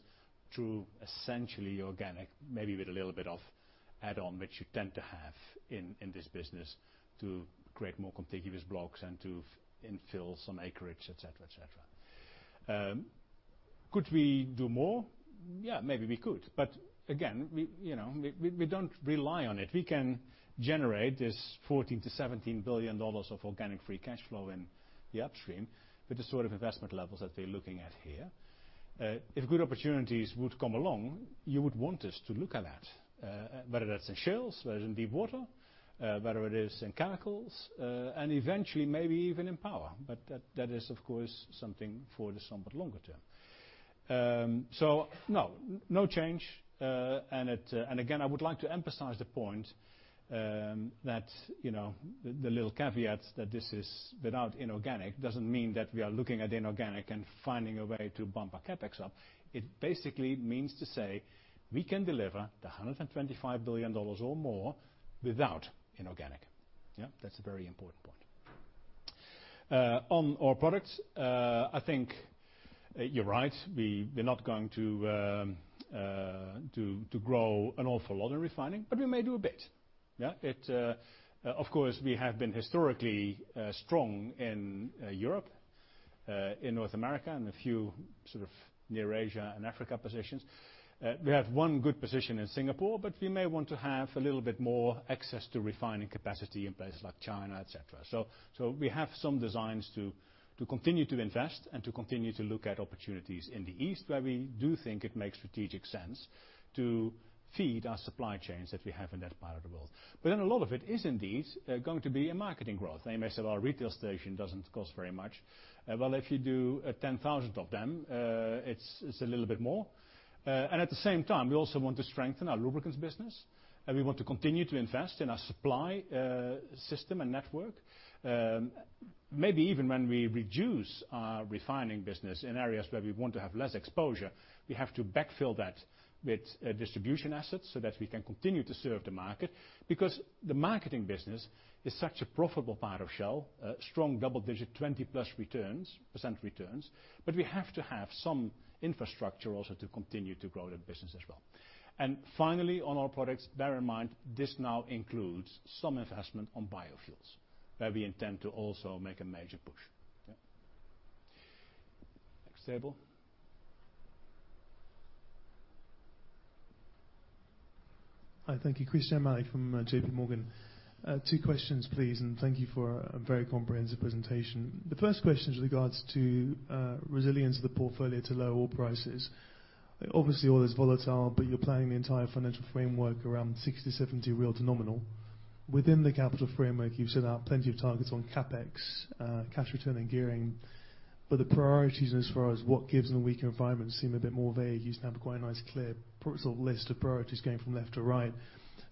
through essentially organic, maybe with a little bit of add on, which you tend to have in this business to create more contiguous blocks and to infill some acreage, et cetera. Could we do more? Maybe we could. Again, we don't rely on it. We can generate this $14 billion-$17 billion of organic free cash flow in the upstream with the sort of investment levels that we're looking at here. If good opportunities would come along, you would want us to look at that, whether that's in Shales, whether in Deepwater, whether it is in chemicals, and eventually maybe even in power. That is, of course, something for the somewhat longer term. No change. Again, I would like to emphasize the point that the little caveat that this is without inorganic doesn't mean that we are looking at inorganic and finding a way to bump our CapEx up. It basically means to say we can deliver the $125 billion or more without inorganic. That's a very important point. On oil products, I think you're right. We're not going to grow an awful lot in refining, but we may do a bit. Of course, we have been historically strong in Europe, in North America, and a few sort of near Asia and Africa positions. We have one good position in Singapore, we may want to have a little bit more access to refining capacity in places like China, et cetera. We have some designs to continue to invest and to continue to look at opportunities in the East, where we do think it makes strategic sense to feed our supply chains that we have in that part of the world. A lot of it is indeed going to be a marketing growth. You may say, well, a retail station doesn't cost very much. Well, if you do 10,000 of them, it's a little bit more. At the same time, we also want to strengthen our lubricants business, and we want to continue to invest in our supply system and network. Maybe even when we reduce our refining business in areas where we want to have less exposure, we have to backfill that with distribution assets so that we can continue to serve the market. Because the marketing business is such a profitable part of Shell, strong double digit, 20+% returns, we have to have some infrastructure also to continue to grow that business as well. Finally, on oil products, bear in mind this now includes some investment on biofuels where we intend to also make a major push. Next table. Hi. Thank you. Christyan Malek from JPMorgan. Two questions please, and thank you for a very comprehensive presentation. The first question is regards to resilience of the portfolio to lower oil prices. Obviously, oil is volatile, but you're planning the entire financial framework around 60, 70 real to nominal. Within the capital framework, you've set out plenty of targets on CapEx, cash return and gearing. The priorities as far as what gives in a weaker environment seem a bit more vague. You used to have a quite nice clear sort of list of priorities going from left to right.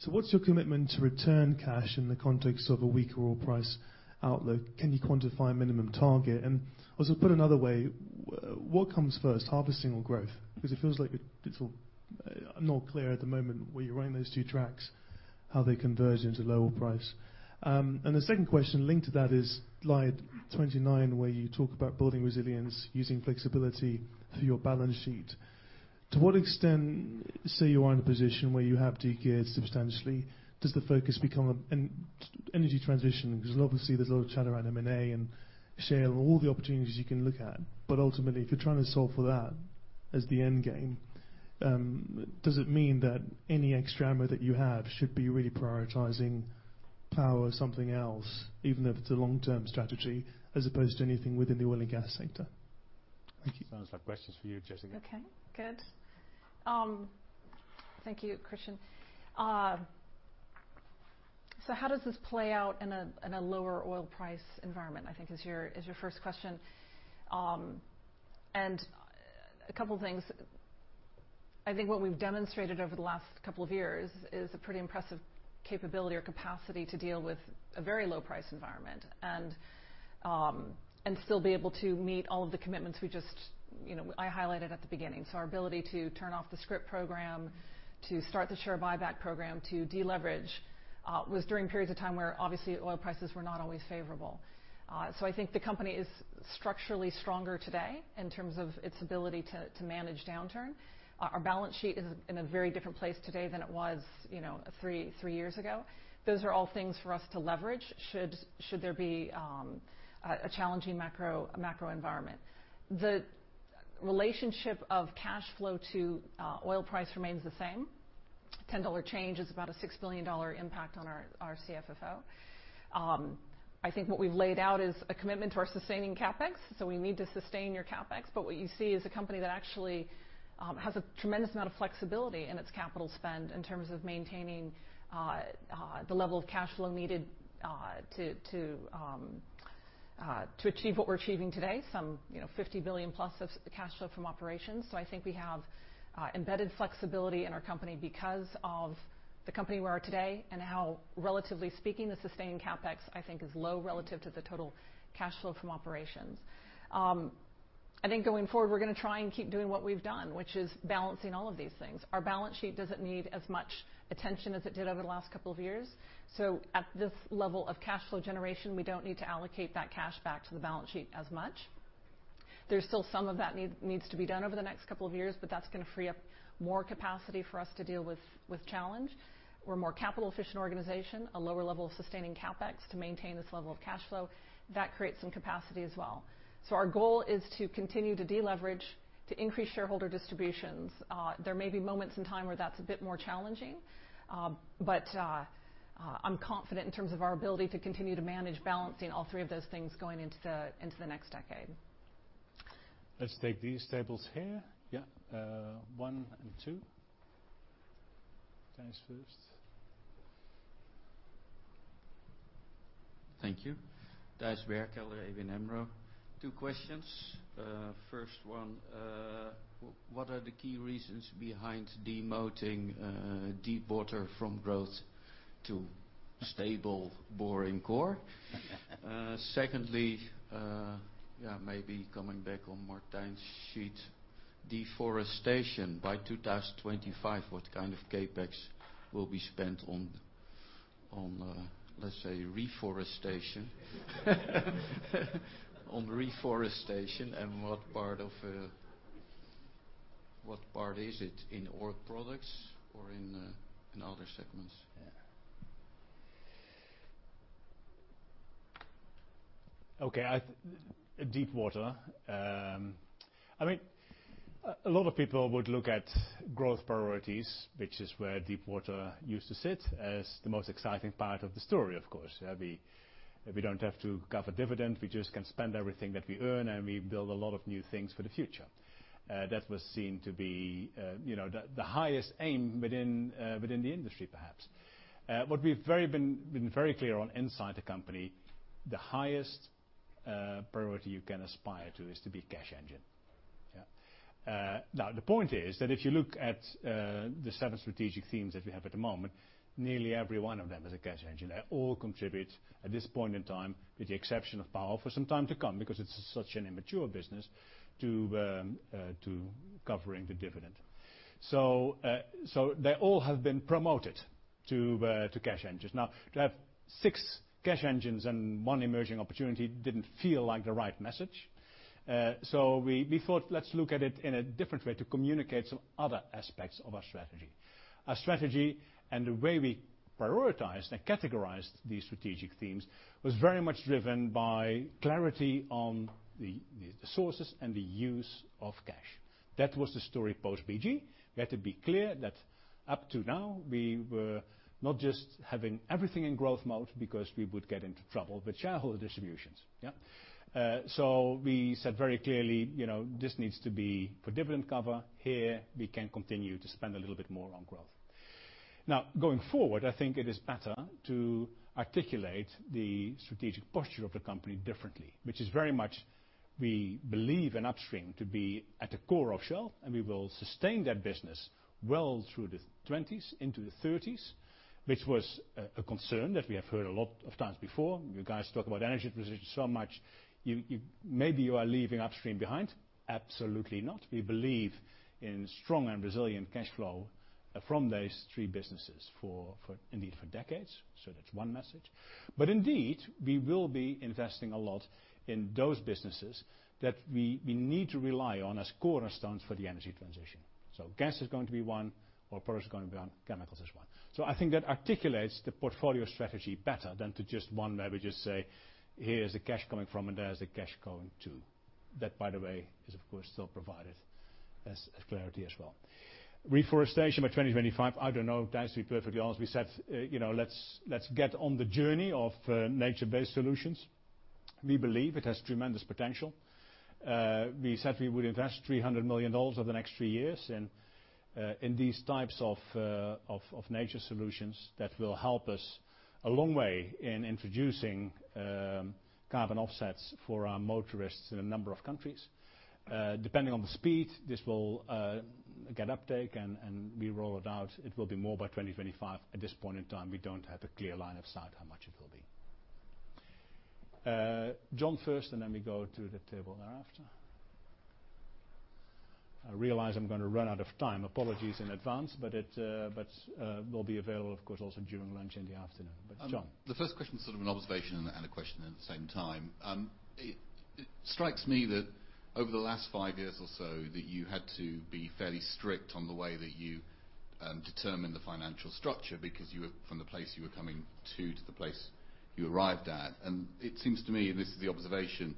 What's your commitment to return cash in the context of a weaker oil price outlook? Can you quantify a minimum target? Also put another way, what comes first, harvesting or growth? It feels like it's all not clear at the moment where you're running those two tracks, how they converge into lower price. The second question linked to that is slide 29, where you talk about building resilience using flexibility through your balance sheet. To what extent, say you are in a position where you have de-geared substantially, does the focus become on energy transition? Obviously there's a lot of chatter around M&A and Shell and all the opportunities you can look at. Ultimately, if you're trying to solve for that as the end game, does it mean that any extra ammo that you have should be really prioritizing power or something else, even if it's a long-term strategy, as opposed to anything within the oil and gas sector? Thank you. Sounds like questions for you, Jessica. Okay, good. Thank you, Christyan. How does this play out in a lower oil price environment, I think is your first question. A couple of things. I think what we've demonstrated over the last couple of years is a pretty impressive capability or capacity to deal with a very low price environment and still be able to meet all of the commitments I highlighted at the beginning. Our ability to turn off the scrip program, to start the share buyback program, to de-leverage, was during periods of time where obviously oil prices were not always favorable. I think the company is structurally stronger today in terms of its ability to manage downturn. Our balance sheet is in a very different place today than it was three years ago. Those are all things for us to leverage should there be a challenging macro environment. The relationship of cash flow to oil price remains the same. $10 change is about a $6 billion impact on our CFFO. I think what we've laid out is a commitment to our sustaining CapEx, we need to sustain your CapEx. What you see is a company that actually has a tremendous amount of flexibility in its capital spend in terms of maintaining the level of cash flow needed to achieve what we're achieving today, some $50 billion plus of cash flow from operations. I think we have embedded flexibility in our company because of the company we are today and how, relatively speaking, the sustaining CapEx, I think, is low relative to the total cash flow from operations. I think going forward, we're going to try and keep doing what we've done, which is balancing all of these things. Our balance sheet doesn't need as much attention as it did over the last couple of years. At this level of cash flow generation, we don't need to allocate that cash back to the balance sheet as much. There's still some of that needs to be done over the next couple of years, that's going to free up more capacity for us to deal with challenge. We're a more capital efficient organization, a lower level of sustaining CapEx to maintain this level of cash flow. That creates some capacity as well. Our goal is to continue to de-leverage, to increase shareholder distributions. There may be moments in time where that's a bit more challenging. I'm confident in terms of our ability to continue to manage balancing all three of those things going into the next decade. Let's take these tables here. Yeah. One and two. Thijs first. Thank you. Thijs Berkel, ABN AMRO. Two questions. First one, what are the key reasons behind demoting Deepwater from growth to stable boring core? Secondly, maybe coming back on Martijn's sheet. Deforestation. By 2025, what kind of CapEx will be spent on, let's say, reforestation? And what part is it in oil products or in other segments? Yeah. Okay. Deepwater. A lot of people would look at growth priorities, which is where Deepwater used to sit as the most exciting part of the story, of course. We don't have to cover dividend. We just can spend everything that we earn, we build a lot of new things for the future. That was seen to be the highest aim within the industry, perhaps. What we've been very clear on inside the company, the highest priority you can aspire to is to be a cash engine. Yeah. The point is that if you look at the seven strategic themes that we have at the moment, nearly every one of them is a cash engine. They all contribute at this point in time, with the exception of power, for some time to come, because it's such an immature business to covering the dividend. They all have been promoted to cash engines. To have six cash engines and one emerging opportunity didn't feel like the right message. We thought, let's look at it in a different way to communicate some other aspects of our strategy. Our strategy and the way we prioritize and categorize these strategic themes was very much driven by clarity on the sources and the use of cash. That was the story post-BG. We had to be clear that up to now, we were not just having everything in growth mode because we would get into trouble with shareholder distributions. Yeah. We said very clearly, this needs to be for dividend cover. Here, we can continue to spend a little bit more on growth. Going forward, I think it is better to articulate the strategic posture of the company differently. Which is very much we believe in upstream to be at the core of Shell, and we will sustain that business well through the '20s into the '30s, which was a concern that we have heard a lot of times before. You guys talk about energy transition so much, maybe you are leaving upstream behind. Absolutely not. We believe in strong and resilient cash flow from those three businesses indeed for decades. That's one message. Indeed, we will be investing a lot in those businesses that we need to rely on as cornerstones for the energy transition. Gas is going to be one, oil products is going to be one, chemicals is one. I think that articulates the portfolio strategy better than to just one, maybe just say, "Here's the cash coming from, and there's the cash going to." That, by the way, is, of course, still provided as clarity as well. Reforestation by 2025, I don't know. To actually be perfectly honest, we said, "Let's get on the journey of nature-based solutions." We believe it has tremendous potential. We said we would invest $300 million over the next three years in these types of nature solutions that will help us a long way in introducing carbon offsets for our motorists in a number of countries. Depending on the speed, this will get uptake, and we roll it out. It will be more by 2025. At this point in time, we don't have a clear line of sight how much it will be. John first, then we go to the table thereafter. I realize I'm going to run out of time. Apologies in advance, but we'll be available, of course, also during lunch in the afternoon. John. The first question is sort of an observation and a question at the same time. It strikes me that over the last five years or so, that you had to be fairly strict on the way that you determine the financial structure, because from the place you were coming to to the place you arrived at. It seems to me, and this is the observation,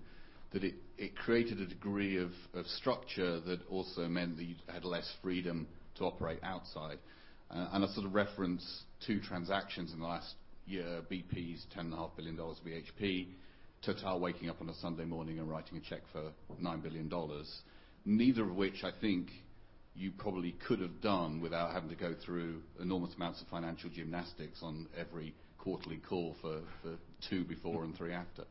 that it created a degree of structure that also meant that you had less freedom to operate outside. I sort of reference two transactions in the last year, BP's $10.5 billion, BHP, Total waking up on a Sunday morning and writing a check for $9 billion. Neither of which I think you probably could have done without having to go through enormous amounts of financial gymnastics on every quarterly call for two before and three after.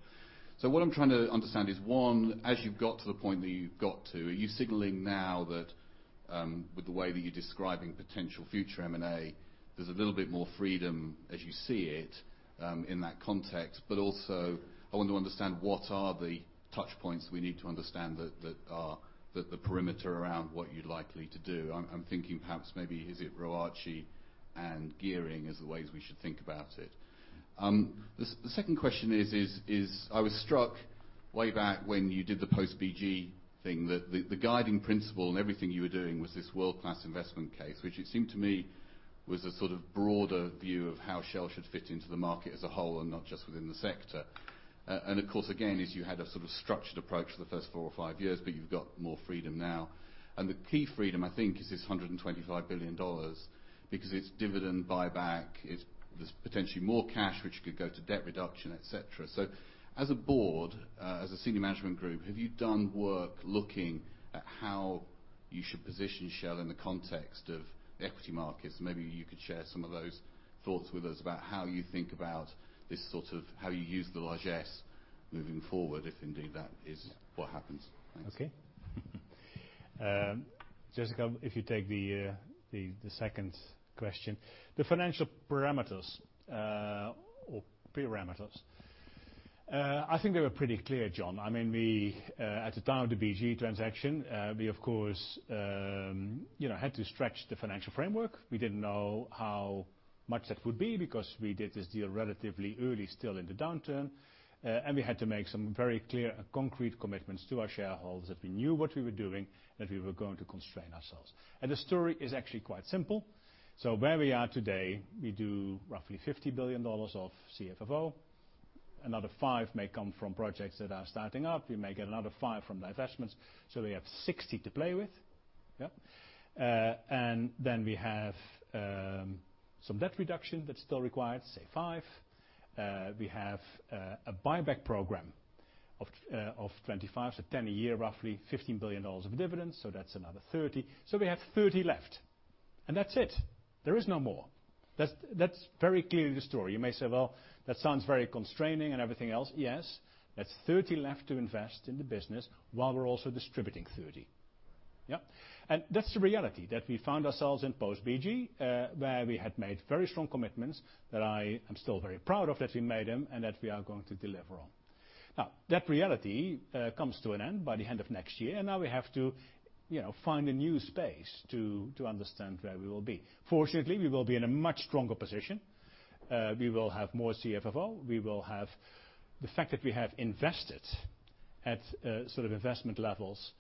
What I'm trying to understand is, one, as you've got to the point that you've got to, are you signaling now that with the way that you're describing potential future M&A, there's a little bit more freedom as you see it in that context? Also, I want to understand what are the touch points we need to understand that are the perimeter around what you're likely to do? I'm thinking perhaps maybe is it ROACE and gearing is the ways we should think about it. The second question is, I was struck way back when you did the post-BG thing, that the guiding principle in everything you were doing was this world-class investment case, which it seemed to me was a sort of broader view of how Shell should fit into the market as a whole and not just within the sector. Of course, again, is you had a sort of structured approach for the first four or five years, but you've got more freedom now. The key freedom, I think, is this $125 billion because it's dividend buyback. There's potentially more cash, which could go to debt reduction, et cetera. As a board, as a senior management group, have you done work looking at how you should position Shell in the context of the equity markets? Maybe you could share some of those thoughts with us about how you think about this sort of how you use the largesse moving forward, if indeed that is what happens. Thanks. Okay. Jessica, if you take the second question. The financial parameters, I think they were pretty clear, John. At the time of the BG transaction, we of course had to stretch the financial framework. We didn't know how much that would be because we did this deal relatively early still in the downturn. We had to make some very clear and concrete commitments to our shareholders that we knew what we were doing, that we were going to constrain ourselves. The story is actually quite simple. Where we are today, we do roughly $50 billion of CFFO. Another five may come from projects that are starting up. We may get another five from divestments. We have 60 to play with. Yep. Then we have some debt reduction that's still required, say five. We have a buyback program of 25, so 10 a year, roughly $15 billion of dividends, so that's another 30. We have 30 left. That's it. There is no more. That's very clearly the story. You may say, "That sounds very constraining and everything else." Yes. That's 30 left to invest in the business while we're also distributing 30. Yep. That's the reality that we found ourselves in post-BG where we had made very strong commitments that I am still very proud of that we made them and that we are going to deliver on. That reality comes to an end by the end of next year, and now we have to find a new space to understand where we will be. Fortunately, we will be in a much stronger position. We will have more CFFO. The fact that we have invested at sort of investment levels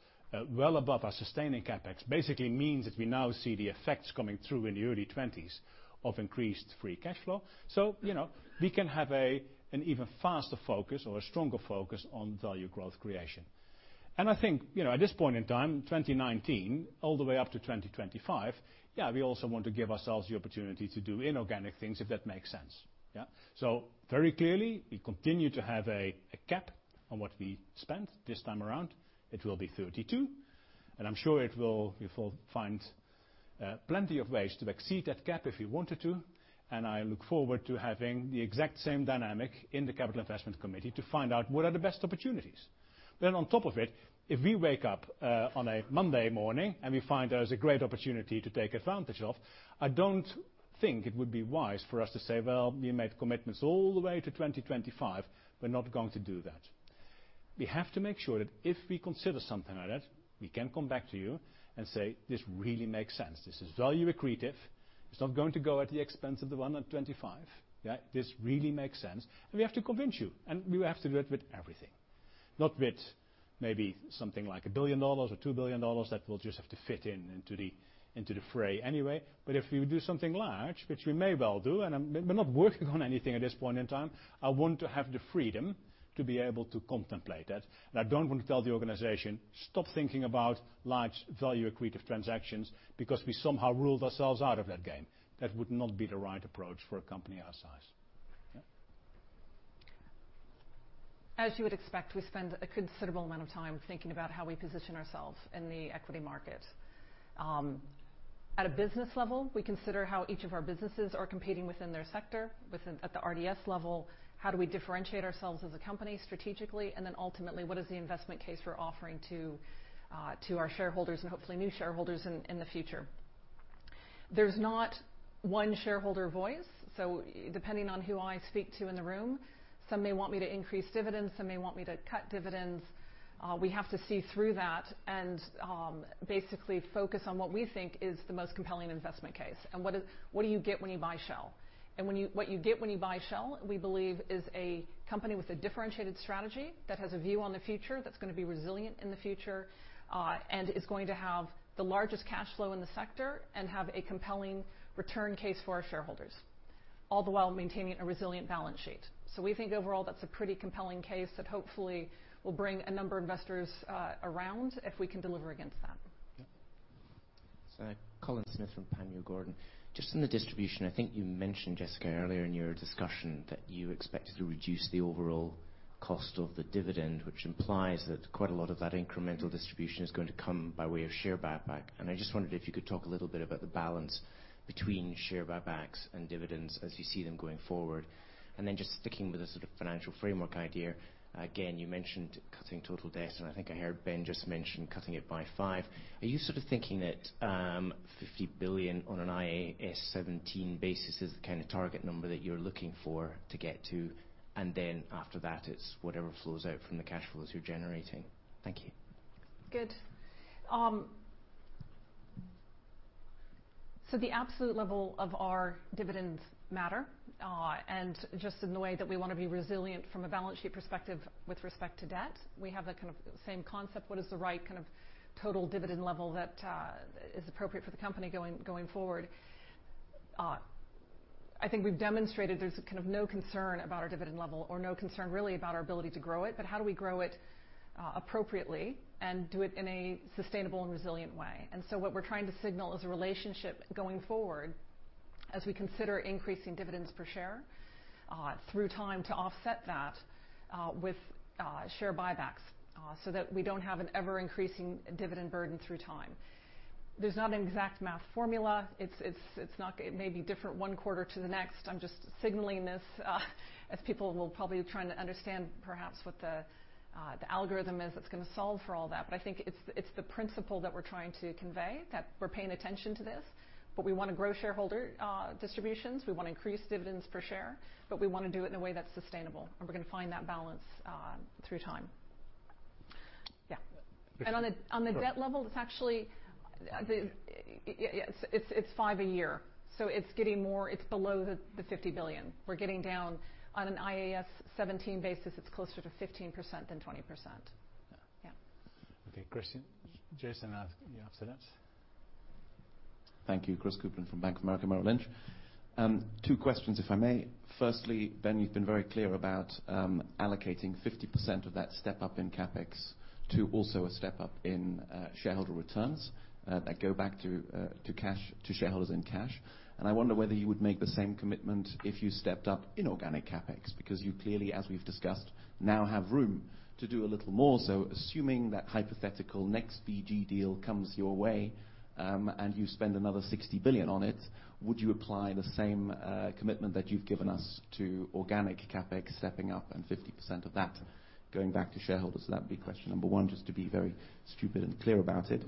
well above our sustaining CapEx basically means that we now see the effects coming through in the early '20s of increased free cash flow. We can have an even faster focus or a stronger focus on value growth creation. I think, at this point in time, 2019, all the way up to 2025, yeah, we also want to give ourselves the opportunity to do inorganic things if that makes sense. Yeah. Very clearly, we continue to have a cap on what we spend this time around. It will be 32. I'm sure we will find plenty of ways to exceed that cap if we wanted to. I look forward to having the exact same dynamic in the capital investment committee to find out what are the best opportunities. On top of it, if we wake up on a Monday morning and we find there's a great opportunity to take advantage of, I don't think it would be wise for us to say, "We made commitments all the way to 2025. We're not going to do that." We have to make sure that if we consider something like that, we can come back to you and say, "This really makes sense. This is value accretive. It's not going to go at the expense of the 125. This really makes sense." We have to convince you, and we have to do it with everything. Not with maybe something like $1 billion or $2 billion that will just have to fit in into the fray anyway. If we do something large, which we may well do, and we're not working on anything at this point in time, I want to have the freedom to be able to contemplate that. I don't want to tell the organization, "Stop thinking about large value accretive transactions because we somehow ruled ourselves out of that game." That would not be the right approach for a company our size. Yeah. As you would expect, we spend a considerable amount of time thinking about how we position ourselves in the equity market. At a business level, we consider how each of our businesses are competing within their sector. At the RDS level, how do we differentiate ourselves as a company strategically, then ultimately, what is the investment case we're offering to our shareholders and hopefully new shareholders in the future? There's not one shareholder voice. Depending on who I speak to in the room, some may want me to increase dividends, some may want me to cut dividends. We have to see through that and basically focus on what we think is the most compelling investment case. What do you get when you buy Shell? What you get when you buy Shell, we believe, is a company with a differentiated strategy that has a view on the future, that's going to be resilient in the future. Is going to have the largest cash flow in the sector and have a compelling return case for our shareholders, all the while maintaining a resilient balance sheet. We think overall, that's a pretty compelling case that hopefully will bring a number of investors around if we can deliver against that. Yeah. Colin Smith from Panmure Gordon. Just on the distribution, I think you mentioned, Jessica, earlier in your discussion that you expected to reduce the overall cost of the dividend, which implies that quite a lot of that incremental distribution is going to come by way of share buyback. I just wondered if you could talk a little bit about the balance between share buybacks and dividends as you see them going forward. Then just sticking with the financial framework idea, again, you mentioned cutting total debt, and I think I heard Ben just mention cutting it by five. Are you thinking that 50 billion on an IAS 17 basis is the kind of target number that you're looking for to get to, then after that, it's whatever flows out from the cash flows you're generating? Thank you. Good. The absolute level of our dividends matter. Just in the way that we want to be resilient from a balance sheet perspective with respect to debt, we have the same concept. What is the right total dividend level that is appropriate for the company going forward? I think we've demonstrated there's no concern about our dividend level or no concern really about our ability to grow it, but how do we grow it appropriately and do it in a sustainable and resilient way? So what we're trying to signal is a relationship going forward as we consider increasing dividends per share through time to offset that with share buybacks, so that we don't have an ever-increasing dividend burden through time. There's not an exact math formula. It may be different one quarter to the next. I'm just signaling this as people will probably trying to understand perhaps what the algorithm is that's going to solve for all that. I think it's the principle that we're trying to convey that we're paying attention to this, but we want to grow shareholder distributions, we want to increase dividends per share, but we want to do it in a way that's sustainable, and we're going to find that balance through time. On the debt level, it's actually five a year, so it's below the $50 billion. We're getting down on an IAS 17 basis, it's closer to 15% than 20%. Yeah. Yeah. Okay. Chris, Jason, you after that? Thank you. Chris Kuplent from Bank of America Merrill Lynch. 2 questions, if I may. Firstly, Ben, you've been very clear about allocating 50% of that step up in CapEx to also a step up in shareholder returns that go back to shareholders in cash. I wonder whether you would make the same commitment if you stepped up inorganic CapEx, because you clearly, as we've discussed, now have room to do a little more. Assuming that hypothetical next BG deal comes your way, and you spend another $60 billion on it, would you apply the same commitment that you've given us to organic CapEx stepping up and 50% of that going back to shareholders? That'd be question number 1, just to be very stupid and clear about it.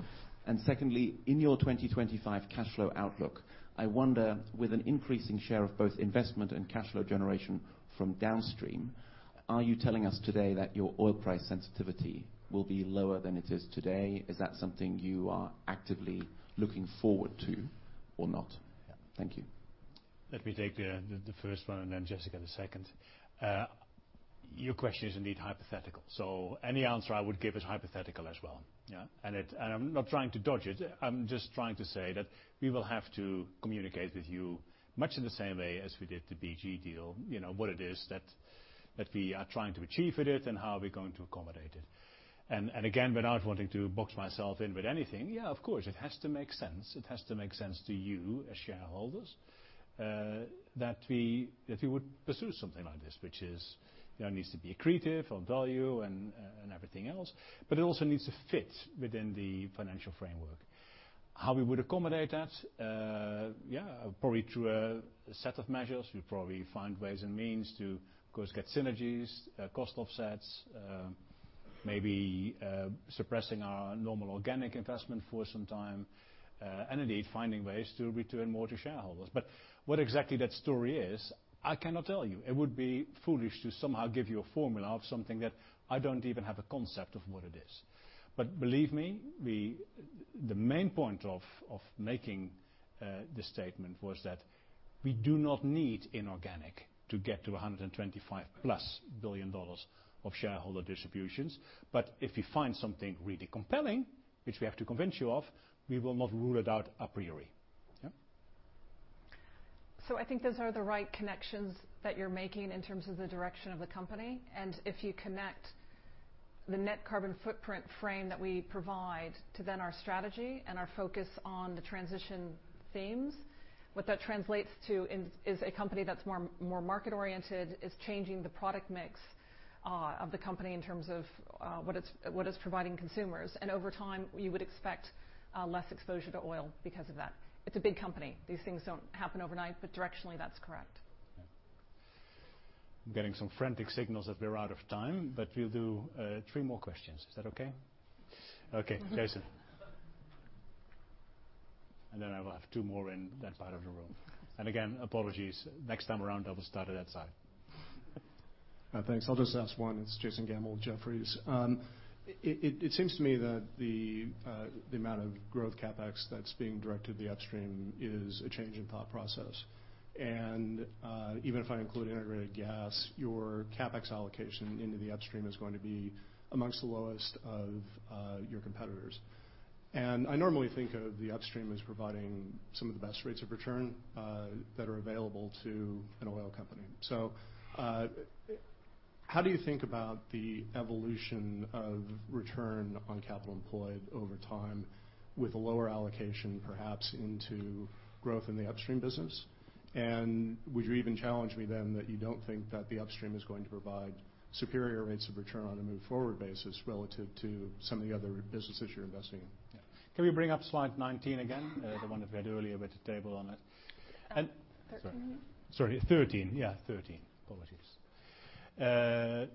Secondly, in your 2025 cash flow outlook, I wonder, with an increasing share of both investment and cash flow generation from Downstream, are you telling us today that your oil price sensitivity will be lower than it is today? Is that something you are actively looking forward to or not? Yeah. Thank you. Let me take the first one and then Jessica, the second. Your question is indeed hypothetical. Any answer I would give is hypothetical as well. I'm not trying to dodge it. I'm just trying to say that we will have to communicate with you much in the same way as we did the BG deal. What it is that we are trying to achieve with it and how we're going to accommodate it. Again, without wanting to box myself in with anything, of course, it has to make sense. It has to make sense to you as shareholders that we would pursue something like this, which needs to be accretive on value and everything else. It also needs to fit within the financial framework. How we would accommodate that? Probably through a set of measures. We probably find ways and means to, of course, get synergies, cost offsets, maybe suppressing our normal organic investment for some time, and indeed finding ways to return more to shareholders. What exactly that story is, I cannot tell you. It would be foolish to somehow give you a formula of something that I don't even have a concept of what it is. Believe me, the main point of making this statement was that we do not need inorganic to get to $125-plus billion of shareholder distributions. If we find something really compelling, which we have to convince you of, we will not rule it out a priori. I think those are the right connections that you're making in terms of the direction of the company. If you connect the net carbon footprint frame that we provide to then our strategy and our focus on the transition themes, what that translates to is a company that's more market-oriented, is changing the product mix of the company in terms of what it's providing consumers. Over time, you would expect less exposure to oil because of that. It's a big company. These things don't happen overnight, but directionally, that's correct. Yeah. I am getting some frantic signals that we are out of time, but we will do 3 more questions. Is that okay? Okay, Jason. Then I will have 2 more in that part of the room. Again, apologies. Next time around I will start at that side. Thanks. I will just ask 1. It is Jason Gammel, Jefferies. It seems to me that the amount of growth CapEx that is being directed to the upstream is a change in thought process. Even if I include integrated gas, your CapEx allocation into the upstream is going to be amongst the lowest of your competitors. I normally think of the upstream as providing some of the best rates of return that are available to an oil company. How do you think about the evolution of return on capital employed over time with a lower allocation, perhaps into growth in the upstream business? Would you even challenge me then that you do not think that the upstream is going to provide superior rates of return on a move forward basis relative to some of the other businesses you are investing in? Yeah. Can we bring up slide 19 again, the one we had earlier with the table on it? 13. Sorry, 13. Yeah, 13. Apologies. Yeah.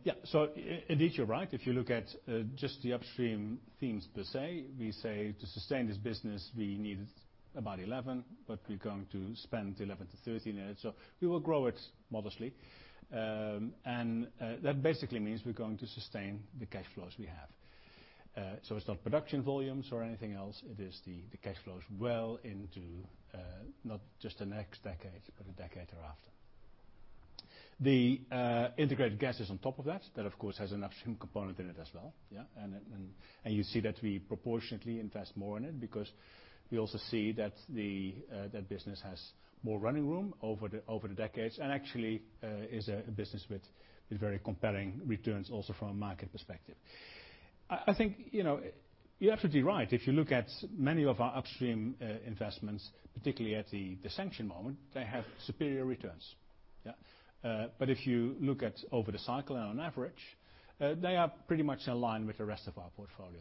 Indeed, you are right. If you look at just the upstream themes per se, we say to sustain this business, we need about 11, but we are going to spend 11-13 in it. We will grow it modestly. That basically means we are going to sustain the cash flows we have. It is not production volumes or anything else. It is the cash flows well into not just the next decade, but the decade thereafter. The integrated gas is on top of that. That, of course, has an upstream component in it as well. Yeah. You see that we proportionately invest more in it because we also see that the business has more running room over the decades and actually is a business with very compelling returns also from a market perspective. I think you are absolutely right. If you look at many of our upstream investments, particularly at the sanction moment, they have superior returns. If you look at over the cycle and on average, they are pretty much in line with the rest of our portfolio.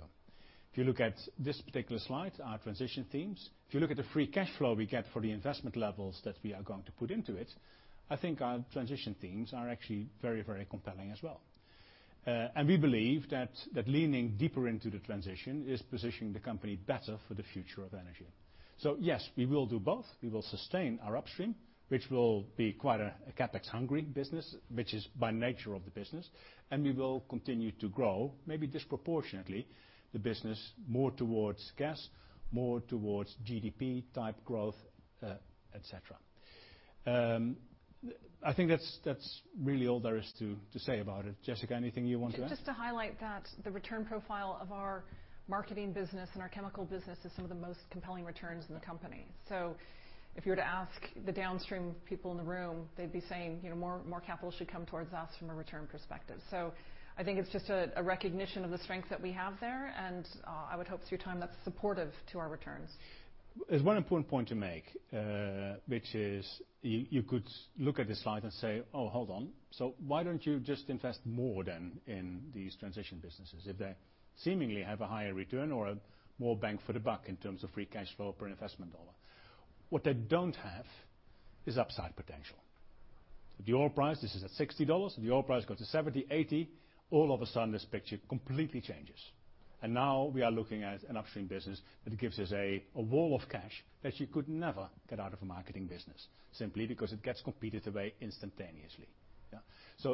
If you look at this particular slide, our transition themes, if you look at the free cash flow we get for the investment levels that we are going to put into it, I think our transition themes are actually very compelling as well. We believe that leaning deeper into the transition is positioning the company better for the future of energy. Yes, we will do both. We will sustain our upstream, which will be quite a CapEx-hungry business, which is by nature of the business, and we will continue to grow, maybe disproportionately, the business more towards gas, more towards GDP-type growth, et cetera. I think that's really all there is to say about it. Jessica, anything you want to add? Just to highlight that the return profile of our marketing business and our chemical business is some of the most compelling returns in the company. If you were to ask the downstream people in the room, they'd be saying, "More capital should come towards us from a return perspective." I think it's just a recognition of the strength that we have there, and I would hope through time that's supportive to our returns. There's one important point to make, which is you could look at this slide and say, "Oh, hold on. Why don't you just invest more then in these transition businesses if they seemingly have a higher return or more bang for the buck in terms of free cash flow per investment dollar?" What they don't have is upside potential. If the oil price, this is at $60, if the oil price goes to $70, $80, all of a sudden this picture completely changes. Now we are looking at an upstream business that gives us a wall of cash that you could never get out of a marketing business simply because it gets competed away instantaneously.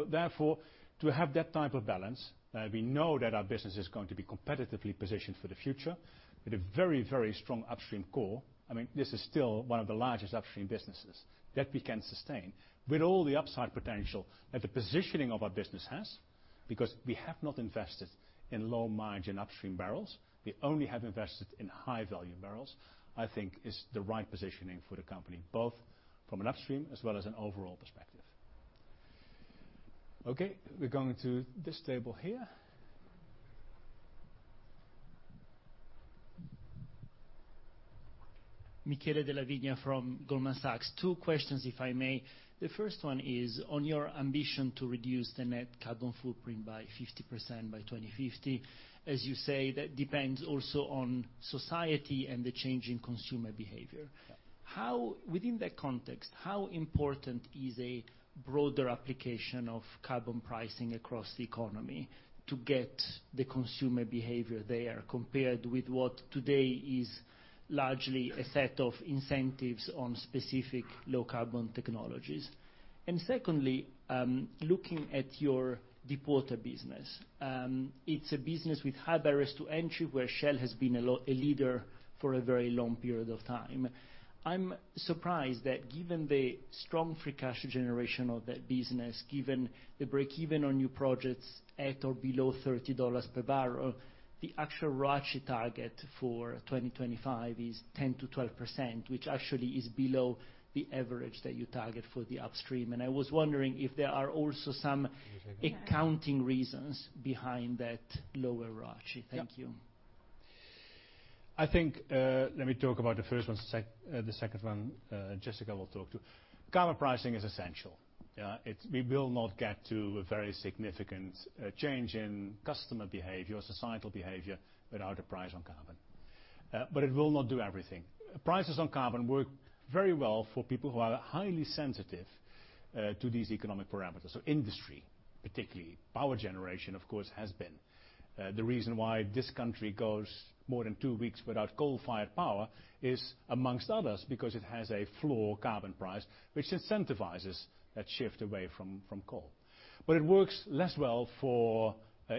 Therefore, to have that type of balance, we know that our business is going to be competitively positioned for the future with a very strong upstream core. This is still one of the largest upstream businesses that we can sustain with all the upside potential that the positioning of our business has because we have not invested in low-margin upstream barrels. We only have invested in high-value barrels. I think it is the right positioning for the company, both from an upstream as well as an overall perspective. Okay, we're going to this table here. Michele Della Vigna from Goldman Sachs. Two questions, if I may. The first one is on your ambition to reduce the net carbon footprint by 50% by 2050. As you say, that depends also on society and the change in consumer behavior. Yeah. Within that context, how important is a broader application of carbon pricing across the economy to get the consumer behavior there compared with what today is largely a set of incentives on specific low-carbon technologies? Secondly, looking at your Deepwater business. It's a business with high barriers to entry where Shell has been a leader for a very long period of time. I'm surprised that given the strong free cash generation of that business, given the break-even on new projects at or below $30 per barrel, the actual ROACE target for 2025 is 10%-12%, which actually is below the average that you target for the upstream. I was wondering if there are also some accounting reasons behind that lower ROACE. Thank you. I think, let me talk about the first one. The second one, Jessica will talk to. Carbon pricing is essential. Yeah. We will not get to a very significant change in customer behavior or societal behavior without a price on carbon. It will not do everything. Prices on carbon work very well for people who are highly sensitive to these economic parameters. Industry, particularly power generation, of course, has been the reason why this country goes more than two weeks without coal-fired power is, amongst others, because it has a floor carbon price which incentivizes that shift away from coal. It works less well for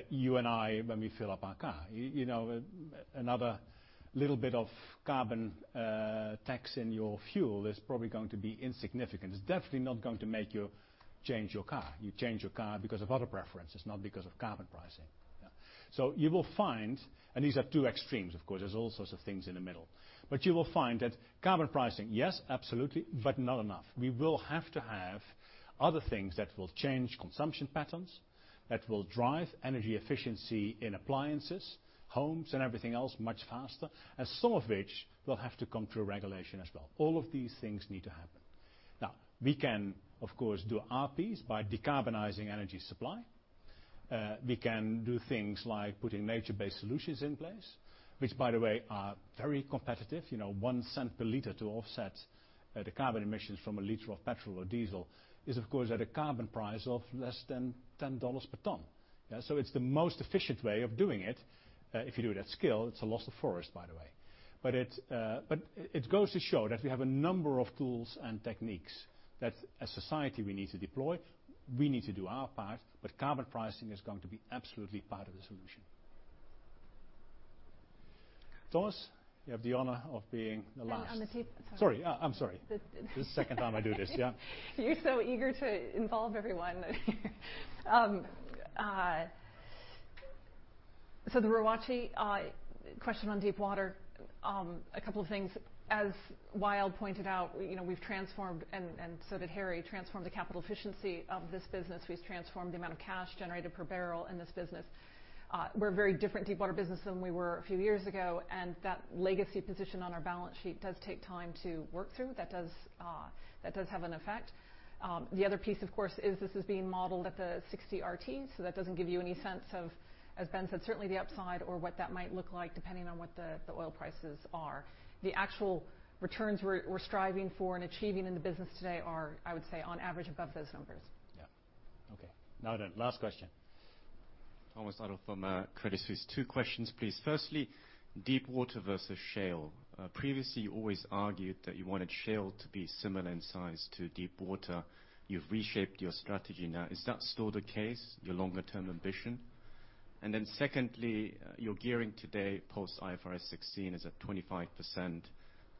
you and I when we fill up our car. Another little bit of carbon tax in your fuel is probably going to be insignificant. It's definitely not going to make you change your car. You change your car because of other preferences, not because of carbon pricing. You will find, and these are two extremes, of course, there's all sorts of things in the middle, but you will find that carbon pricing, yes, absolutely, but not enough. We will have to have other things that will change consumption patterns, that will drive energy efficiency in appliances, homes, and everything else much faster, and some of which will have to come through regulation as well. All of these things need to happen. Now, we can, of course, do our piece by decarbonizing energy supply. We can do things like putting nature-based solutions in place, which, by the way, are very competitive. $0.01 per liter to offset the carbon emissions from a liter of petrol or diesel is, of course, at a carbon price of less than $10 per ton. It's the most efficient way of doing it. If you do it at scale, it's a loss of forest, by the way. It goes to show that we have a number of tools and techniques that as society we need to deploy. We need to do our part, but carbon pricing is going to be absolutely part of the solution. Thomas, you have the honor of being the last. On the tape. Sorry. Sorry. I'm sorry. This is the second time I do this. the ROACE question on Deepwater. A couple of things. As Wael pointed out, we've transformed the capital efficiency of this business. We've transformed the amount of cash generated per barrel in this business. We're a very different Deepwater business than we were a few years ago, and that legacy position on our balance sheet does take time to work through. That does have an effect. The other piece, of course, is this is being modeled at the $60 RT, that doesn't give you any sense of, as Ben said, certainly the upside or what that might look like depending on what the oil prices are. The actual returns we're striving for and achieving in the business today are, I would say, on average, above those numbers. Yeah. Okay. last question. Thomas Adolff from Credit Suisse. Two questions, please. Firstly, Deepwater versus Shales. Previously, you always argued that you wanted Shales to be similar in size to Deepwater. You've reshaped your strategy now. Is that still the case, your longer-term ambition? Secondly, your gearing today post IFRS 16 is at 25%.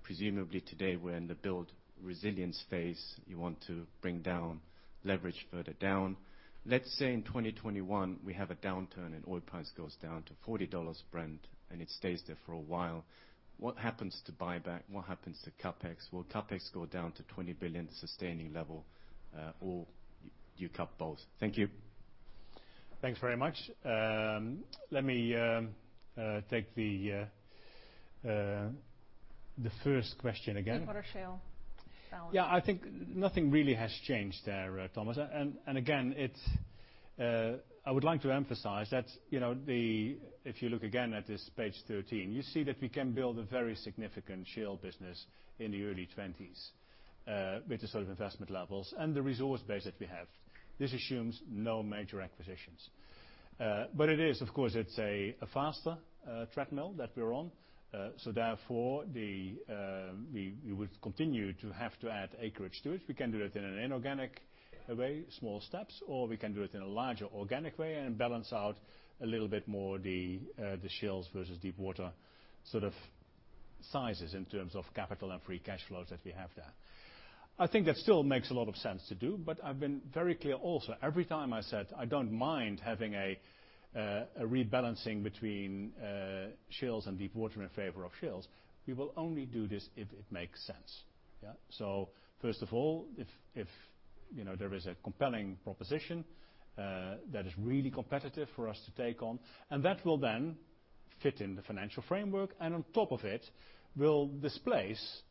Presumably today, we're in the build resilience phase. You want to bring down leverage further down. Let's say in 2021, we have a downturn and oil price goes down to $40 Brent and it stays there for a while. What happens to buyback? What happens to CapEx? Will CapEx go down to $20 billion, the sustaining level, or you cut both? Thank you. Thanks very much. Let me take the first question again. Deepwater Shale balance. Yeah, I think nothing really has changed there, Thomas. Again, I would like to emphasize that if you look again at this page 13, you see that we can build a very significant Shales business in the early 2020s with the sort of investment levels and the resource base that we have. This assumes no major acquisitions. It is, of course, it's a faster treadmill that we're on. Therefore, we would continue to have to add acreage to it. We can do it in an inorganic way, small steps, or we can do it in a larger organic way and balance out a little bit more the Shales versus Deepwater sort of sizes in terms of capital and free cash flows that we have there. I think that still makes a lot of sense to do, but I've been very clear also, every time I said I don't mind having a rebalancing between Shales and Deepwater in favor of Shales, we will only do this if it makes sense. Yeah. First of all, if there is a compelling proposition that is really competitive for us to take on, and that will then fit in the financial framework, and on top of it, will displace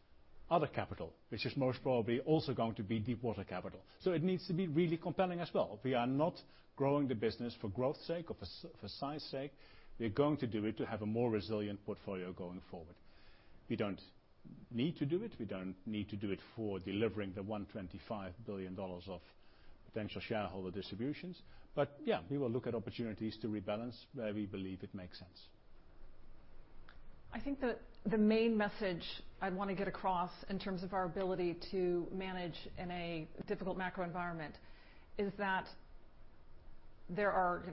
other capital, which is most probably also going to be Deepwater capital. It needs to be really compelling as well. We are not growing the business for growth sake or for size sake. We are going to do it to have a more resilient portfolio going forward. We don't need to do it. We don't need to do it for delivering the $125 billion of potential shareholder distributions. Yeah, we will look at opportunities to rebalance where we believe it makes sense. I think that the main message I'd want to get across in terms of our ability to manage in a difficult macro environment is that. There are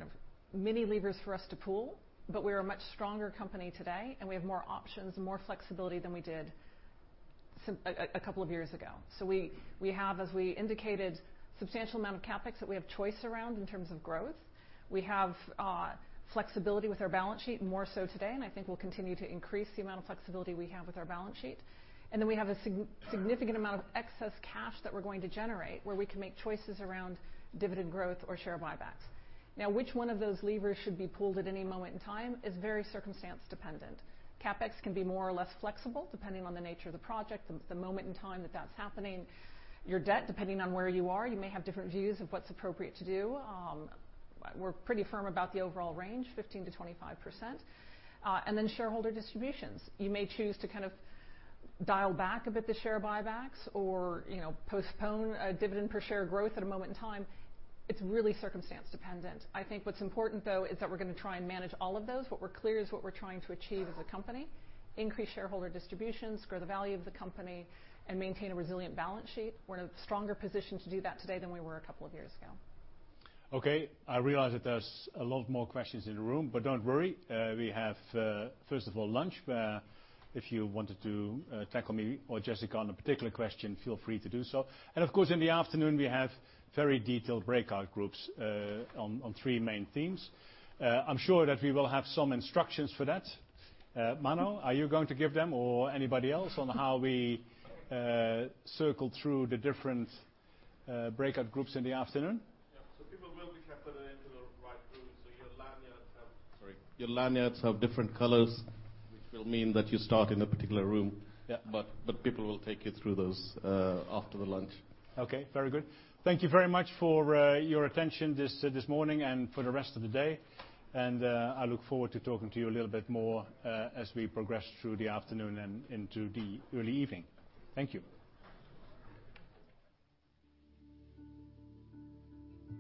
many levers for us to pull, but we are a much stronger company today, and we have more options and more flexibility than we did a couple of years ago. We have, as we indicated, substantial amount of CapEx that we have choice around in terms of growth. We have flexibility with our balance sheet, more so today, and I think we'll continue to increase the amount of flexibility we have with our balance sheet. We have a significant amount of excess cash that we're going to generate, where we can make choices around dividend growth or share buybacks. Which one of those levers should be pulled at any moment in time is very circumstance dependent. CapEx can be more or less flexible depending on the nature of the project, the moment in time that that's happening. Your debt, depending on where you are, you may have different views of what's appropriate to do. We're pretty firm about the overall range, 15%-25%. Shareholder distributions. You may choose to kind of dial back a bit the share buybacks or postpone dividend per share growth at a moment in time. It's really circumstance dependent. I think what's important, though, is that we're going to try and manage all of those. What we're clear is what we're trying to achieve as a company, increase shareholder distributions, grow the value of the company, and maintain a resilient balance sheet. We're in a stronger position to do that today than we were a couple of years ago. Okay. I realize that there's a lot more questions in the room, but don't worry. We have, first of all, lunch. If you wanted to tackle me or Jessica on a particular question, feel free to do so. Of course, in the afternoon, we have very detailed breakout groups on three main themes. I'm sure that we will have some instructions for that. Mano, are you going to give them or anybody else on how we circle through the different breakout groups in the afternoon? Yeah. People will be kept into the right room. Your lanyards have different colors, which will mean that you start in a particular room. Yeah. people will take you through those after the lunch. Okay, very good. Thank you very much for your attention this morning and for the rest of the day. I look forward to talking to you a little bit more as we progress through the afternoon and into the early evening. Thank you.